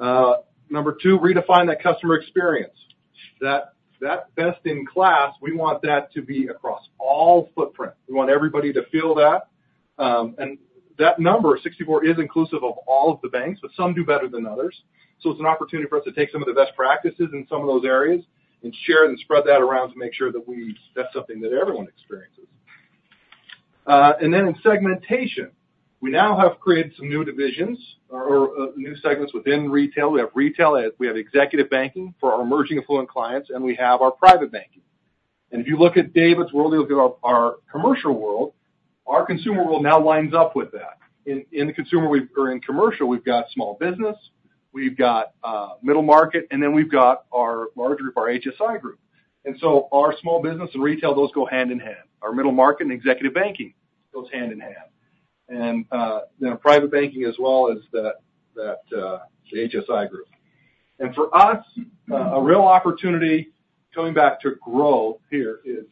Number two, redefine that customer experience. That best in class, we want that to be across all footprints. We want everybody to feel that. That number, 64, is inclusive of all of the banks, but some do better than others. It's an opportunity for us to take some of the best practices in some of those areas and share and spread that around to make sure that we that's something that everyone experiences. In segmentation, we now have created some new divisions or new segments within retail. We have retail. We have executive banking for our emerging affluent clients. And we have our private banking. And if you look at David's world, you'll see our commercial world, our consumer world now lines up with that. In the consumer or in commercial, we've got small business. We've got middle market. And then we've got our large group, our HSI group. And so our small business and retail, those go hand in hand. Our middle market and executive banking, those hand in hand, and then private banking as well as the HSI group. For us, a real opportunity coming back to grow here is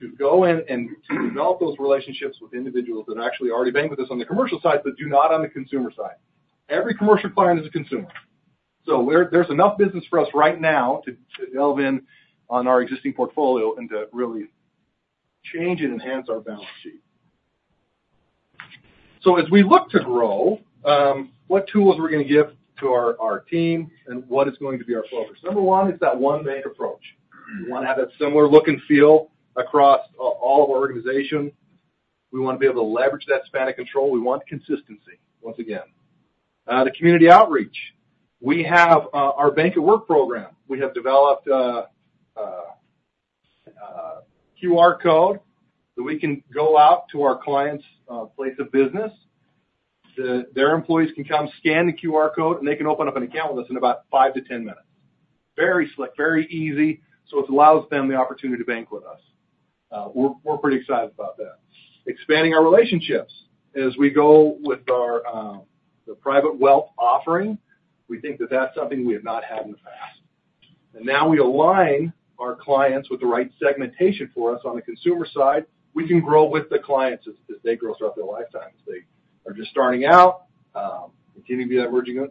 to go in and to develop those relationships with individuals that are actually already banking with us on the commercial side but do not on the consumer side. Every commercial client is a consumer. There's enough business for us right now to delve in on our existing portfolio and to really change and enhance our balance sheet. As we look to grow, what tools are we going to give to our team? What is going to be our focus? Number one is that one bank approach. We want to have that similar look and feel across all of our organization. We want to be able to leverage that span of control. We want consistency, once again. The community outreach. We have our Bank at Work program. We have developed a QR code that we can go out to our clients' place of business. Their employees can come scan the QR code. And they can open up an account with us in about 5-10 minutes. Very slick, very easy. So it allows them the opportunity to bank with us. We're pretty excited about that. Expanding our relationships. As we go with the private wealth offering, we think that that's something we have not had in the past. And now we align our clients with the right segmentation for us. On the consumer side, we can grow with the clients as they grow throughout their lifetime. As they are just starting out, continuing to be that emerging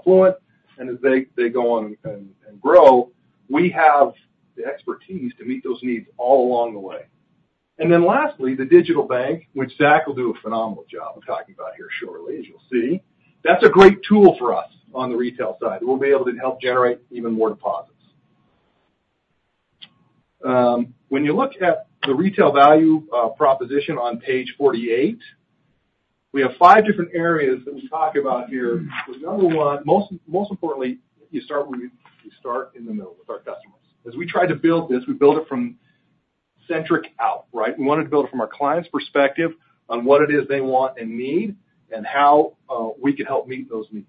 affluent. As they go on and grow, we have the expertise to meet those needs all along the way. And then lastly, the digital bank, which Zach will do a phenomenal job of talking about here shortly, as you'll see, that's a great tool for us on the retail side that we'll be able to help generate even more deposits. When you look at the retail value proposition on page 48, we have five different areas that we talk about here. But number one, most importantly, you start in the middle with our customers. As we tried to build this, we built it from centric out, right? We wanted to build it from our client's perspective on what it is they want and need and how we could help meet those needs.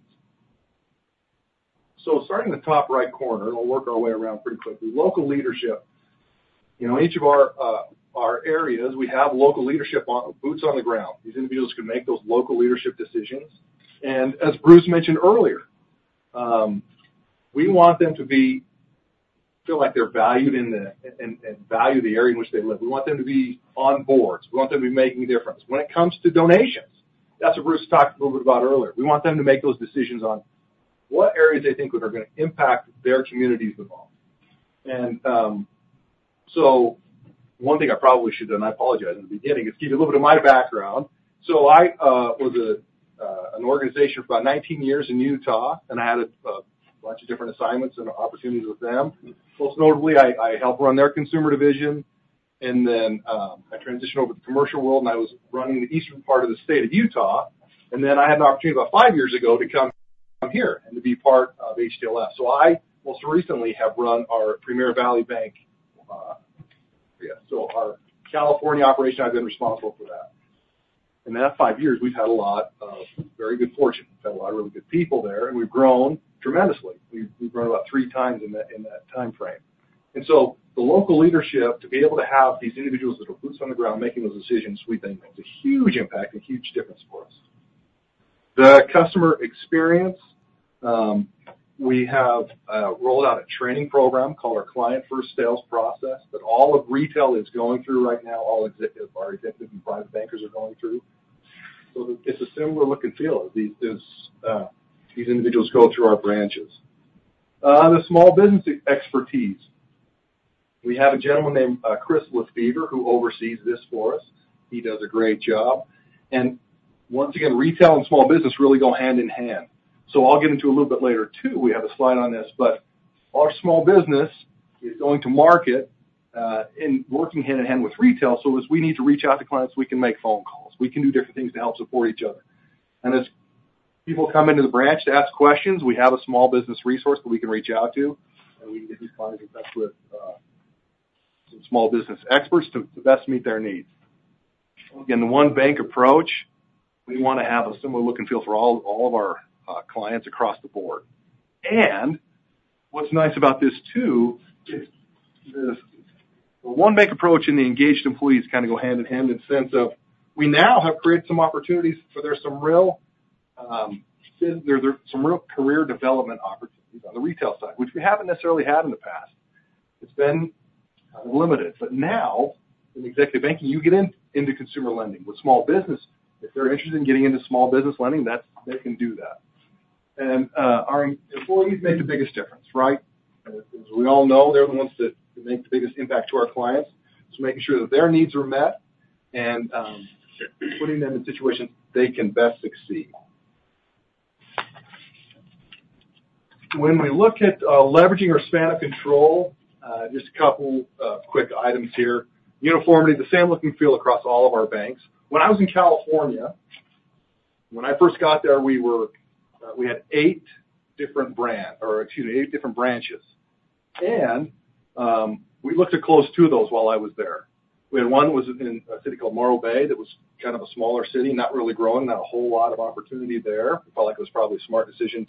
So starting in the top right corner, and we'll work our way around pretty quickly, local leadership. Each of our areas, we have local leadership boots on the ground. These individuals can make those local leadership decisions. And as Bruce mentioned earlier, we want them to feel like they're valued and value the area in which they live. We want them to be on boards. We want them to be making a difference. When it comes to donations, that's what Bruce talked a little bit about earlier. We want them to make those decisions on what areas they think are going to impact their communities involved. And so one thing I probably should have done—I apologize in the beginning—is give you a little bit of my background. So I was an organization for about 19 years in Utah. And I had a bunch of different assignments and opportunities with them. Most notably, I helped run their consumer division. And then I transitioned over to the commercial world. And I was running the eastern part of the state of Utah. And then I had an opportunity about five years ago to come here and to be part of HTLF. So I most recently have run our Premier Valley Bank yeah. So our California operation, I've been responsible for that. And in that five years, we've had a lot of very good fortune. We've had a lot of really good people there. And we've grown tremendously. We've grown about three times in that time frame. And so the local leadership, to be able to have these individuals that are boots on the ground making those decisions, we think makes a huge impact and huge difference for us. The customer experience, we have rolled out a training program called our Client First Sales Process that all of retail is going through right now, all our executive and private bankers are going through. So it's a similar look and feel as these individuals go through our branches. The small business expertise, we have a gentleman named Chris LeFever who oversees this for us. He does a great job. Once again, retail and small business really go hand in hand. So I'll get into it a little bit later too. We have a slide on this. Our small business is going to market and working hand in hand with retail. So as we need to reach out to clients, we can make phone calls. We can do different things to help support each other. As people come into the branch to ask questions, we have a small business resource that we can reach out to. We can get these clients in touch with some small business experts to best meet their needs. Again, the one bank approach, we want to have a similar look and feel for all of our clients across the board. What's nice about this too is the one bank approach and the engaged employees kind of go hand in hand in the sense of we now have created some opportunities for. There's some real career development opportunities on the retail side, which we haven't necessarily had in the past. It's been limited. But now, in executive banking, you get into consumer lending. With small business, if they're interested in getting into small business lending, they can do that. Our employees make the biggest difference, right? As we all know, they're the ones that make the biggest impact to our clients. So making sure that their needs are met and putting them in situations they can best succeed. When we look at leveraging our span of control, just a couple of quick items here. Uniformity, the same look and feel across all of our banks. When I was in California, when I first got there, we had eight different brand or excuse me, eight different branches. We looked at closing 2 of those while I was there. We had one that was in a city called Morro Bay that was kind of a smaller city, not really growing, not a whole lot of opportunity there. We felt like it was probably a smart decision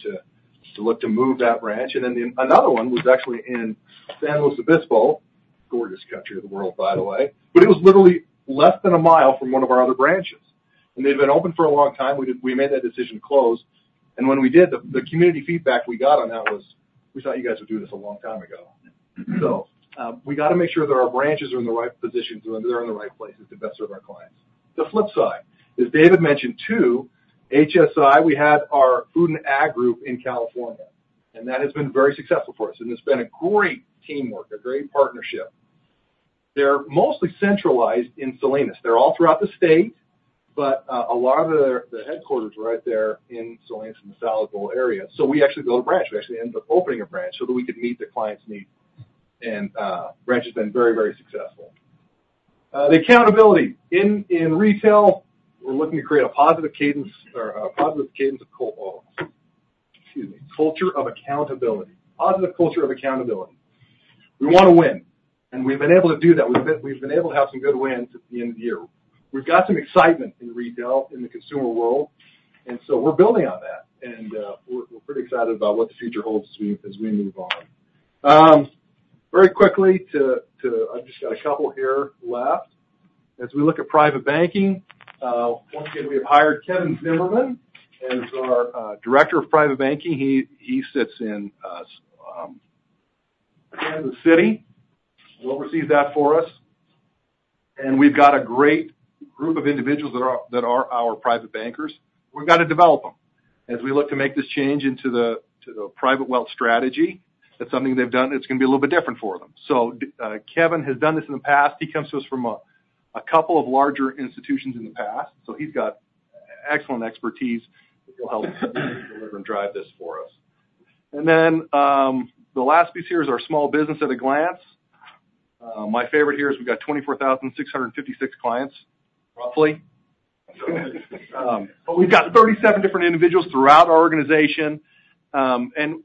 to look to move that branch. And then another one was actually in San Luis Obispo, gorgeous country of the world, by the way. But it was literally less than a mile from one of our other branches. And they'd been open for a long time. We made that decision to close. And when we did, the community feedback we got on that was, "We thought you guys would do this a long time ago." So we got to make sure that our branches are in the right positions and that they're in the right places to best serve our clients. The flip side is David mentioned too, HSI, we had our Food and Ag group in California. And that has been very successful for us. And it's been a great teamwork, a great partnership. They're mostly centralized in Salinas. They're all throughout the state. But a lot of the headquarters are right there in Salinas in the Salad Bowl area. So we actually go to branch. We actually end up opening a branch so that we could meet the client's needs. And branch has been very, very successful. The accountability. In retail, we're looking to create a positive cadence or a positive cadence of excuse me, culture of accountability, positive culture of accountability. We want to win. And we've been able to do that. We've been able to have some good wins at the end of the year. We've got some excitement in retail, in the consumer world. And so we're building on that. And we're pretty excited about what the future holds as we move on. Very quickly to I've just got a couple here left. As we look at private banking, once again, we have hired Kevin Zimmerman as our director of private banking. He sits in Kansas City and oversees that for us. And we've got a great group of individuals that are our private bankers. We've got to develop them as we look to make this change into the private wealth strategy. That's something they've done. It's going to be a little bit different for them. So Kevin has done this in the past. He comes to us from a couple of larger institutions in the past. So he's got excellent expertise that he'll help deliver and drive this for us. And then the last piece here is our small business at a glance. My favorite here is we've got 24,656 clients, roughly. But we've got 37 different individuals throughout our organization. And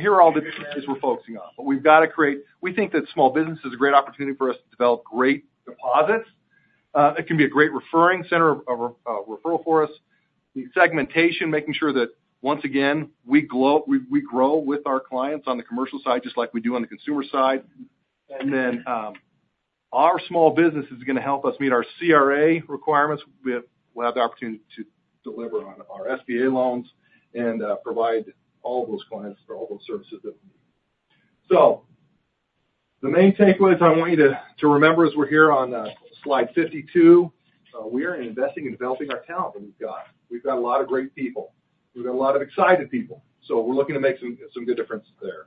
here are all the areas we're focusing on. But we've got to create, we think, that small business is a great opportunity for us to develop great deposits. It can be a great referring center of referral for us. The segmentation, making sure that, once again, we grow with our clients on the commercial side just like we do on the consumer side. And then our small business is going to help us meet our CRA requirements. We'll have the opportunity to deliver on our SBA loans and provide all of those clients all those services that we need. So the main takeaways I want you to remember as we're here on slide 52, we are investing and developing our talent that we've got. We've got a lot of great people. We've got a lot of excited people. So we're looking to make some good difference there.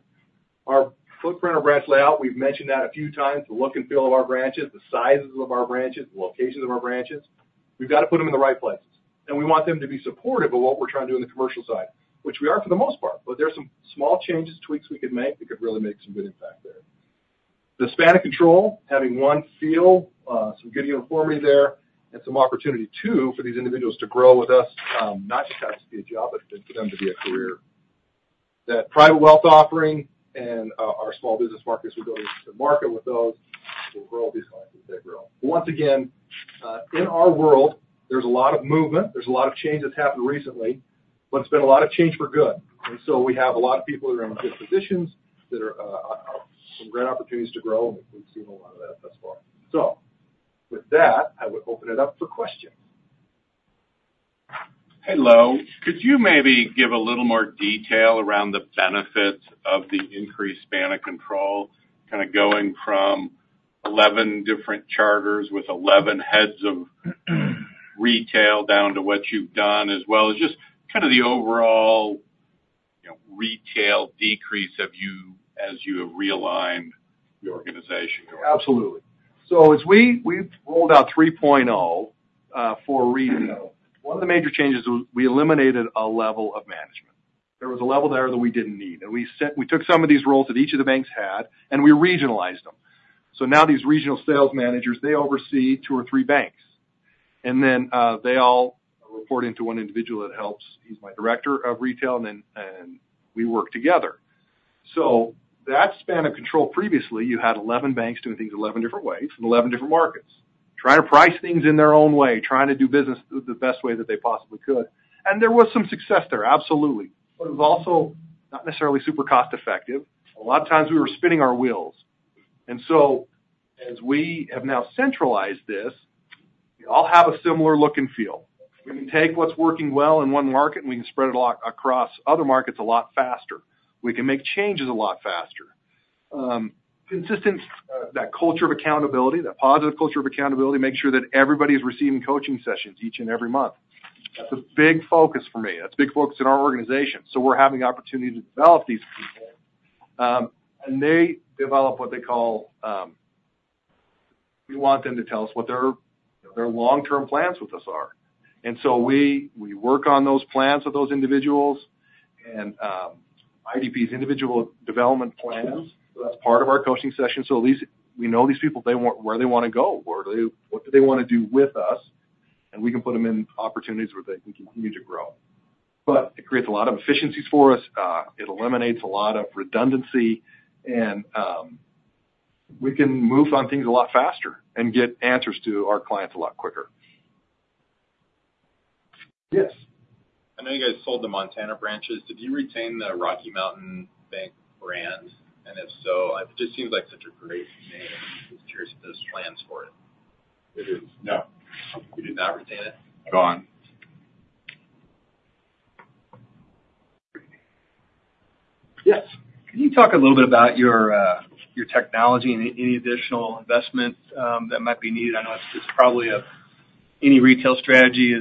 Our footprint, our branch layout, we've mentioned that a few times, the look and feel of our branches, the sizes of our branches, the locations of our branches. We've got to put them in the right places. We want them to be supportive of what we're trying to do in the commercial side, which we are for the most part. There's some small changes, tweaks we could make that could really make some good impact there. The span of control, having one feel, some good uniformity there, and some opportunity too for these individuals to grow with us, not just have this be a job but for them to be a career. That private wealth offering and our small business markets we go to the market with those, we'll grow with these clients as they grow. Once again, in our world, there's a lot of movement. There's a lot of change that's happened recently. But it's been a lot of change for good. And so we have a lot of people that are in good positions that are some great opportunities to grow. And we've seen a lot of that thus far. So with that, I would open it up for questions. Hello. Could you maybe give a little more detail around the benefits of the increased span of control, kind of going from 11 different charters with 11 heads of retail down to what you've done, as well as just kind of the overall retail decrease as you have realigned your organization? Absolutely. So as we've rolled out 3.0 for retail, one of the major changes is we eliminated a level of management. There was a level there that we didn't need. And we took some of these roles that each of the banks had. And we regionalized them. So now these regional sales managers, they oversee two or three banks. And then they all report into one individual that helps. He's my director of retail. And then we work together. So that span of control, previously, you had 11 banks doing things 11 different ways in 11 different markets, trying to price things in their own way, trying to do business the best way that they possibly could. And there was some success there, absolutely. But it was also not necessarily super cost-effective. A lot of times, we were spinning our wheels. And so as we have now centralized this, we all have a similar look and feel. We can take what's working well in one market. And we can spread it across other markets a lot faster. We can make changes a lot faster. That culture of accountability, that positive culture of accountability, make sure that everybody is receiving coaching sessions each and every month. That's a big focus for me. That's a big focus in our organization. So we're having the opportunity to develop these people. And they develop what they call we want them to tell us what their long-term plans with us are. And so we work on those plans with those individuals and IDPs, individual development plans. So that's part of our coaching session. So at least we know these people, where they want to go, what do they want to do with us. We can put them in opportunities where they can continue to grow. But it creates a lot of efficiencies for us. It eliminates a lot of redundancy. We can move on things a lot faster and get answers to our clients a lot quicker. Yes. I know you guys sold the Montana branches. Did you retain the Rocky Mountain Bank brand? If so, it just seems like such a great name. I was curious if there's plans for it. It is. No. You did not retain it? Gone. Yes. Can you talk a little bit about your technology and any additional investment that might be needed? I know it's probably any retail strategy,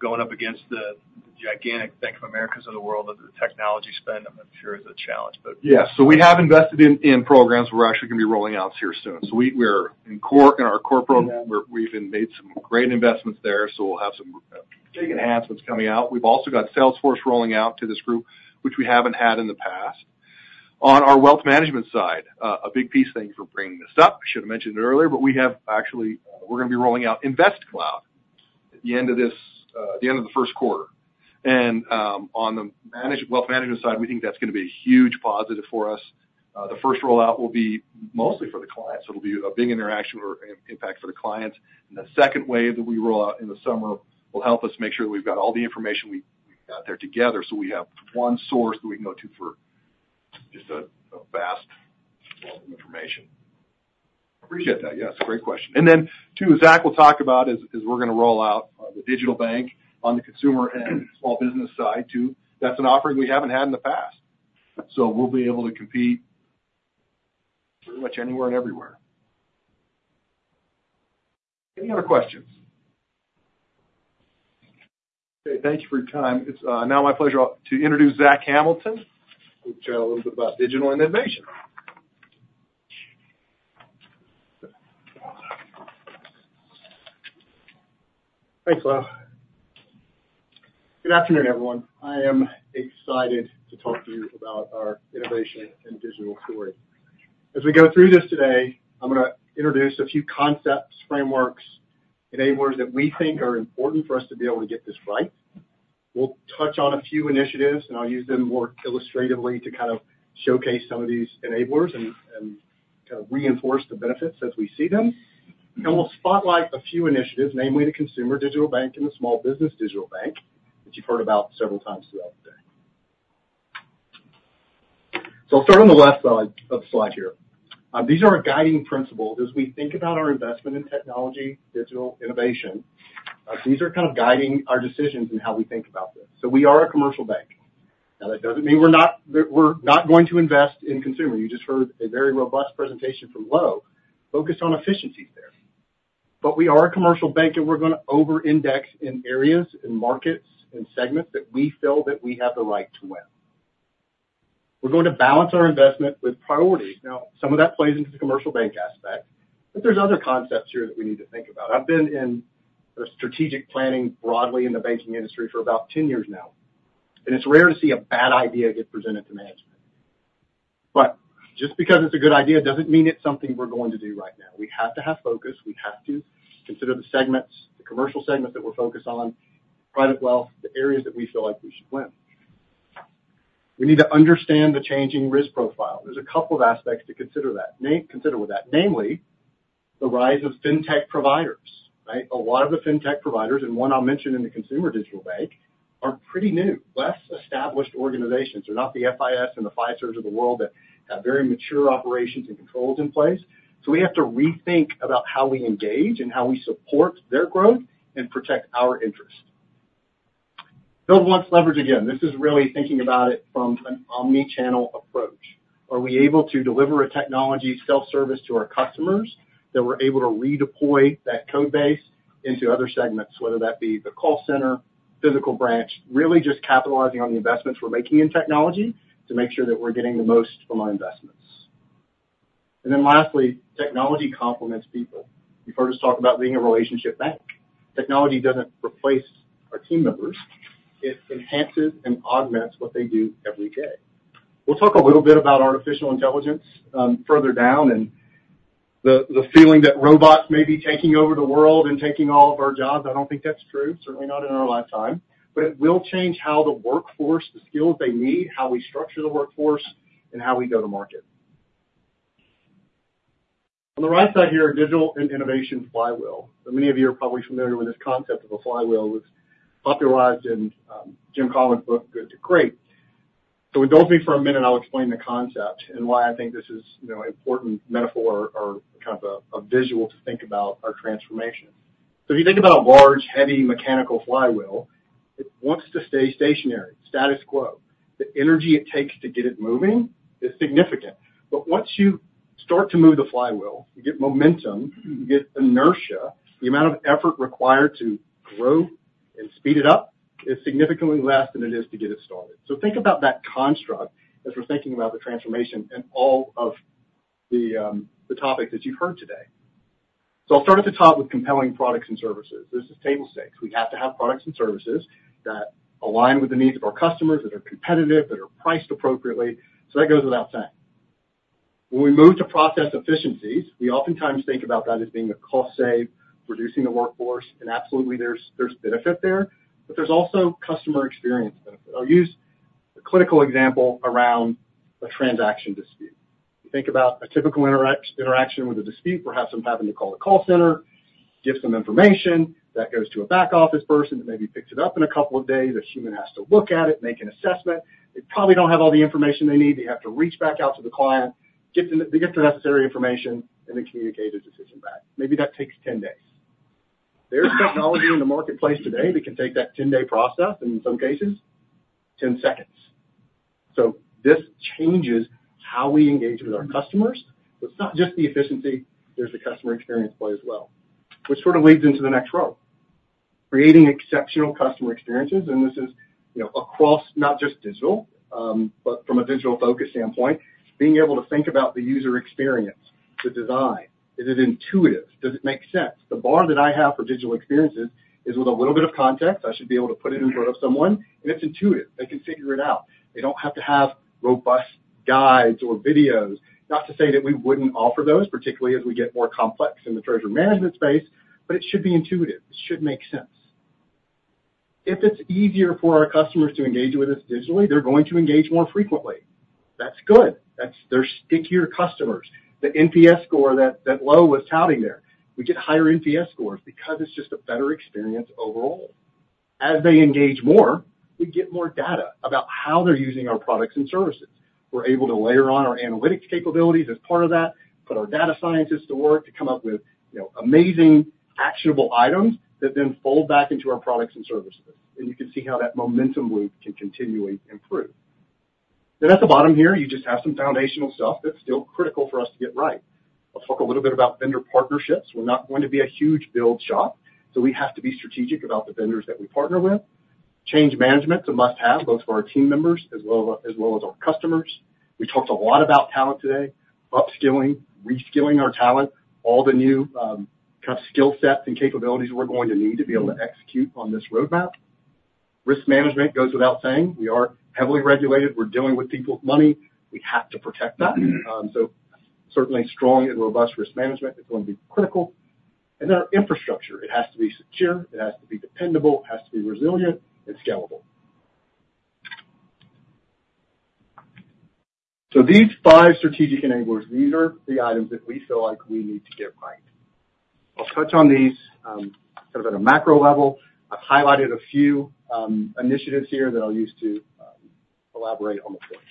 it's going up against the gigantic Bank of Americas of the world of the technology spend. I'm not sure it's a challenge. But. Yeah. So we have invested in programs we're actually going to be rolling out here soon. So we're in our core program. We've made some great investments there. So we'll have some big enhancements coming out. We've also got Salesforce rolling out to this group, which we haven't had in the past. On our wealth management side, a big piece, thank you for bringing this up. I should have mentioned it earlier. But we have actually we're going to be rolling out InvestCloud at the end of this at the end of the first quarter. And on the wealth management side, we think that's going to be a huge positive for us. The first rollout will be mostly for the clients. It'll be a big interaction or impact for the clients. The second wave that we roll out in the summer will help us make sure that we've got all the information we've got there together. So we have one source that we can go to for just a vast wealth of information. Appreciate that. Yes. Great question. And then too, Zach will talk about as we're going to roll out the digital bank on the consumer and small business side too. That's an offering we haven't had in the past. So we'll be able to compete pretty much anywhere and everywhere. Any other questions? Okay. Thank you for your time. It's now my pleasure to introduce Zach Hamilton, who'll chat a little bit about digital innovation. Thanks, Lo. Good afternoon, everyone. I am excited to talk to you about our innovation and digital story. As we go through this today, I'm going to introduce a few concepts, frameworks, enablers that we think are important for us to be able to get this right. We'll touch on a few initiatives. I'll use them more illustratively to kind of showcase some of these enablers and kind of reinforce the benefits as we see them. We'll spotlight a few initiatives, namely the consumer digital bank and the small business digital bank that you've heard about several times throughout the day. I'll start on the left side of the slide here. These are our guiding principles as we think about our investment in technology, digital innovation. These are kind of guiding our decisions in how we think about this. We are a commercial bank. Now, that doesn't mean we're not going to invest in consumer. You just heard a very robust presentation from Lo focused on efficiencies there. But we are a commercial bank. And we're going to over-index in areas, in markets, in segments that we feel that we have the right to win. We're going to balance our investment with priorities. Now, some of that plays into the commercial bank aspect. But there's other concepts here that we need to think about. I've been in strategic planning broadly in the banking industry for about 10 years now. And it's rare to see a bad idea get presented to management. But just because it's a good idea doesn't mean it's something we're going to do right now. We have to have focus. We have to consider the segments, the commercial segments that we're focused on, private wealth, the areas that we feel like we should win. We need to understand the changing risk profile. There's a couple of aspects to consider with that, namely the rise of fintech providers, right? A lot of the fintech providers, and one I'll mention in the consumer digital bank, are pretty new, less established organizations. They're not the FIS and the Fiservs of the world that have very mature operations and controls in place. So we have to rethink about how we engage and how we support their growth and protect our interests. Build once, leverage again. This is really thinking about it from an omnichannel approach. Are we able to deliver a technology self-service to our customers that we're able to redeploy that code base into other segments, whether that be the call center, physical branch, really just capitalizing on the investments we're making in technology to make sure that we're getting the most from our investments? Then lastly, technology complements people. You've heard us talk about being a relationship bank. Technology doesn't replace our team members. It enhances and augments what they do every day. We'll talk a little bit about artificial intelligence further down. The feeling that robots may be taking over the world and taking all of our jobs, I don't think that's true, certainly not in our lifetime. It will change how the workforce, the skills they need, how we structure the workforce, and how we go to market. On the right side here, digital and innovation flywheel. So many of you are probably familiar with this concept of a flywheel. It was popularized in Jim Collins' book, Good to Great. So indulge me for a minute. I'll explain the concept and why I think this is an important metaphor or kind of a visual to think about our transformation. So if you think about a large, heavy, mechanical flywheel, it wants to stay stationary, status quo. The energy it takes to get it moving is significant. But once you start to move the flywheel, you get momentum, you get inertia, the amount of effort required to grow and speed it up is significantly less than it is to get it started. So think about that construct as we're thinking about the transformation and all of the topics that you've heard today. So I'll start at the top with compelling products and services. This is table stakes. We have to have products and services that align with the needs of our customers, that are competitive, that are priced appropriately. So that goes without saying. When we move to process efficiencies, we oftentimes think about that as being a cost save, reducing the workforce. And absolutely, there's benefit there. But there's also customer experience benefit. I'll use a clinical example around a transaction dispute. You think about a typical interaction with a dispute, perhaps them having to call a call center, give some information that goes to a back office person that maybe picks it up in a couple of days. A human has to look at it, make an assessment. They probably don't have all the information they need. They have to reach back out to the client, get the necessary information, and then communicate a decision back. Maybe that takes 10 days. There's technology in the marketplace today that can take that 10-day process, and in some cases, 10 seconds. So this changes how we engage with our customers. So it's not just the efficiency. There's the customer experience play as well, which sort of leads into the next row, creating exceptional customer experiences. And this is across not just digital but from a digital-focused standpoint, being able to think about the user experience, the design. Is it intuitive? Does it make sense? The bar that I have for digital experiences is with a little bit of context, I should be able to put it in front of someone. And it's intuitive. They can figure it out. They don't have to have robust guides or videos. Not to say that we wouldn't offer those, particularly as we get more complex in the treasury management space. But it should be intuitive. It should make sense. If it's easier for our customers to engage with us digitally, they're going to engage more frequently. That's good. They're stickier customers. The NPS score that Lo was touting there, we get higher NPS scores because it's just a better experience overall. As they engage more, we get more data about how they're using our products and services. We're able to layer on our analytics capabilities as part of that, put our data scientists to work to come up with amazing, actionable items that then fold back into our products and services. And you can see how that momentum loop can continually improve. Then at the bottom here, you just have some foundational stuff that's still critical for us to get right. I'll talk a little bit about vendor partnerships. We're not going to be a huge build shop. So we have to be strategic about the vendors that we partner with. Change management's a must-have both for our team members as well as our customers. We talked a lot about talent today, upskilling, reskilling our talent, all the new kind of skill sets and capabilities we're going to need to be able to execute on this roadmap. Risk management goes without saying. We are heavily regulated. We're dealing with people's money. We have to protect that. So certainly, strong and robust risk management is going to be critical. And then our infrastructure, it has to be secure. It has to be dependable. It has to be resilient and scalable. So these five strategic enablers, these are the items that we feel like we need to get right. I'll touch on these kind of at a macro level. I've highlighted a few initiatives here that I'll use to elaborate on the point.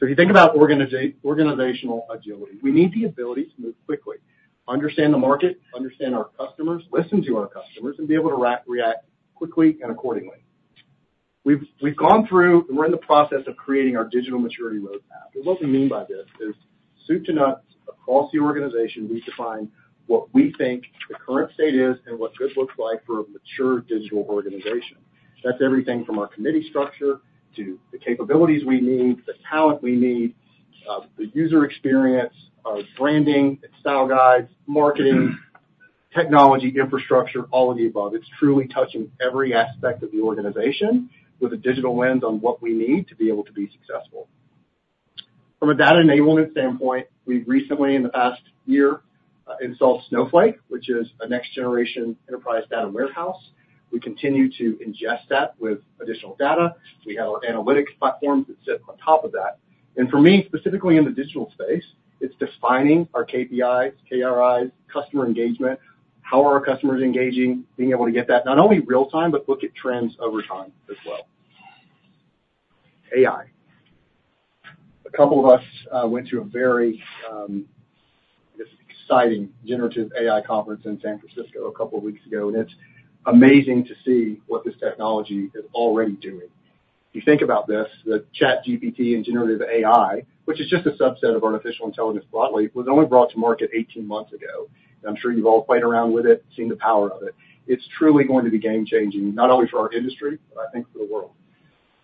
So if you think about organizational agility, we need the ability to move quickly, understand the market, understand our customers, listen to our customers, and be able to react quickly and accordingly. We've gone through and we're in the process of creating our digital maturity roadmap. And what we mean by this is soup to nuts across the organization, we define what we think the current state is and what good looks like for a mature digital organization. That's everything from our committee structure to the capabilities we need, the talent we need, the user experience, our branding, style guides, marketing, technology infrastructure, all of the above. It's truly touching every aspect of the organization with a digital lens on what we need to be able to be successful. From a data enablement standpoint, we've recently, in the past year, installed Snowflake, which is a next-generation enterprise data warehouse. We continue to ingest that with additional data. We have our analytics platforms that sit on top of that. And for me, specifically in the digital space, it's defining our KPIs, KRIs, customer engagement, how are our customers engaging, being able to get that not only real-time but look at trends over time as well. AI. A couple of us went to a very, I guess, exciting generative AI conference in San Francisco a couple of weeks ago. And it's amazing to see what this technology is already doing. If you think about this, the ChatGPT and generative AI, which is just a subset of artificial intelligence broadly, was only brought to market 18 months ago. And I'm sure you've all played around with it, seen the power of it. It's truly going to be game-changing not only for our industry but I think for the world.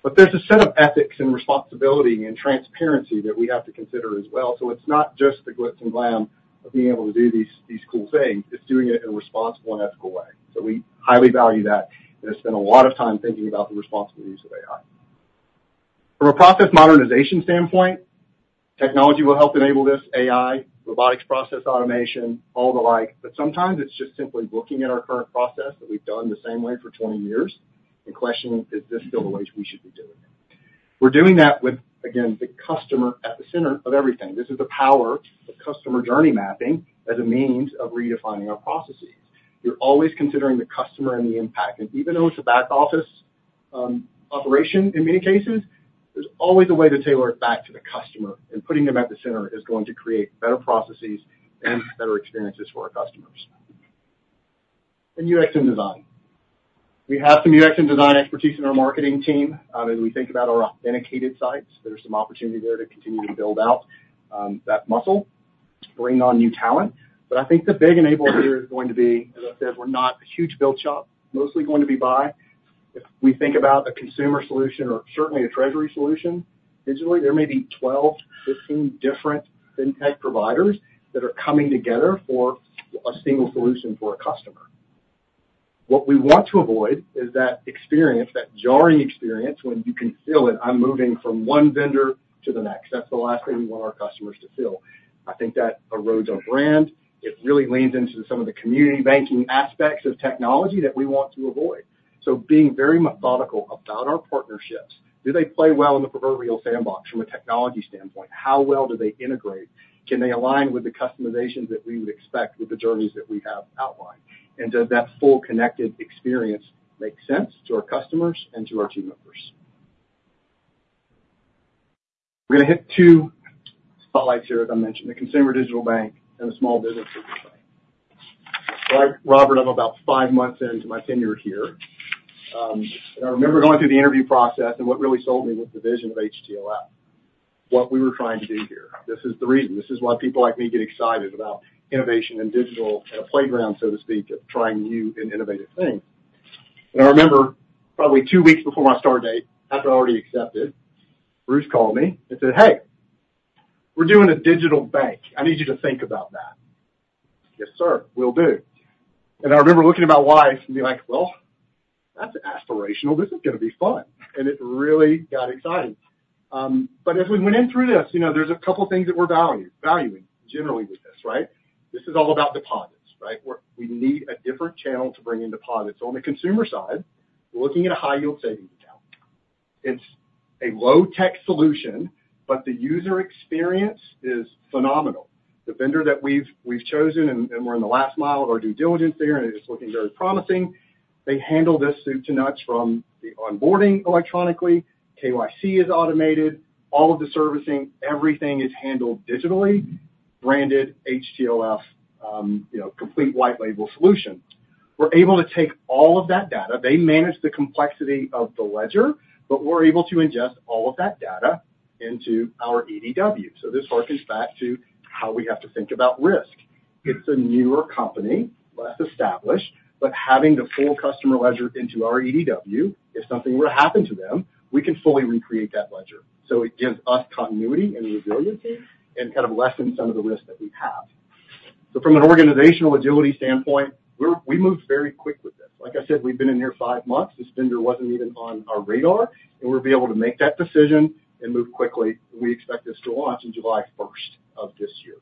But there's a set of ethics and responsibility and transparency that we have to consider as well. So it's not just the glitz and glam of being able to do these cool things. It's doing it in a responsible and ethical way. So we highly value that. And I spent a lot of time thinking about the responsibilities of AI. From a process modernization standpoint, technology will help enable this, AI, robotics process automation, all the like. But sometimes, it's just simply looking at our current process that we've done the same way for 20 years and questioning, "Is this still the way we should be doing it?" We're doing that with, again, the customer at the center of everything. This is the power of customer journey mapping as a means of redefining our processes. You're always considering the customer and the impact. Even though it's a back office operation in many cases, there's always a way to tailor it back to the customer. Putting them at the center is going to create better processes and better experiences for our customers. UX and design. We have some UX and design expertise in our marketing team. As we think about our authenticated sites, there's some opportunity there to continue to build out that muscle, bring on new talent. I think the big enabler here is going to be, as I said, we're not a huge build shop, mostly going to be buy. If we think about a consumer solution or certainly a treasury solution digitally, there may be 12, 15 different fintech providers that are coming together for a single solution for a customer. What we want to avoid is that experience, that jarring experience when you can feel it, "I'm moving from one vendor to the next." That's the last thing we want our customers to feel. I think that erodes our brand. It really leans into some of the community banking aspects of technology that we want to avoid. So being very methodical about our partnerships, do they play well in the proverbial sandbox from a technology standpoint? How well do they integrate? Can they align with the customizations that we would expect with the journeys that we have outlined? And does that full, connected experience make sense to our customers and to our team members? I'm going to hit two spotlights here, as I mentioned, the consumer digital bank and the small business digital bank. All right, Robert, I'm about five months into my tenure here. I remember going through the interview process. What really sold me was the vision of HTLF, what we were trying to do here. This is the reason. This is why people like me get excited about innovation and digital at a playground, so to speak, of trying new and innovative things. I remember probably two weeks before my start date, after I already accepted, Bruce called me and said, "Hey, we're doing a digital bank. I need you to think about that." "Yes, sir. We'll do." I remember looking at my wife and being like, "Well, that's aspirational. This is going to be fun." It really got exciting. But as we went in through this, there's a couple of things that we're valuing generally with this, right? This is all about deposits, right? We need a different channel to bring in deposits. So on the consumer side, we're looking at a high-yield savings account. It's a low-tech solution. But the user experience is phenomenal. The vendor that we've chosen and we're in the last mile of our due diligence there, and it's looking very promising. They handle this soup to nuts from the onboarding electronically. KYC is automated. All of the servicing, everything is handled digitally, branded HTLF, complete white-label solution. We're able to take all of that data. They manage the complexity of the ledger. But we're able to ingest all of that data into our EDW. So this harkens back to how we have to think about risk. It's a newer company, less established. But having the full customer ledger into our EDW, if something were to happen to them, we can fully recreate that ledger. So it gives us continuity and resiliency and kind of lessens some of the risk that we have. So from an organizational agility standpoint, we moved very quick with this. Like I said, we've been in here 5 months. This vendor wasn't even on our radar. And we'll be able to make that decision and move quickly. And we expect this to launch on July 1st of this year.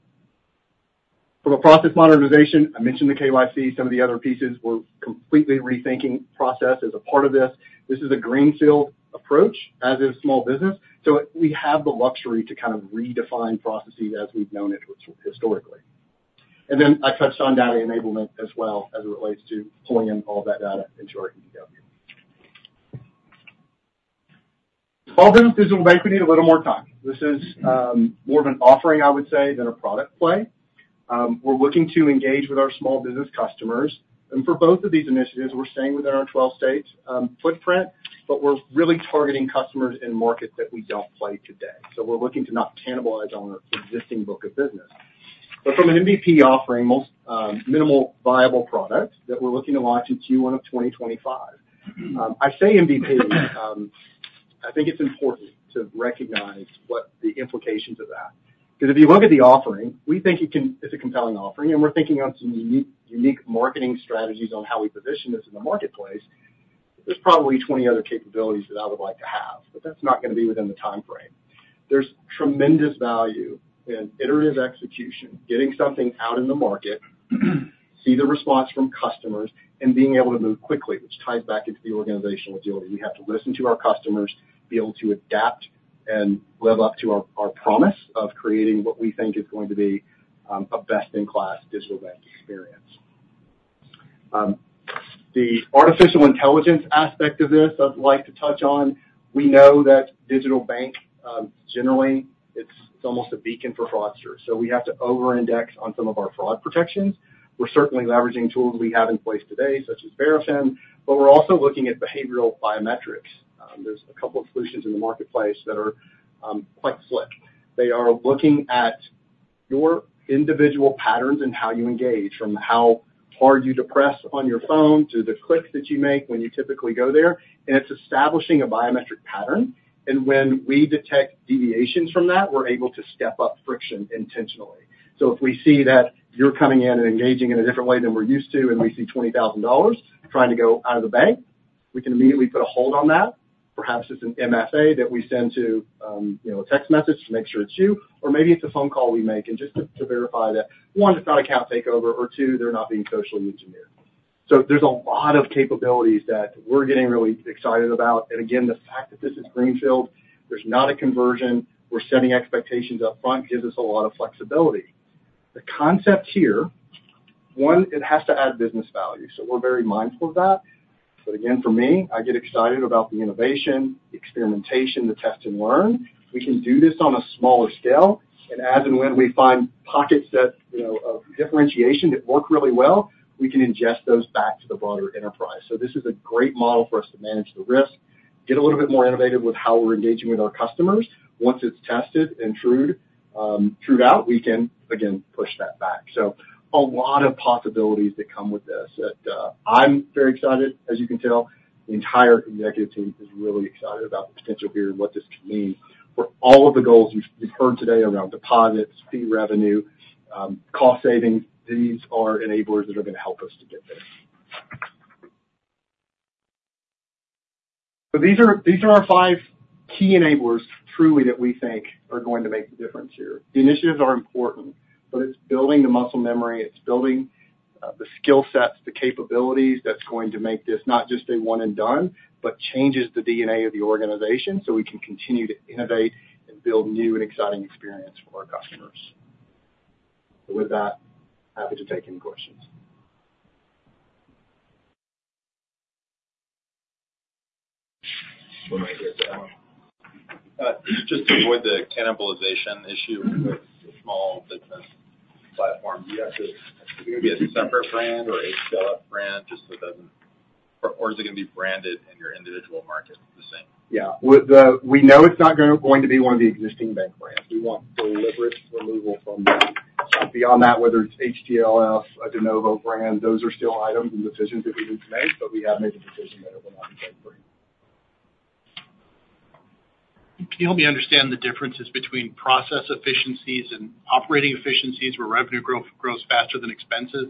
From a process modernization, I mentioned the KYC, some of the other pieces. We're completely rethinking process as a part of this. This is a greenfield approach as is small business. So we have the luxury to kind of redefine processes as we've known it historically. I touched on data enablement as well as it relates to pulling in all of that data into our EDW. Small business digital bank, we need a little more time. This is more of an offering, I would say, than a product play. We're looking to engage with our small business customers. For both of these initiatives, we're staying within our 12-state footprint. But we're really targeting customers in markets that we don't play today. So we're looking to not cannibalize on our existing book of business. But from an MVP offering, minimal viable product that we're looking to launch in Q1 of 2025. I say MVP. I think it's important to recognize what the implications of that. Because if you look at the offering, we think it's a compelling offering. We're thinking of some unique marketing strategies on how we position this in the marketplace. There's probably 20 other capabilities that I would like to have. But that's not going to be within the time frame. There's tremendous value in iterative execution, getting something out in the market, see the response from customers, and being able to move quickly, which ties back into the organizational agility. We have to listen to our customers, be able to adapt and live up to our promise of creating what we think is going to be a best-in-class digital bank experience. The artificial intelligence aspect of this I'd like to touch on. We know that digital bank, generally, it's almost a beacon for fraudsters. So we have to over-index on some of our fraud protections. We're certainly leveraging tools we have in place today such as Verafin. But we're also looking at behavioral biometrics. There's a couple of solutions in the marketplace that are quite slick. They are looking at your individual patterns and how you engage, from how hard you depress on your phone to the clicks that you make when you typically go there. It's establishing a biometric pattern. When we detect deviations from that, we're able to step up friction intentionally. If we see that you're coming in and engaging in a different way than we're used to and we see $20,000 trying to go out of the bank, we can immediately put a hold on that. Perhaps it's an MFA that we send to a text message to make sure it's you. Or maybe it's a phone call we make and just to verify that, one, it's not account takeover. Or two, they're not being socially engineered. There's a lot of capabilities that we're getting really excited about. Again, the fact that this is greenfield, there's not a conversion. We're setting expectations upfront gives us a lot of flexibility. The concept here, one, it has to add business value. So we're very mindful of that. But again, for me, I get excited about the innovation, the experimentation, the test and learn. We can do this on a smaller scale. And as and when we find pockets of differentiation that work really well, we can ingest those back to the broader enterprise. So this is a great model for us to manage the risk, get a little bit more innovative with how we're engaging with our customers. Once it's tested and trued out, we can, again, push that back. So a lot of possibilities that come with this. I'm very excited, as you can tell. The entire executive team is really excited about the potential here and what this could mean for all of the goals you've heard today around deposits, fee revenue, cost savings. These are enablers that are going to help us to get there. So these are our five key enablers, truly, that we think are going to make the difference here. The initiatives are important. But it's building the muscle memory. It's building the skill sets, the capabilities that's going to make this not just a one-and-done but changes the DNA of the organization so we can continue to innovate and build new and exciting experiences for our customers. With that, happy to take any questions. Just to avoid the cannibalization issue with the small business platform, is it going to be a separate brand or HTLF brand just so it doesn't or is it going to be branded in your individual market the same? Yeah. We know it's not going to be one of the existing bank brands. We want deliberate removal from them. Beyond that, whether it's HTLF, a de novo brand, those are still items and decisions that we need to make. But we have made the decision that it will not be bank brand. Can you help me understand the differences between process efficiencies and operating efficiencies where revenue grows faster than expenses?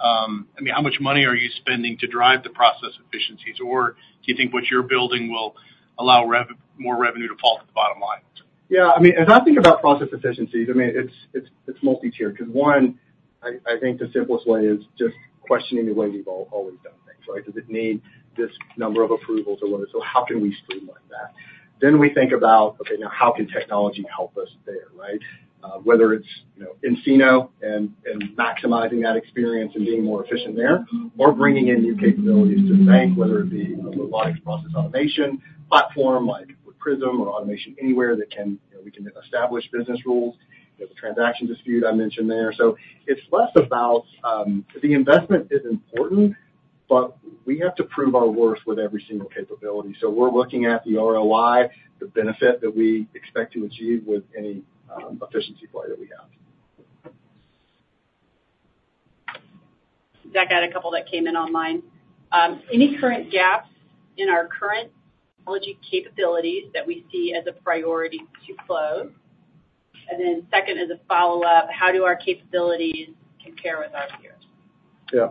I mean, how much money are you spending to drive the process efficiencies? Or do you think what you're building will allow more revenue to fall to the bottom line? Yeah.I mean, as I think about process efficiencies, I mean, it's multi-tiered. Because one, I think the simplest way is just questioning the way we've always done things, right? Does it need this number of approvals or what is it? So how can we streamline that? Then we think about, "Okay. Now, how can technology help us there," right, whether it's nCino and maximizing that experience and being more efficient there or bringing in new capabilities to the bank, whether it be a robotics process automation platform like with Prism or Automation Anywhere that we can establish business rules, the transaction dispute I mentioned there. So it's less about the investment is important. But we have to prove our worth with every single capability. So we're looking at the ROI, the benefit that we expect to achieve with any efficiency play that we have. Zach had a couple that came in online. Any current gaps in our current technology capabilities that we see as a priority to close? And then second, as a follow-up, how do our capabilities compare with our peers? Yeah.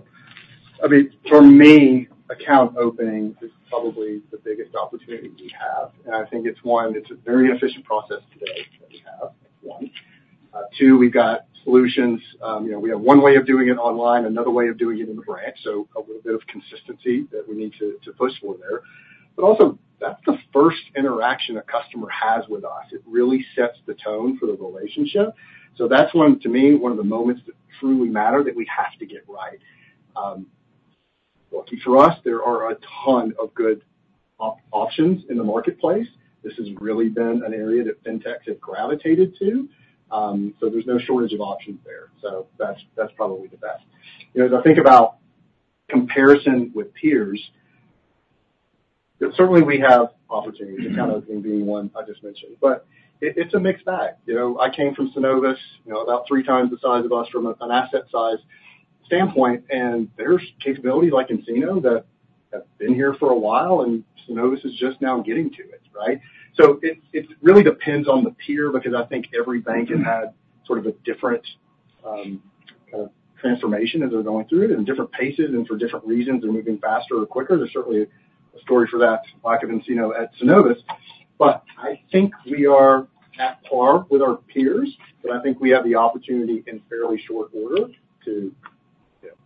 I mean, for me, account opening is probably the biggest opportunity we have. And I think it's, one, it's a very efficient process today that we have. That's one. Two, we've got solutions. We have one way of doing it online, another way of doing it in the branch. So a little bit of consistency that we need to push for there. But also, that's the first interaction a customer has with us. It really sets the tone for the relationship. So that's one, to me, one of the moments that truly matter that we have to get right. Lucky for us, there are a ton of good options in the marketplace. This has really been an area that fintechs have gravitated to. So there's no shortage of options there. That's probably the best. As I think about comparison with peers, certainly we have opportunities. Account opening being one I just mentioned. But it's a mixed bag. I came from Synovus about three times the size of us from an asset size standpoint. There's capabilities like nCino that have been here for a while. And Synovus is just now getting to it, right? So it really depends on the peer. Because I think every bank has had sort of a different kind of transformation as they're going through it and different paces and for different reasons. They're moving faster or quicker. There's certainly a story for that lack of nCino at Synovus. But I think we are at par with our peers. But I think we have the opportunity in fairly short order to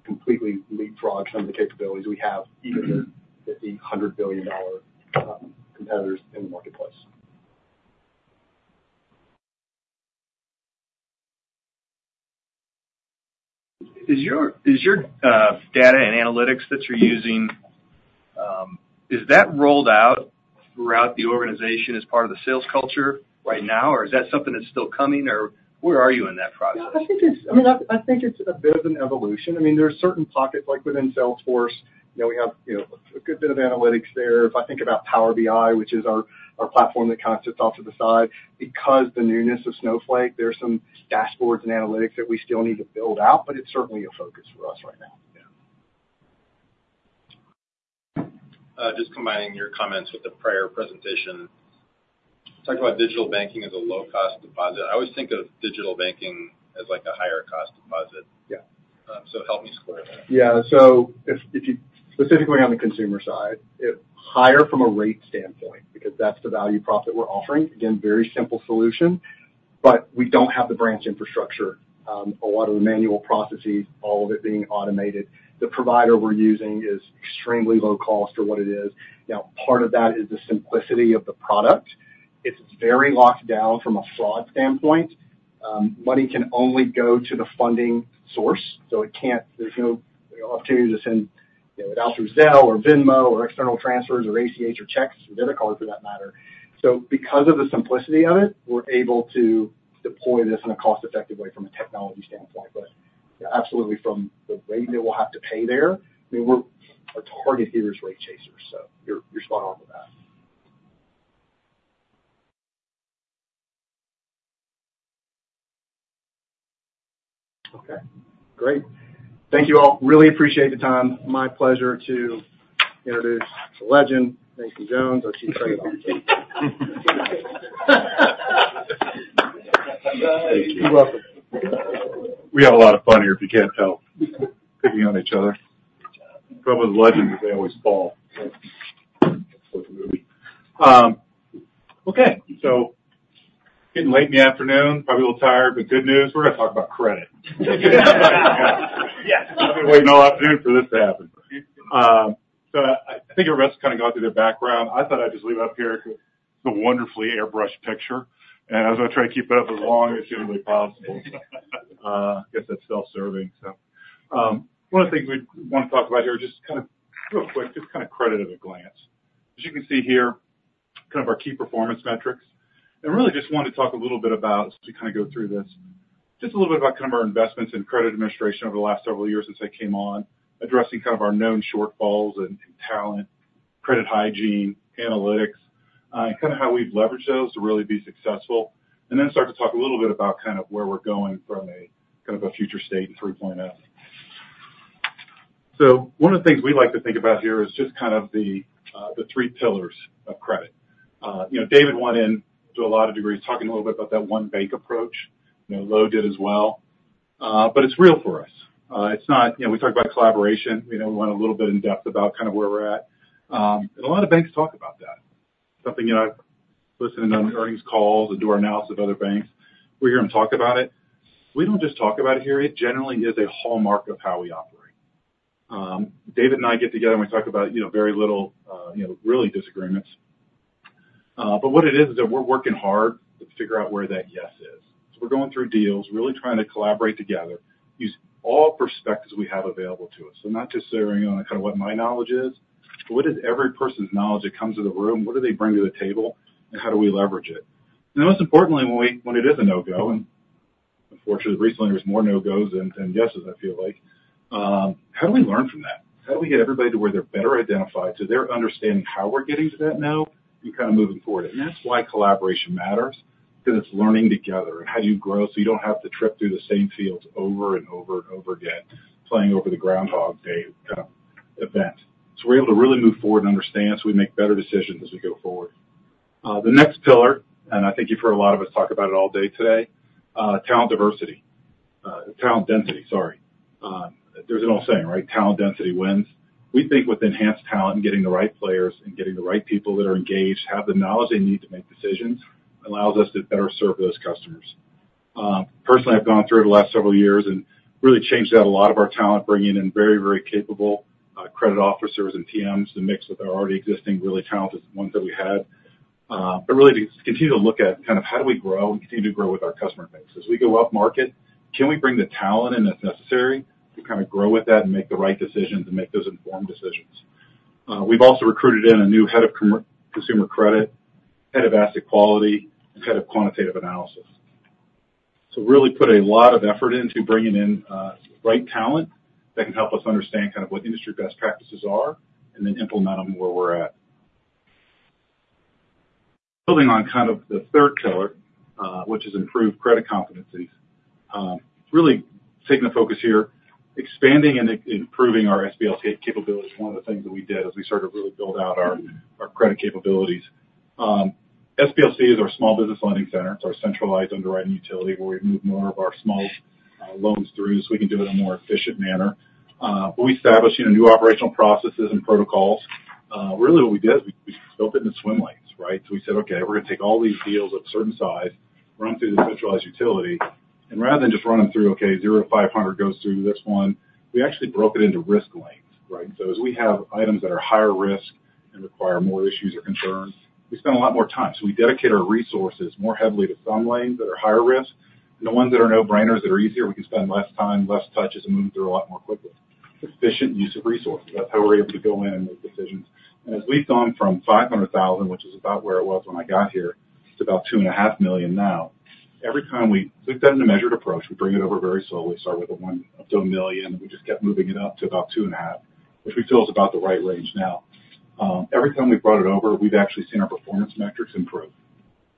completely leapfrog some of the capabilities we have even with the $100 billion competitors in the marketplace. Is your data and analytics that you're using, is that rolled out throughout the organization as part of the sales culture right now? Or is that something that's still coming? Or where are you in that process? I mean, I think it's a bit of an evolution. I mean, there are certain pockets within Salesforce. We have a good bit of analytics there. If I think about Power BI, which is our platform that kind of sits off to the side, because of the newness of Snowflake, there are some dashboards and analytics that we still need to build out. But it's certainly a focus for us right now. Yeah. Just combining your comments with the prior presentation, talking about digital banking as a low-cost deposit, I always think of digital banking as a higher-cost deposit. So help me square that? Yeah. So specifically on the consumer side, higher from a rate standpoint because that's the value prop that we're offering. Again, very simple solution. But we don't have the branch infrastructure, a lot of the manual processes, all of it being automated. The provider we're using is extremely low-cost for what it is. Now, part of that is the simplicity of the product. It's very locked down from a fraud standpoint. Money can only go to the funding source. So there's no opportunity to send it out through Zelle or Venmo or external transfers or ACH or checks or debit cards, for that matter. So because of the simplicity of it, we're able to deploy this in a cost-effective way from a technology standpoint. But absolutely, from the rate that we'll have to pay there, I mean, our target here is rate chasers. So you're spot on with that. Okay. Great. Thank you all. Really appreciate the time. My pleasure to introduce the legend, Nathan Jones, our Chief Credit Officer. You're welcome. We have a lot of fun here if you can't help picking on each other. The problem with legends is they always fall. That's what the movie okay. So getting late in the afternoon, probably a little tired. But good news, we're going to talk about credit. Yes. I've been waiting all afternoon for this to happen. So I think everybody's kind of gone through their background. I thought I'd just leave it up here because it's a wonderfully airbrushed picture. I was going to try to keep it up as long as humanly possible. I guess that's self-serving, so. One of the things we want to talk about here just kind of real quick, just kind of credit at a glance. As you can see here, kind of our key performance metrics. Really, just wanted to talk a little bit about as we kind of go through this, just a little bit about kind of our investments in credit administration over the last several years since I came on, addressing kind of our known shortfalls in talent, credit hygiene, analytics, and kind of how we've leveraged those to really be successful. Then start to talk a little bit about kind of where we're going from kind of a future state in 3.0. So one of the things we like to think about here is just kind of the three pillars of credit. David went in, to a lot of degrees, talking a little bit about that one-bank approach. Lo did as well. But it's real for us. We talk about collaboration. We went a little bit in-depth about kind of where we're at. And a lot of banks talk about that, something I've listened to on earnings calls and do our analysis of other banks. We hear them talk about it. We don't just talk about it here. It generally is a hallmark of how we operate. David and I get together. And we talk about very little, really, disagreements. But what it is is that we're working hard to figure out where that yes is. So we're going through deals, really trying to collaborate together, use all perspectives we have available to us. So not just centering on kind of what my knowledge is. But what is every person's knowledge that comes to the room? What do they bring to the table? And how do we leverage it? And most importantly, when it is a no-go and unfortunately, recently, there's more no-goes than yeses, I feel like, how do we learn from that? How do we get everybody to where they're better identified to their understanding how we're getting to that no and kind of moving forward? And that's why collaboration matters because it's learning together and how do you grow so you don't have to trip through the same fields over and over and over again, playing over the Groundhog Day kind of event. So we're able to really move forward and understand so we make better decisions as we go forward. The next pillar, and I think you've heard a lot of us talk about it all day today, talent diversity, talent density. Sorry. There's an old saying, right? Talent density wins. We think with enhanced talent and getting the right players and getting the right people that are engaged, have the knowledge they need to make decisions, allows us to better serve those customers. Personally, I've gone through it the last several years and really changed out a lot of our talent, bringing in very, very capable credit officers and PMs to mix with our already existing, really talented ones that we had. But really, to continue to look at kind of how do we grow and continue to grow with our customer base? As we go up market, can we bring the talent in as necessary to kind of grow with that and make the right decisions and make those informed decisions? We've also recruited in a new head of consumer credit, head of asset quality, and head of quantitative analysis. So really put a lot of effort into bringing in the right talent that can help us understand kind of what industry best practices are and then implement them where we're at. Building on kind of the third pillar, which is improved credit competencies, really taking the focus here, expanding and improving our SBLC capability is one of the things that we did as we started to really build out our credit capabilities. SBLC is our small business lending center. It's our centralized underwriting utility where we move more of our small loans through so we can do it in a more efficient manner. But we established new operational processes and protocols. Really, what we did is we built it into swim lanes, right? So we said, "Okay. We're going to take all these deals of certain size, run them through the centralized utility. And rather than just run them through, 'Okay. 0-500 goes through this one,' we actually broke it into risk lanes, right? So as we have items that are higher risk and require more issues or concerns, we spend a lot more time. So we dedicate our resources more heavily to some lanes that are higher risk. And the ones that are no-brainers, that are easier, we can spend less time, less touches, and move through a lot more quickly. Efficient use of resources. That's how we're able to go in and make decisions. As we've gone from $500,000, which is about where it was when I got here, to about $2.5 million now, every time we've done it in a measured approach. We bring it over very slowly. We start with a 1 up to a million. We just kept moving it up to about 2.5, which we feel is about the right range now. Every time we've brought it over, we've actually seen our performance metrics improve.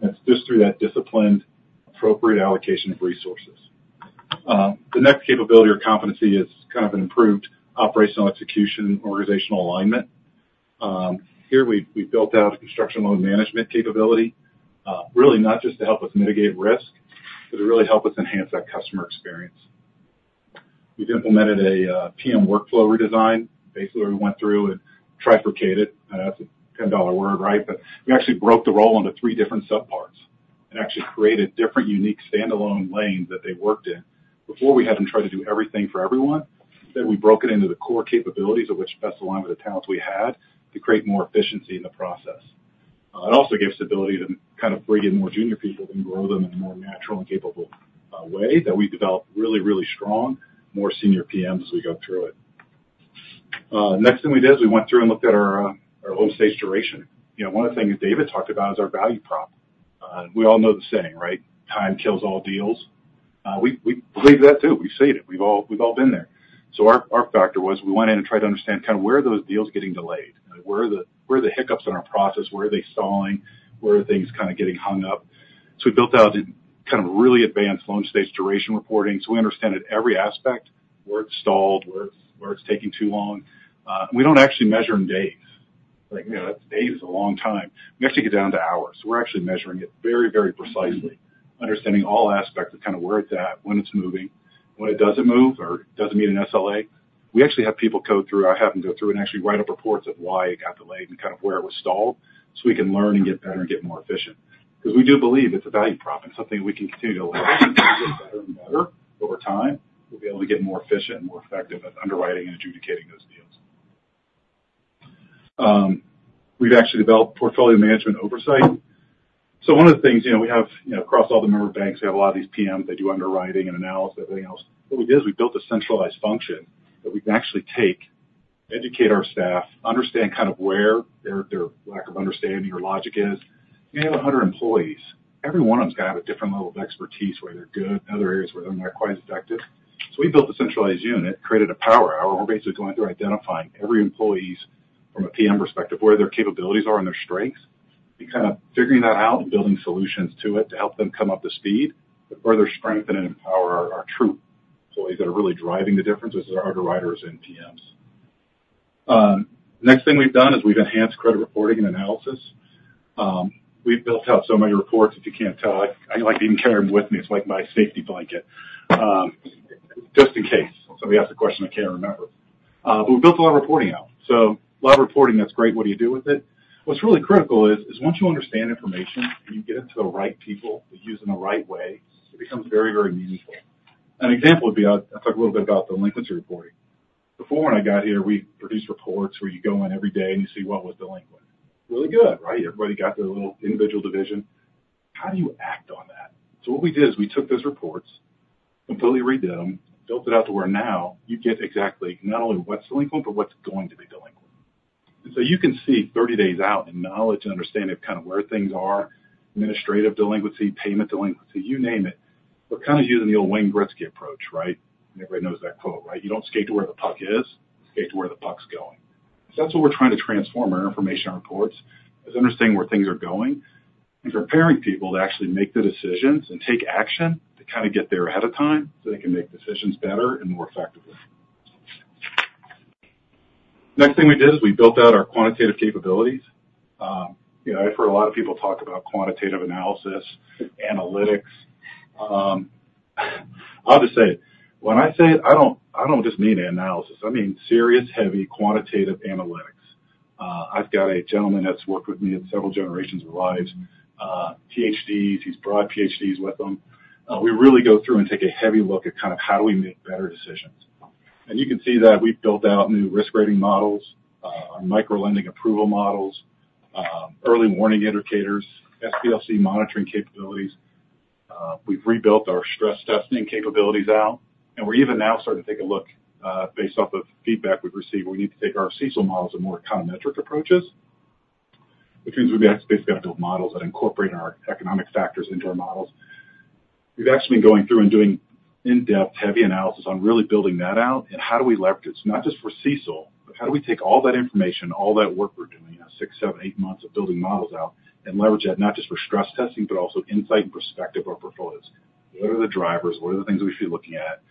It's just through that disciplined, appropriate allocation of resources. The next capability or competency is kind of an improved operational execution, organizational alignment. Here, we've built out a construction loan management capability, really not just to help us mitigate risk but to really help us enhance that customer experience. We've implemented a PM workflow redesign. Basically, we went through and trifurcated - and that's a $10 word, right? - but we actually broke the role into 3 different subparts and actually created different, unique, standalone lanes that they worked in. Before we had them try to do everything for everyone, instead, we broke it into the core capabilities of which best align with the talents we had to create more efficiency in the process. It also gives the ability to kind of bring in more junior people and grow them in a more natural and capable way that we develop really, really strong, more senior PMs as we go through it. Next thing we did is we went through and looked at our loan stage duration. One of the things David talked about is our value prop. And we all know the saying, right? Time kills all deals. We believe that too. We've seen it. We've all been there. So our factor was we went in and tried to understand kind of where are those deals getting delayed? Where are the hiccups in our process? Where are they stalling? Where are things kind of getting hung up? So we built out kind of really advanced loan stage duration reporting. So we understand at every aspect where it's stalled, where it's taking too long. And we don't actually measure in days. That's days is a long time. We actually get down to hours. So we're actually measuring it very, very precisely, understanding all aspects of kind of where it's at, when it's moving, when it doesn't move, or it doesn't meet an SLA. We actually have people code through. I have them go through and actually write up reports of why it got delayed and kind of where it was stalled so we can learn and get better and get more efficient. Because we do believe it's a value prop and something that we can continue to allow. As we get better and better over time, we'll be able to get more efficient and more effective at underwriting and adjudicating those deals. We've actually developed portfolio management oversight. So one of the things we have across all the member banks, we have a lot of these PMs. They do underwriting and analysis, everything else. What we did is we built a centralized function that we can actually take, educate our staff, understand kind of where their lack of understanding or logic is. You have 100 employees. Every one of them's going to have a different level of expertise where they're good, other areas where they're not quite as effective. So we built a centralized unit, created a Power Hour, where we're basically going through and identifying every employee's from a PM perspective, where their capabilities are and their strengths, and kind of figuring that out and building solutions to it to help them come up to speed and further strengthen and empower our true employees that are really driving the difference, which is our underwriters and PMs. Next thing we've done is we've enhanced credit reporting and analysis. We've built out so many reports that you can't tell. I like to even carry them with me. It's like my safety blanket just in case somebody asks a question I can't remember. But we built a lot of reporting out. So a lot of reporting, that's great. What do you do with it? What's really critical is once you understand information and you get it to the right people to use in the right way, it becomes very, very meaningful. An example would be I'll talk a little bit about delinquency reporting. Before when I got here, we produced reports where you go in every day and you see, "What was delinquent?" Really good, right? Everybody got their little individual division. How do you act on that? So what we did is we took those reports, completely redid them, built it out to where now you get exactly not only what's delinquent but what's going to be delinquent. And so you can see 30 days out and knowledge and understanding of kind of where things are, administrative delinquency, payment delinquency, you name it. We're kind of using the old Wayne Gretzky approach, right? Everybody knows that quote, right? "You don't skate to where the puck is. You skate to where the puck's going." So that's what we're trying to transform our information reports is understanding where things are going and preparing people to actually make the decisions and take action to kind of get there ahead of time so they can make decisions better and more effectively. Next thing we did is we built out our quantitative capabilities. I've heard a lot of people talk about quantitative analysis, analytics. I'll just say it. When I say it, I don't just mean analysis. I mean serious, heavy, quantitative analytics. I've got a gentleman that's worked with me several generations of lives, PhDs. He's brought PhDs with him. We really go through and take a heavy look at kind of how do we make better decisions? You can see that we've built out new risk rating models, our microlending approval models, early warning indicators, SBLC monitoring capabilities. We've rebuilt our stress testing capabilities out. We're even now starting to take a look based off of feedback we've received where we need to take our CECL models and more econometric approaches, which means we've basically got to build models that incorporate our economic factors into our models. We've actually been going through and doing in-depth, heavy analysis on really building that out and how do we leverage it, not just for CECL, but how do we take all that information, all that work we're doing in our 6, 7, 8 months of building models out and leverage that not just for stress testing but also insight and perspective of our portfolios. What are the drivers? What are the things we should be looking at?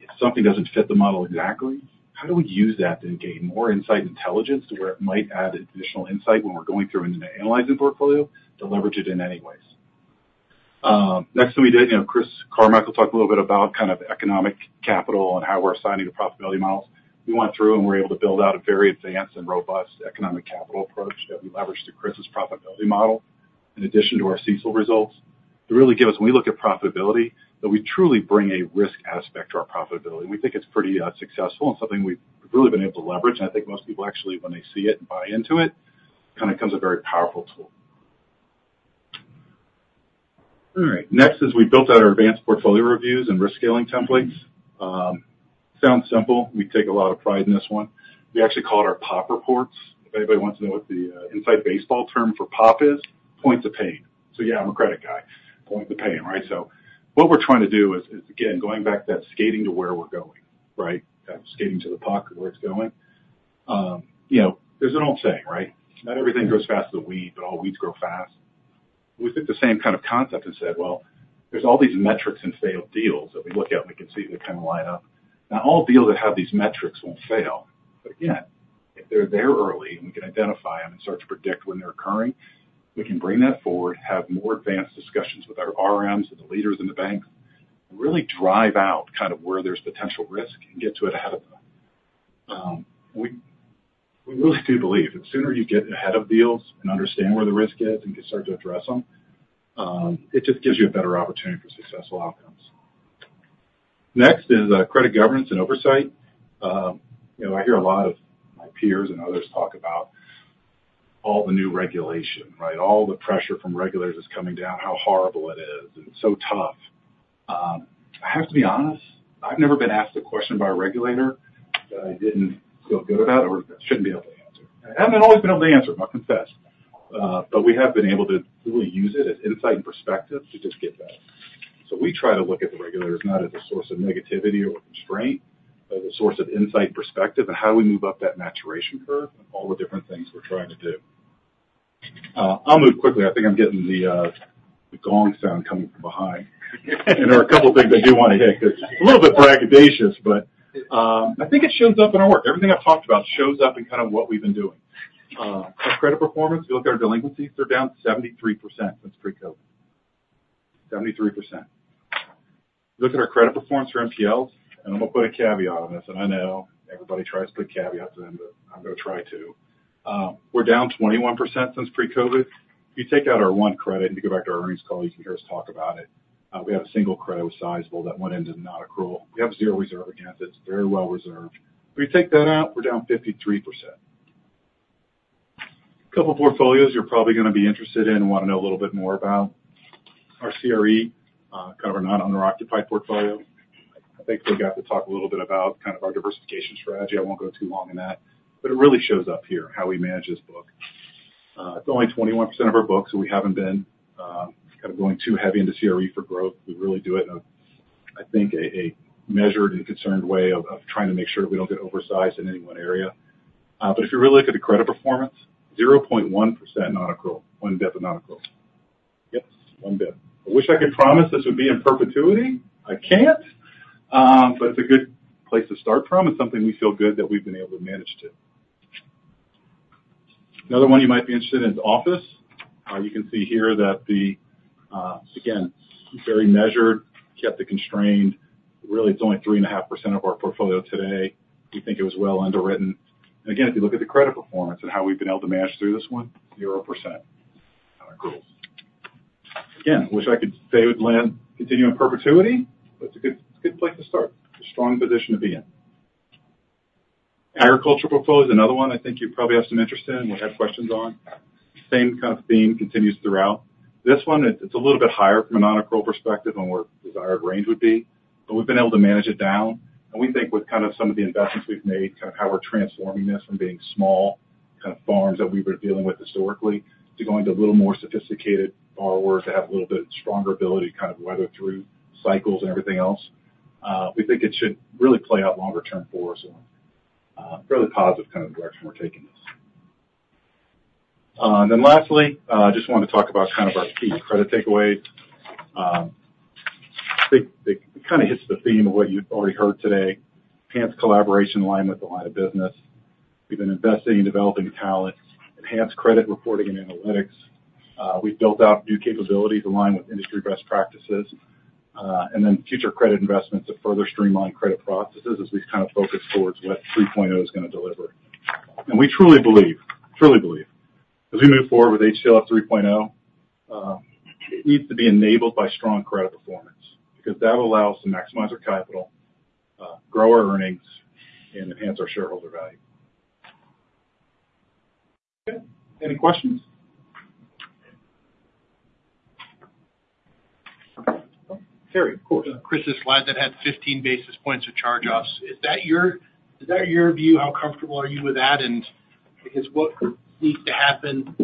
If something doesn't fit the model exactly, how do we use that to gain more insight and intelligence to where it might add additional insight when we're going through and then analyzing the portfolio to leverage it in any ways? Next thing we did, Chris Carmichael talked a little bit about kind of economic capital and how we're assigning the profitability models. We went through. We were able to build out a very advanced and robust economic capital approach that we leveraged to Chris's profitability model in addition to our CECL results to really give us, when we look at profitability, that we truly bring a risk aspect to our profitability. We think it's pretty successful and something we've really been able to leverage. I think most people, actually, when they see it and buy into it, it kind of becomes a very powerful tool. All right. Next is we built out our advanced portfolio reviews and risk scaling templates. Sounds simple. We take a lot of pride in this one. We actually called our POP reports, if anybody wants to know what the inside baseball term for POP is, points of pain. So yeah, I'm a credit guy. Points of pain, right? So what we're trying to do is, again, going back to that skating to where we're going, right, skating to the puck and where it's going. There's an old saying, right? Not everything grows faster than wheat, but all wheats grow fast. We took the same kind of concept and said, "Well, there's all these metrics and failed deals that we look at. And we can see that they kind of line up." Now, all deals that have these metrics won't fail. But again, if they're there early and we can identify them and start to predict when they're occurring, we can bring that forward, have more advanced discussions with our RMs and the leaders in the banks, and really drive out kind of where there's potential risk and get to it ahead of time. We really do believe the sooner you get ahead of deals and understand where the risk is and can start to address them, it just gives you a better opportunity for successful outcomes. Next is credit governance and oversight. I hear a lot of my peers and others talk about all the new regulation, right? All the pressure from regulators is coming down, how horrible it is and so tough. I have to be honest, I've never been asked a question by a regulator that I didn't feel good about or that I shouldn't be able to answer. I haven't always been able to answer them. I'll confess. We have been able to really use it as insight and perspective to just get better. We try to look at the regulators not as a source of negativity or constraint but as a source of insight and perspective and how do we move up that maturation curve and all the different things we're trying to do. I'll move quickly. I think I'm getting the gong sound coming from behind. There are a couple of things I do want to hit because it's a little bit braggadocious. I think it shows up in our work. Everything I've talked about shows up in kind of what we've been doing. Our credit performance, if you look at our delinquencies, they're down 73% since pre-COVID. 73%. You look at our credit performance for NPLs and I'm going to put a caveat on this. And I know everybody tries to put caveats in, but I'm going to try to. We're down 21% since pre-COVID. If you take out our one credit and you go back to our earnings call, you can hear us talk about it. We had a single credit with sizeable that went into non-accrual. We have zero reserve against it. It's very well reserved. If you take that out, we're down 53%. A couple of portfolios you're probably going to be interested in and want to know a little bit more about. Our CRE, kind of our non-occupied portfolio. I think we got to talk a little bit about kind of our diversification strategy. I won't go too long in that. But it really shows up here, how we manage this book. It's only 21% of our book. So we haven't been kind of going too heavy into CRE for growth. We really do it in, I think, a measured and concerned way of trying to make sure that we don't get oversized in any one area. But if you really look at the credit performance, 0.1% non-accrual, one bit of non-accrual. Yep, one bit. I wish I could promise this would be in perpetuity. I can't. But it's a good place to start from. It's something we feel good that we've been able to manage to. Another one you might be interested in is office. You can see here that the, again, very measured, kept it constrained. Really, it's only 3.5% of our portfolio today. We think it was well underwritten. Again, if you look at the credit performance and how we've been able to manage through this one, 0% non-accrual. Again, I wish I could say it would continue in perpetuity. It's a good place to start, a strong position to be in. Agriculture portfolio is another one I think you probably have some interest in and would have questions on. Same kind of theme continues throughout. This one, it's a little bit higher from a non-accrual perspective than where desired range would be. We've been able to manage it down. And we think with kind of some of the investments we've made, kind of how we're transforming this from being small kind of farms that we were dealing with historically to going to a little more sophisticated borrowers that have a little bit stronger ability to kind of weather through cycles and everything else, we think it should really play out longer-term for us. So fairly positive kind of direction we're taking this. And then lastly, I just wanted to talk about kind of our key credit takeaways. It kind of hits the theme of what you've already heard today. Enhanced collaboration aligned with the line of business. We've been investing and developing talent, enhanced credit reporting and analytics. We've built out new capabilities aligned with industry best practices and then future credit investments to further streamline credit processes as we kind of focus towards what 3.0 is going to deliver. We truly believe, truly believe, as we move forward with HTLF 3.0, it needs to be enabled by strong credit performance because that will allow us to maximize our capital, grow our earnings, and enhance our shareholder value. Okay. Any questions? Terry, of course. Chris's slide that had 15 basis points of charge-offs, is that your view? How comfortable are you with that? And I guess what needs to happen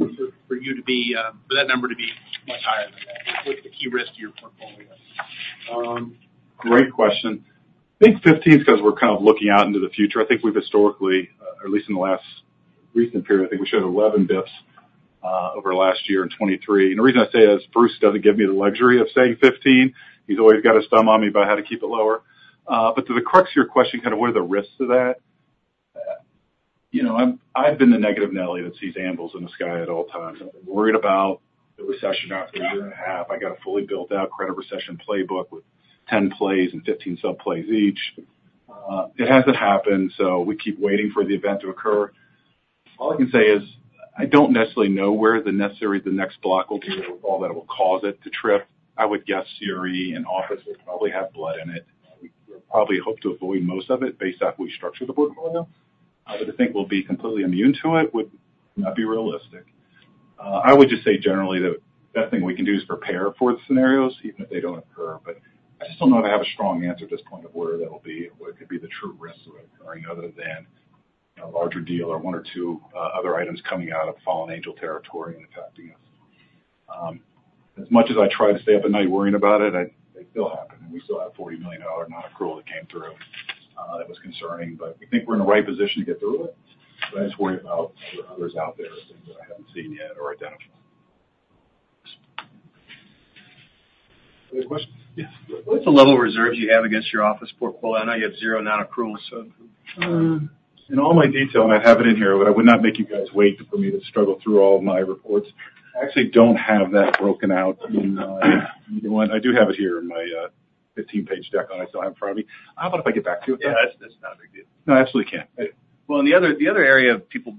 for that number to be much higher than that? What's the key risk to your portfolio? Great question. Big 15's because we're kind of looking out into the future. I think we've historically, or at least in the last recent period, I think we showed 11 bps over the last year in 2023. And the reason I say that is Bruce doesn't give me the luxury of saying 15. He's always got his thumb on me about how to keep it lower. But to the crux of your question, kind of what are the risks of that? I've been the negative Nelly that sees anvils in the sky at all times. I've been worried about the recession after a year and a half. I got a fully built-out credit recession playbook with 10 plays and 15 sub-plays each. It hasn't happened. So we keep waiting for the event to occur. All I can say is I don't necessarily know where the next block will be with all that will cause it to trip. I would guess CRE and office would probably have blood in it. We'll probably hope to avoid most of it based off of how we structure the portfolio. But to think we'll be completely immune to it would not be realistic. I would just say generally that the best thing we can do is prepare for the scenarios even if they don't occur. But I just don't know if I have a strong answer at this point of where that'll be and what could be the true risks of it occurring other than a larger deal or one or two other items coming out of fallen angel territory and affecting us. As much as I try to stay up at night worrying about it, they still happen. And we still have a $40 million non-accrual that came through that was concerning. But we think we're in the right position to get through it. But I just worry about other out there things that I haven't seen yet or identified. Other questions? Yes. What's the level of reserves you have against your office portfolio? I know you have zero non-accrual. So in all my detail, and I'd have it in here, but I would not make you guys wait for me to struggle through all of my reports. I actually don't have that broken out in my either one. I do have it here in my 15-page deck on it. So I have it in front of me. How about if I get back to you with that? Yeah. That's not a big deal. No, I absolutely can. Well, and the other area people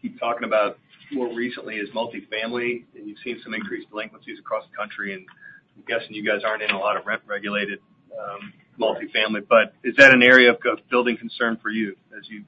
keep talking about more recently is multifamily. And you've seen some increased delinquencies across the country. I'm guessing you guys aren't in a lot of rent-regulated multifamily. But is that an area of building concern for you as you?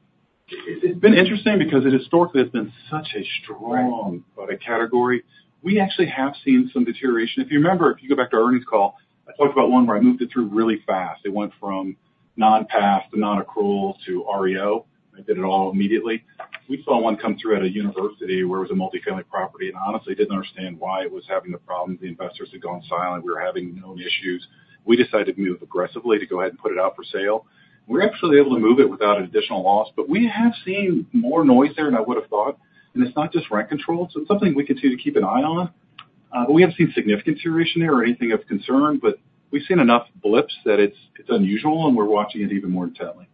It's been interesting because it historically has been such a strong product category. We actually have seen some deterioration. If you remember, if you go back to our earnings call, I talked about one where I moved it through really fast. It went from non-pass to non-accrual to REO. I did it all immediately. We saw one come through at a university where it was a multifamily property. And honestly, I didn't understand why it was having the problems. The investors had gone silent. We were having known issues. We decided to move aggressively to go ahead and put it out for sale. We were actually able to move it without an additional loss. But we have seen more noise there than I would have thought. It's not just rent control. So it's something we continue to keep an eye on. But we haven't seen significant deterioration there or anything of concern. But we've seen enough blips that it's unusual. And we're watching it even more intently.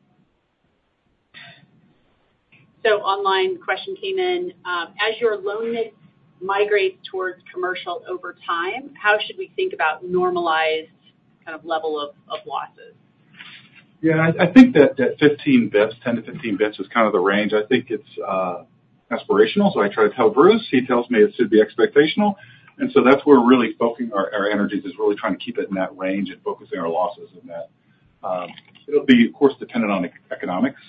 So online question came in. As your loan mix migrates towards commercial over time, how should we think about normalized kind of level of losses? Yeah. I think that 15 bps, 10-15 bps, is kind of the range. I think it's aspirational. So I try to tell Bruce. He tells me it should be expectational. And so that's where we're really focusing our energies, is really trying to keep it in that range and focusing our losses in that. It'll be, of course, dependent on economics.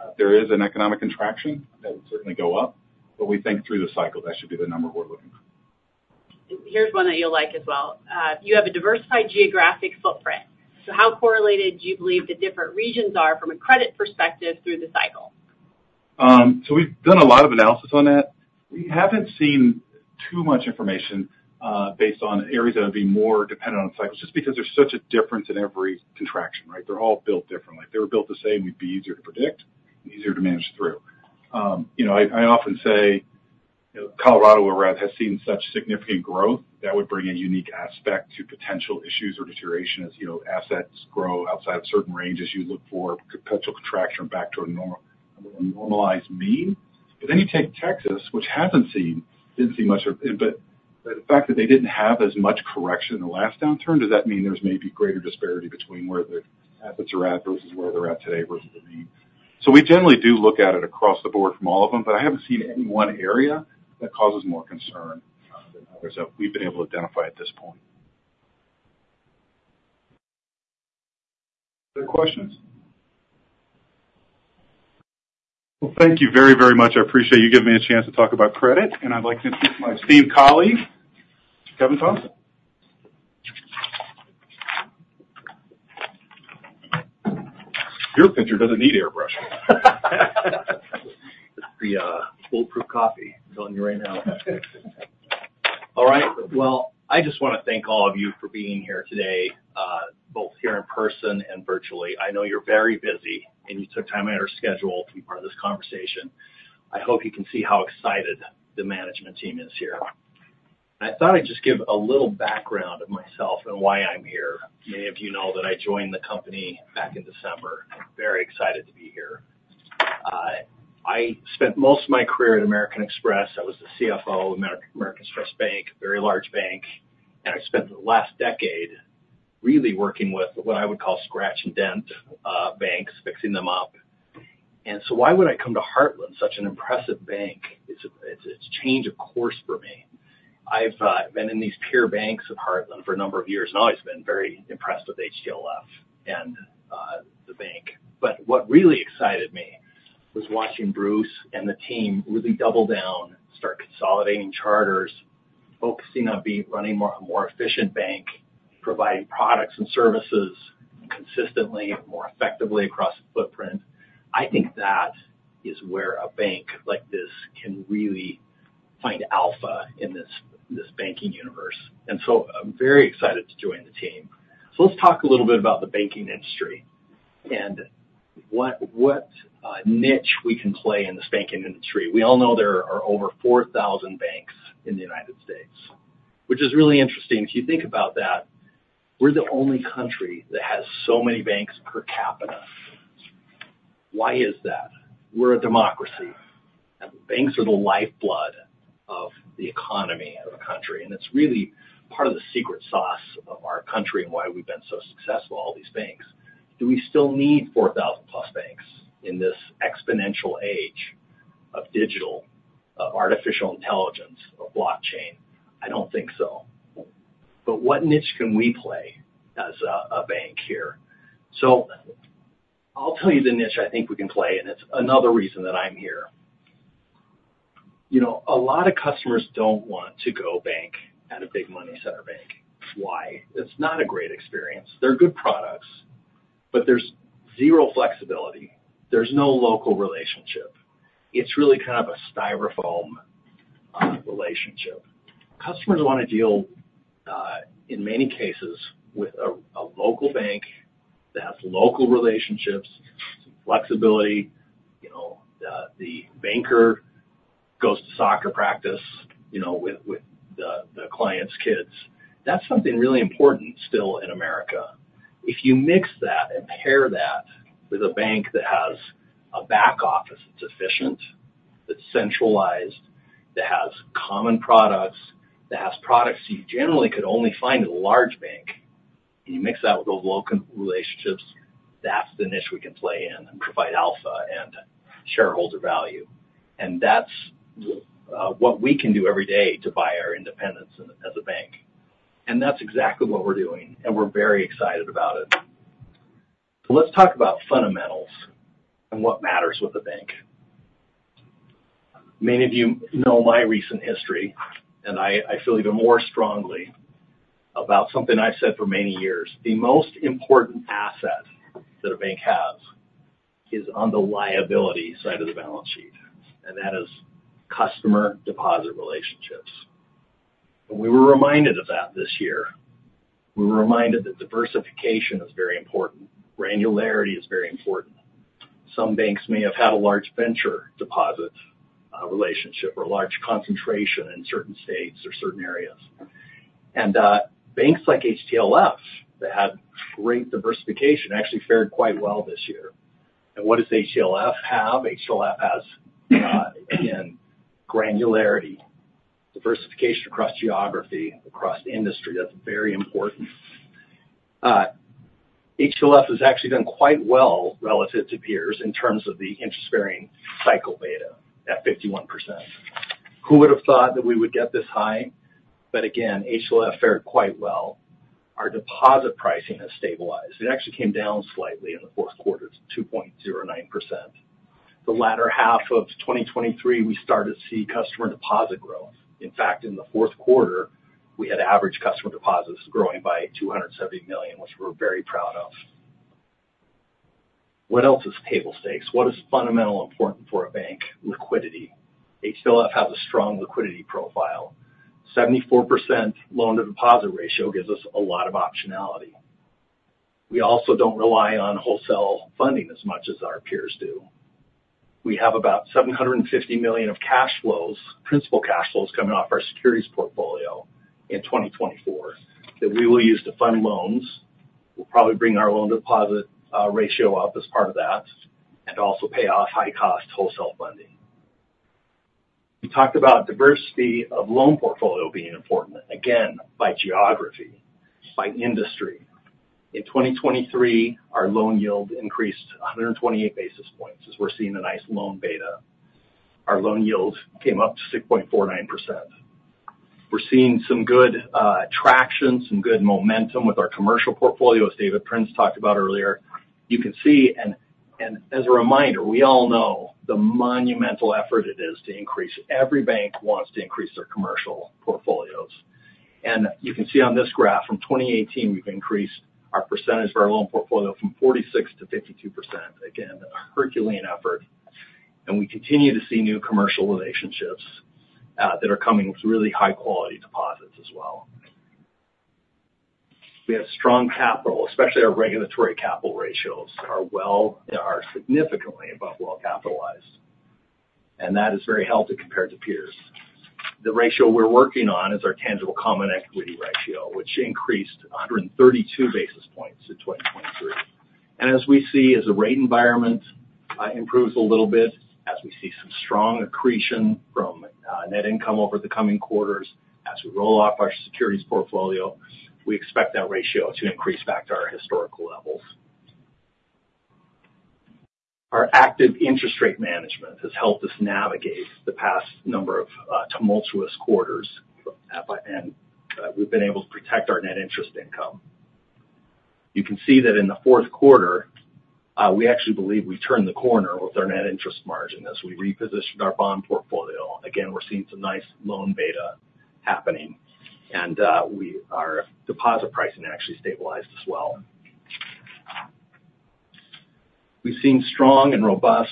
If there is an economic contraction, that would certainly go up. But we think through the cycle, that should be the number we're looking for. Here's one that you'll like as well. You have a diversified geographic footprint. So how correlated do you believe the different regions are from a credit perspective through the cycle? So we've done a lot of analysis on that. We haven't seen too much information based on areas that would be more dependent on cycles just because there's such a difference in every contraction, right? They're all built differently. If they were built the same, we'd be easier to predict and easier to manage through. I often say Colorado, whereas has seen such significant growth, that would bring a unique aspect to potential issues or deterioration as assets grow outside of certain ranges you look for, potential contraction, back to a normalized mean. But then you take Texas, which hasn't seen much of, but the fact that they didn't have as much correction in the last downturn. Does that mean there's maybe greater disparity between where the assets are at versus where they're at today versus the mean? So we generally do look at it across the board from all of them. But I haven't seen any one area that causes more concern than others that we've been able to identify at this point. Other questions? Well, thank you very, very much. I appreciate you giving me a chance to talk about credit. And I'd like to introduce my esteemed colleague, Kevin Thompson. Your picture doesn't need airbrushing. It's the foolproof coffee filling you right now. All right. Well, I just want to thank all of you for being here today, both here in person and virtually. I know you're very busy. You took time out of your schedule to be part of this conversation. I hope you can see how excited the management team is here. I thought I'd just give a little background of myself and why I'm here. Many of you know that I joined the company back in December. I'm very excited to be here. I spent most of my career at American Express. I was the CFO of American Express Bank, a very large bank. I spent the last decade really working with what I would call scratch-and-dent banks, fixing them up. So why would I come to Heartland, such an impressive bank? It's a change of course for me. I've been in these peer banks of Heartland for a number of years. I've always been very impressed with HTLF and the bank. But what really excited me was watching Bruce and the team really double down, start consolidating charters, focusing on running a more efficient bank, providing products and services consistently, more effectively across the footprint. I think that is where a bank like this can really find alpha in this banking universe. And so I'm very excited to join the team. So let's talk a little bit about the banking industry and what niche we can play in this banking industry. We all know there are over 4,000 banks in the United States, which is really interesting. If you think about that, we're the only country that has so many banks per capita. Why is that? We're a democracy. And banks are the lifeblood of the economy of a country. And it's really part of the secret sauce of our country and why we've been so successful, all these banks. Do we still need 4,000+ banks in this exponential age of digital, of artificial intelligence, of blockchain? I don't think so. But what niche can we play as a bank here? So I'll tell you the niche I think we can play. And it's another reason that I'm here. A lot of customers don't want to go bank at a big money center bank. Why? It's not a great experience. They're good products. But there's zero flexibility. There's no local relationship. It's really kind of a Styrofoam relationship. Customers want to deal, in many cases, with a local bank that has local relationships, some flexibility. The banker goes to soccer practice with the client's kids. That's something really important still in America. If you mix that and pair that with a bank that has a back office that's efficient, that's centralized, that has common products, that has products you generally could only find in a large bank, and you mix that with those local relationships, that's the niche we can play in and provide alpha and shareholder value. That's what we can do every day to buy our independence as a bank. That's exactly what we're doing. We're very excited about it. Let's talk about fundamentals and what matters with a bank. Many of you know my recent history. I feel even more strongly about something I've said for many years. The most important asset that a bank has is on the liability side of the balance sheet. That is customer-deposit relationships. We were reminded of that this year. We were reminded that diversification is very important. Granularity is very important. Some banks may have had a large venture-deposit relationship or a large concentration in certain states or certain areas. Banks like HTLF that had great diversification actually fared quite well this year. What does HTLF have? HTLF has, again, granularity, diversification across geography, across industry. That's very important. HTLF has actually done quite well relative to peers in terms of the interest-bearing cycle beta at 51%. Who would have thought that we would get this high? Again, HTLF fared quite well. Our deposit pricing has stabilized. It actually came down slightly in the fourth quarter to 2.09%. The latter half of 2023, we started to see customer deposit growth. In fact, in the fourth quarter, we had average customer deposits growing by $270 million, which we're very proud of. What else is table stakes? What is fundamentally important for a bank? Liquidity. HTLF has a strong liquidity profile. 74% loan-to-deposit ratio gives us a lot of optionality. We also don't rely on wholesale funding as much as our peers do. We have about $750 million of cash flows, principal cash flows, coming off our securities portfolio in 2024 that we will use to fund loans. We'll probably bring our loan-to-deposit ratio up as part of that and also pay off high-cost wholesale funding. We talked about diversity of loan portfolio being important, again, by geography, by industry. In 2023, our loan yield increased 128 basis points as we're seeing a nice loan beta. Our loan yield came up to 6.49%. We're seeing some good traction, some good momentum with our commercial portfolio, as David Prince talked about earlier. You can see, and as a reminder, we all know the monumental effort it is to increase. Every bank wants to increase their commercial portfolios. You can see on this graph, from 2018, we've increased our percentage of our loan portfolio from 46% to 52%. Again, a Herculean effort. We continue to see new commercial relationships that are coming with really high-quality deposits as well. We have strong capital, especially our regulatory capital ratios are significantly above well-capitalized. That is very healthy compared to peers. The ratio we're working on is our tangible common equity ratio, which increased 132 basis points in 2023. As we see, as the rate environment improves a little bit, as we see some strong accretion from net income over the coming quarters, as we roll off our securities portfolio, we expect that ratio to increase back to our historical levels. Our active interest rate management has helped us navigate the past number of tumultuous quarters. We've been able to protect our net interest income. You can see that in the fourth quarter, we actually believe we turned the corner with our net interest margin as we repositioned our bond portfolio. Again, we're seeing some nice loan beta happening. Our deposit pricing actually stabilized as well. We've seen strong and robust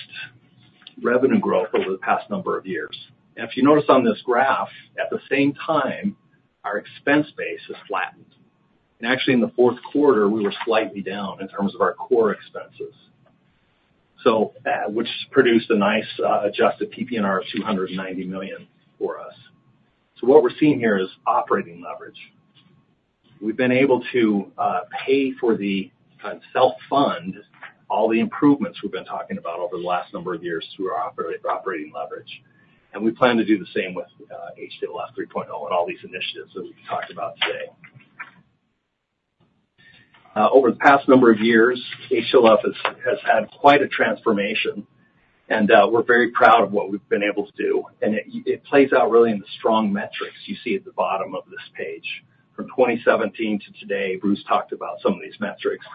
revenue growth over the past number of years. If you notice on this graph, at the same time, our expense base has flattened. Actually, in the fourth quarter, we were slightly down in terms of our core expenses, which produced a nice adjusted PPNR of $290 million for us. What we're seeing here is operating leverage. We've been able to pay for and self-fund all the improvements we've been talking about over the last number of years through our operating leverage. We plan to do the same with HTLF 3.0 and all these initiatives that we've talked about today. Over the past number of years, HTLF has had quite a transformation. We're very proud of what we've been able to do. It plays out really in the strong metrics you see at the bottom of this page. From 2017 to today, Bruce talked about some of these metrics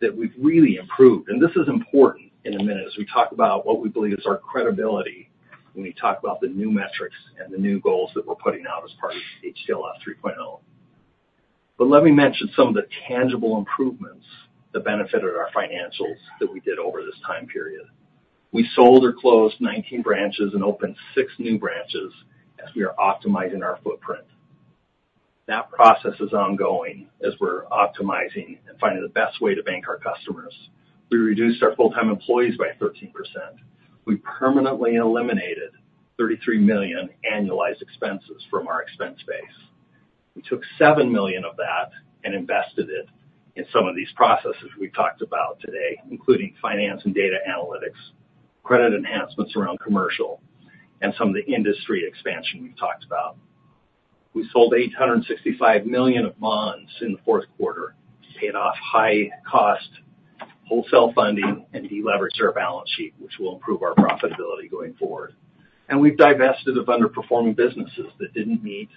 that we've really improved. This is important in a minute as we talk about what we believe is our credibility when we talk about the new metrics and the new goals that we're putting out as part of HTLF 3.0. But let me mention some of the tangible improvements that benefited our financials that we did over this time period. We sold or closed 19 branches and opened six new branches as we are optimizing our footprint. That process is ongoing as we're optimizing and finding the best way to bank our customers. We reduced our full-time employees by 13%. We permanently eliminated $33 million annualized expenses from our expense base. We took $7 million of that and invested it in some of these processes we've talked about today, including finance and data analytics, credit enhancements around commercial, and some of the industry expansion we've talked about. We sold $865 million of bonds in the fourth quarter, paid off high-cost wholesale funding, and deleveraged our balance sheet, which will improve our profitability going forward. We've divested of underperforming businesses that didn't meet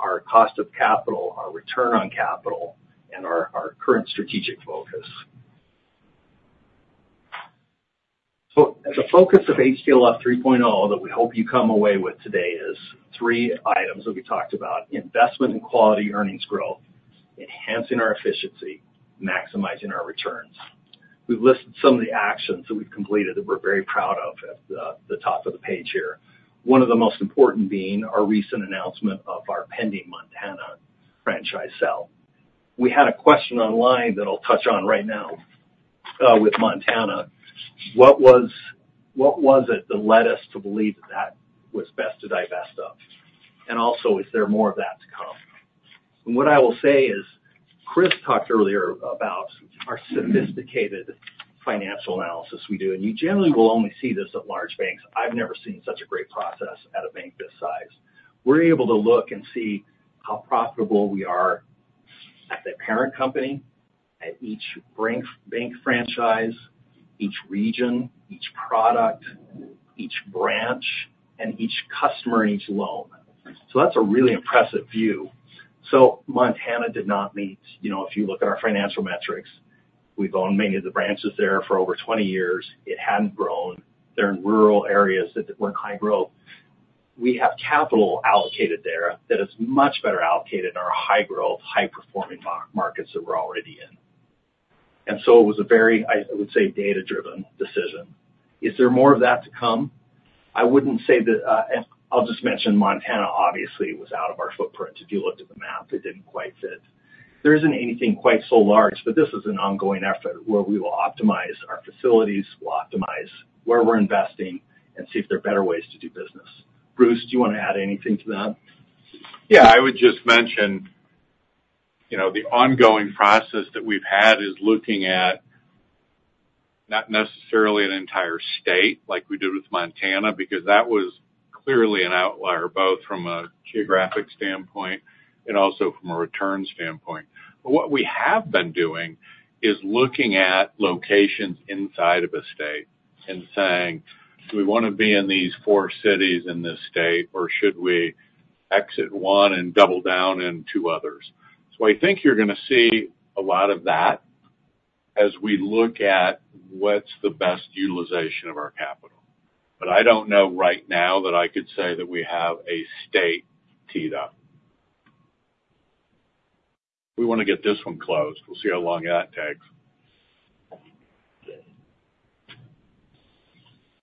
our cost of capital, our return on capital, and our current strategic focus. So the focus of HTLF 3.0 that we hope you come away with today is three items that we talked about: investment in quality earnings growth, enhancing our efficiency, maximizing our returns. We've listed some of the actions that we've completed that we're very proud of at the top of the page here, one of the most important being our recent announcement of our pending Montana franchise sale. We had a question online that I'll touch on right now with Montana. What was it that led us to believe that that was best to divest of? And also, is there more of that to come? And what I will say is Chris talked earlier about our sophisticated financial analysis we do. You generally will only see this at large banks. I've never seen such a great process at a bank this size. We're able to look and see how profitable we are at the parent company, at each bank franchise, each region, each product, each branch, and each customer in each loan. So that's a really impressive view. So Montana did not meet if you look at our financial metrics, we've owned many of the branches there for over 20 years. It hadn't grown. They're in rural areas that weren't high-growth. We have capital allocated there that is much better allocated in our high-growth, high-performing markets that we're already in. And so it was a very, I would say, data-driven decision. Is there more of that to come? I wouldn't say that. I'll just mention Montana, obviously, was out of our footprint. If you looked at the map, it didn't quite fit. There isn't anything quite so large. But this is an ongoing effort where we will optimize our facilities, we'll optimize where we're investing, and see if there are better ways to do business. Bruce, do you want to add anything to that? Yeah. I would just mention the ongoing process that we've had is looking at not necessarily an entire state like we did with Montana because that was clearly an outlier, both from a geographic standpoint and also from a return standpoint. But what we have been doing is looking at locations inside of a state and saying, "Do we want to be in these four cities in this state, or should we exit one and double down in two others?" So I think you're going to see a lot of that as we look at what's the best utilization of our capital. But I don't know right now that I could say that we have a state teed up. We want to get this one closed. We'll see how long that takes.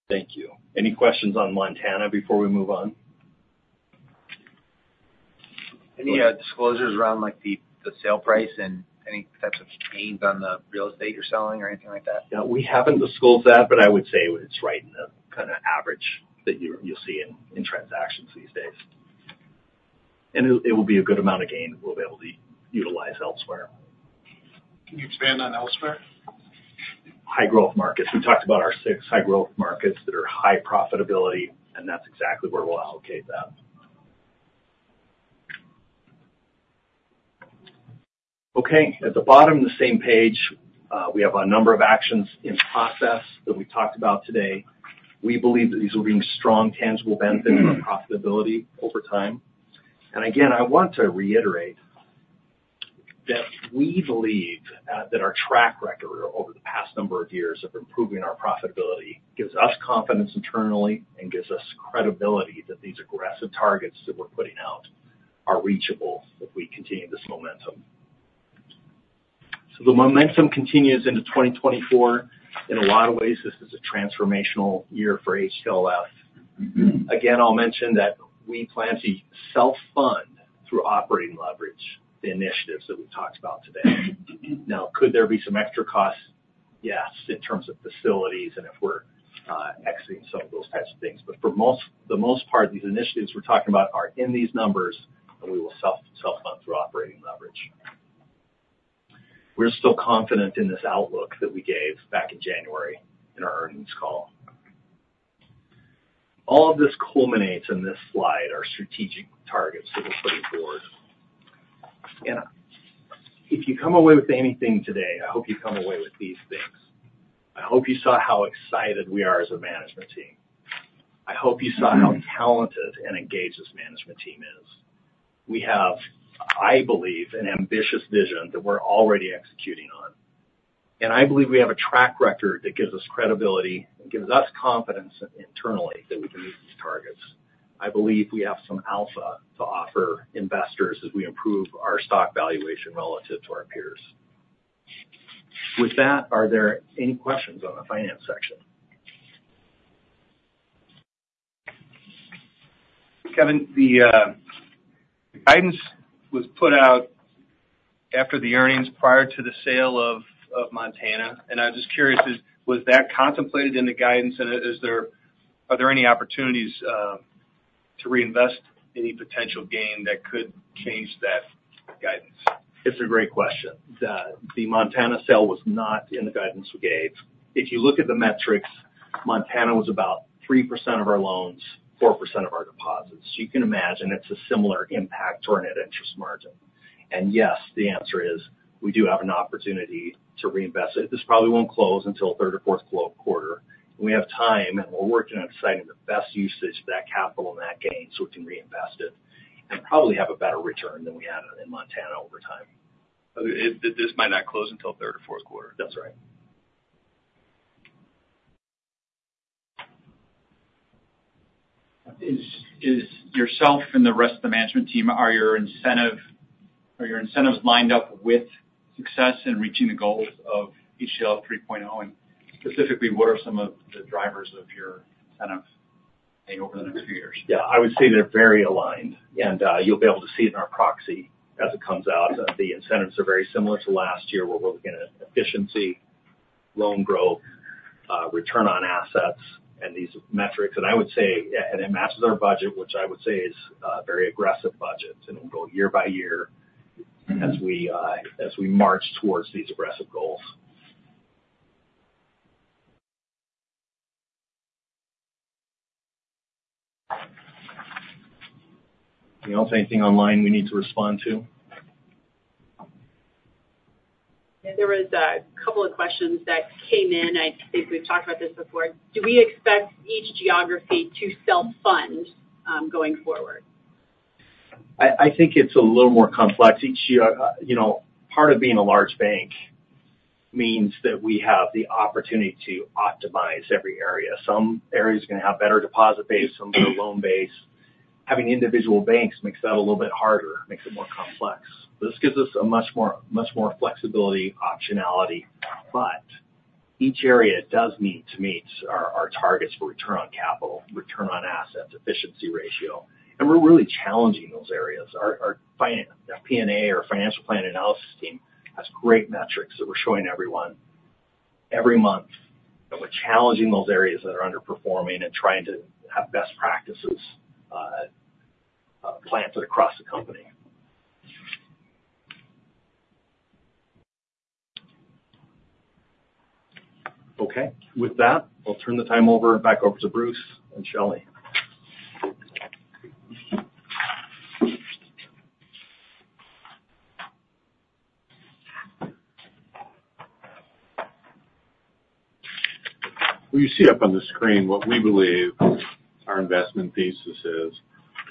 Thank you. Any questions on Montana before we move on? Any disclosures around the sale price and any types of gains on the real estate you're selling or anything like that? Yeah. We haven't disclosed that. But I would say it's right in the kind of average that you'll see in transactions these days. And it will be a good amount of gain we'll be able to utilize elsewhere. Can you expand on elsewhere? High-growth markets. We talked about our 6 high-growth markets that are high profitability. That's exactly where we'll allocate that. Okay. At the bottom of the same page, we have a number of actions in process that we talked about today. We believe that these will bring strong, tangible benefits for profitability over time. Again, I want to reiterate that we believe that our track record over the past number of years of improving our profitability gives us confidence internally and gives us credibility that these aggressive targets that we're putting out are reachable if we continue this momentum. The momentum continues into 2024. In a lot of ways, this is a transformational year for HTLF. Again, I'll mention that we plan to self-fund through operating leverage the initiatives that we've talked about today. Now, could there be some extra costs? Yes, in terms of facilities and if we're exiting some of those types of things. But for the most part, these initiatives we're talking about are in these numbers. And we will self-fund through operating leverage. We're still confident in this outlook that we gave back in January in our earnings call. All of this culminates in this slide, our strategic targets that we're putting forward. And if you come away with anything today, I hope you come away with these things. I hope you saw how excited we are as a management team. I hope you saw how talented and engaged this management team is. We have, I believe, an ambitious vision that we're already executing on. And I believe we have a track record that gives us credibility and gives us confidence internally that we can meet these targets. I believe we have some alpha to offer investors as we improve our stock valuation relative to our peers. With that, are there any questions on the finance section? Kevin, the guidance was put out after the earnings prior to the sale of Montana. I was just curious, was that contemplated in the guidance? Are there any opportunities to reinvest any potential gain that could change that guidance? It's a great question. The Montana sale was not in the guidance we gave. If you look at the metrics, Montana was about 3% of our loans, 4% of our deposits. So you can imagine it's a similar impact to our net interest margin. And yes, the answer is we do have an opportunity to reinvest it. This probably won't close until third or fourth quarter. And we have time. And we're working on deciding the best usage of that capital and that gain so we can reinvest it and probably have a better return than we had in Montana over time. This might not close until third or fourth quarter. That's right. Is yourself and the rest of the management team, are your incentives lined up with success in reaching the goals of HTLF 3.0? And specifically, what are some of the drivers of your incentive over the next few years? Yeah. I would say they're very aligned. You'll be able to see it in our proxy as it comes out. The incentives are very similar to last year where we're looking at efficiency, loan growth, return on assets, and these metrics. I would say it matches our budget, which I would say is a very aggressive budget. We'll go year by year as we march towards these aggressive goals. Anything online we need to respond to? There was a couple of questions that came in. I think we've talked about this before. Do we expect each geography to self-fund going forward? I think it's a little more complex. Part of being a large bank means that we have the opportunity to optimize every area. Some areas are going to have better deposit base, some better loan base. Having individual banks makes that a little bit harder, makes it more complex. This gives us a much more flexibility, optionality. But each area does need to meet our targets for return on capital, return on assets, efficiency ratio. We're really challenging those areas. Our FP&A, our financial plan analysis team, has great metrics that we're showing everyone every month. We're challenging those areas that are underperforming and trying to have best practices planted across the company. Okay. With that, I'll turn the time back over to Bruce and Shelley. Well, you see up on the screen what we believe our investment thesis is.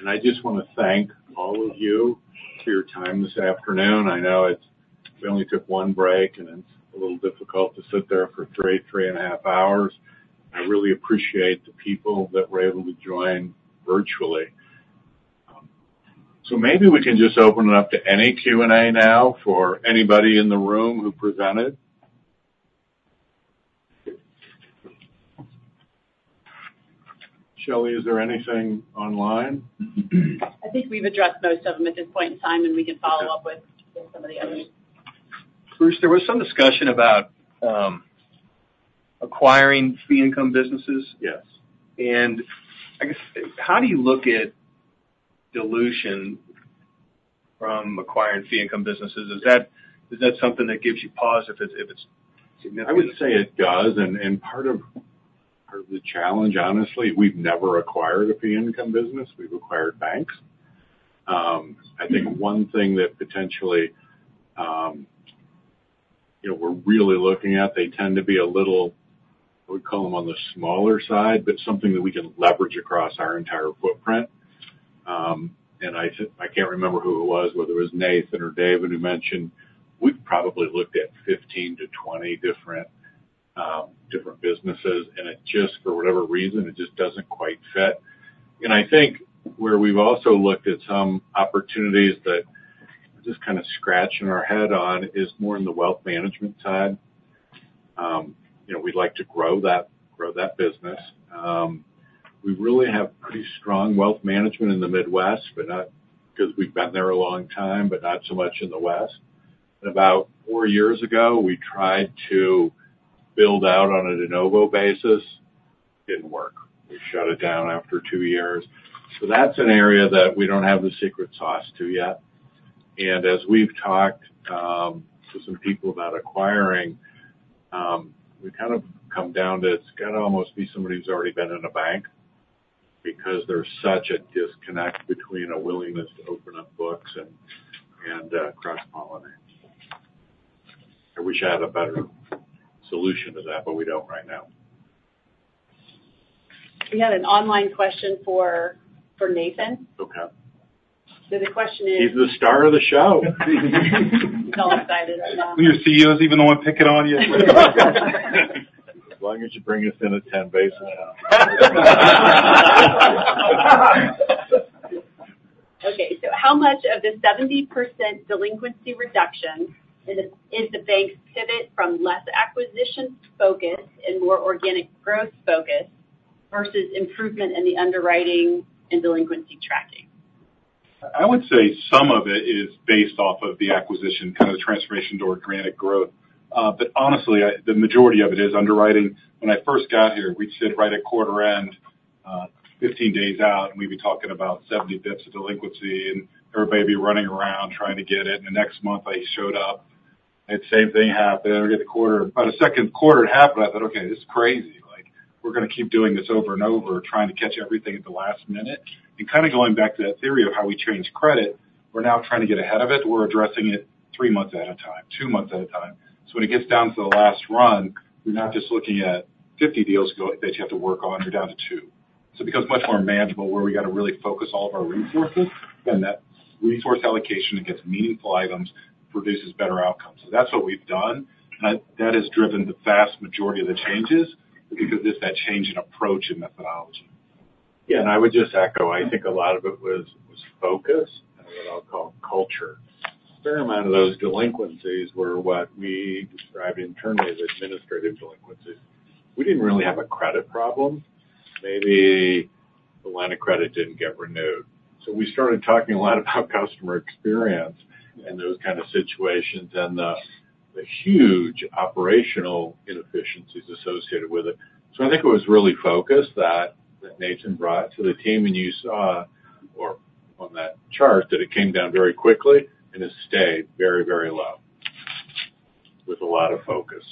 I just want to thank all of you for your time this afternoon. I know we only took 1 break. It's a little difficult to sit there for 3, 3.5 hours. I really appreciate the people that were able to join virtually. So maybe we can just open it up to any Q&A now for anybody in the room who presented. Shelley, is there anything online? I think we've addressed most of them at this point in time. We can follow up with some of the others. Bruce, there was some discussion about acquiring fee-income businesses. Yes. I guess, how do you look at dilution from acquiring fee-income businesses? Is that something that gives you pause if it's significant? I would say it does. Part of the challenge, honestly, we've never acquired a fee-income business. We've acquired banks. I think one thing that potentially we're really looking at, they tend to be a little, I would call them, on the smaller side, but something that we can leverage across our entire footprint. I can't remember who it was, whether it was Nathan or David who mentioned, we've probably looked at 15-20 different businesses. For whatever reason, it just doesn't quite fit. I think where we've also looked at some opportunities that we're just kind of scratching our head on is more in the wealth management side. We'd like to grow that business. We really have pretty strong wealth management in the Midwest because we've been there a long time, but not so much in the West. About four years ago, we tried to build out on a de novo basis. Didn't work. We shut it down after two years. So that's an area that we don't have the secret sauce to yet. As we've talked to some people about acquiring, we've kind of come down to it's got to almost be somebody who's already been in a bank because there's such a disconnect between a willingness to open up books and cross-pollinate. I wish I had a better solution to that. We don't right now. We had an online question for Nathan. The question is. He's the star of the show. He's so excited right now. Your CEOs even don't want to pick it on you. As long as you bring us in at 10 basis points. Okay. So how much of the 70% delinquency reduction is the bank's pivot from less acquisition-focused and more organic growth-focused versus improvement in the underwriting and delinquency tracking? I would say some of it is based off of the acquisition, kind of the transformation to organic growth. But honestly, the majority of it is underwriting. When I first got here, we'd sit right at quarter end, 15 days out. And we'd be talking about 70 bps of delinquency. And everybody would be running around trying to get it. And the next month, I showed up. And same thing happened. And about a second quarter it happened. I thought, "Okay. This is crazy. We're going to keep doing this over and over, trying to catch everything at the last minute." And kind of going back to that theory of how we change credit, we're now trying to get ahead of it. We're addressing it three months at a time, two months at a time. So when it gets down to the last run, we're not just looking at 50 deals that you have to work on. You're down to 2. So it becomes much more manageable where we got to really focus all of our resources. And that resource allocation against meaningful items produces better outcomes. So that's what we've done. And that has driven the vast majority of the changes because it's that change in approach and methodology. Yeah. I would just echo. I think a lot of it was focus and what I'll call culture. A fair amount of those delinquencies were what we described internally as administrative delinquencies. We didn't really have a credit problem. Maybe the line of credit didn't get renewed. So we started talking a lot about customer experience and those kind of situations and the huge operational inefficiencies associated with it. So I think it was really focused that Nathan brought to the team. And you saw on that chart that it came down very quickly and it stayed very, very low with a lot of focus.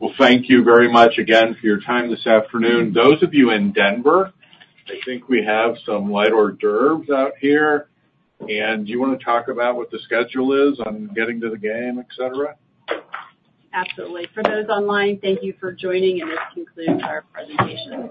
Well, thank you very much again for your time this afternoon. Those of you in Denver, I think we have some light hors d'oeuvres out here. And do you want to talk about what the schedule is on getting to the game, et cetera? Absolutely. For those online, thank you for joining. This concludes our presentation.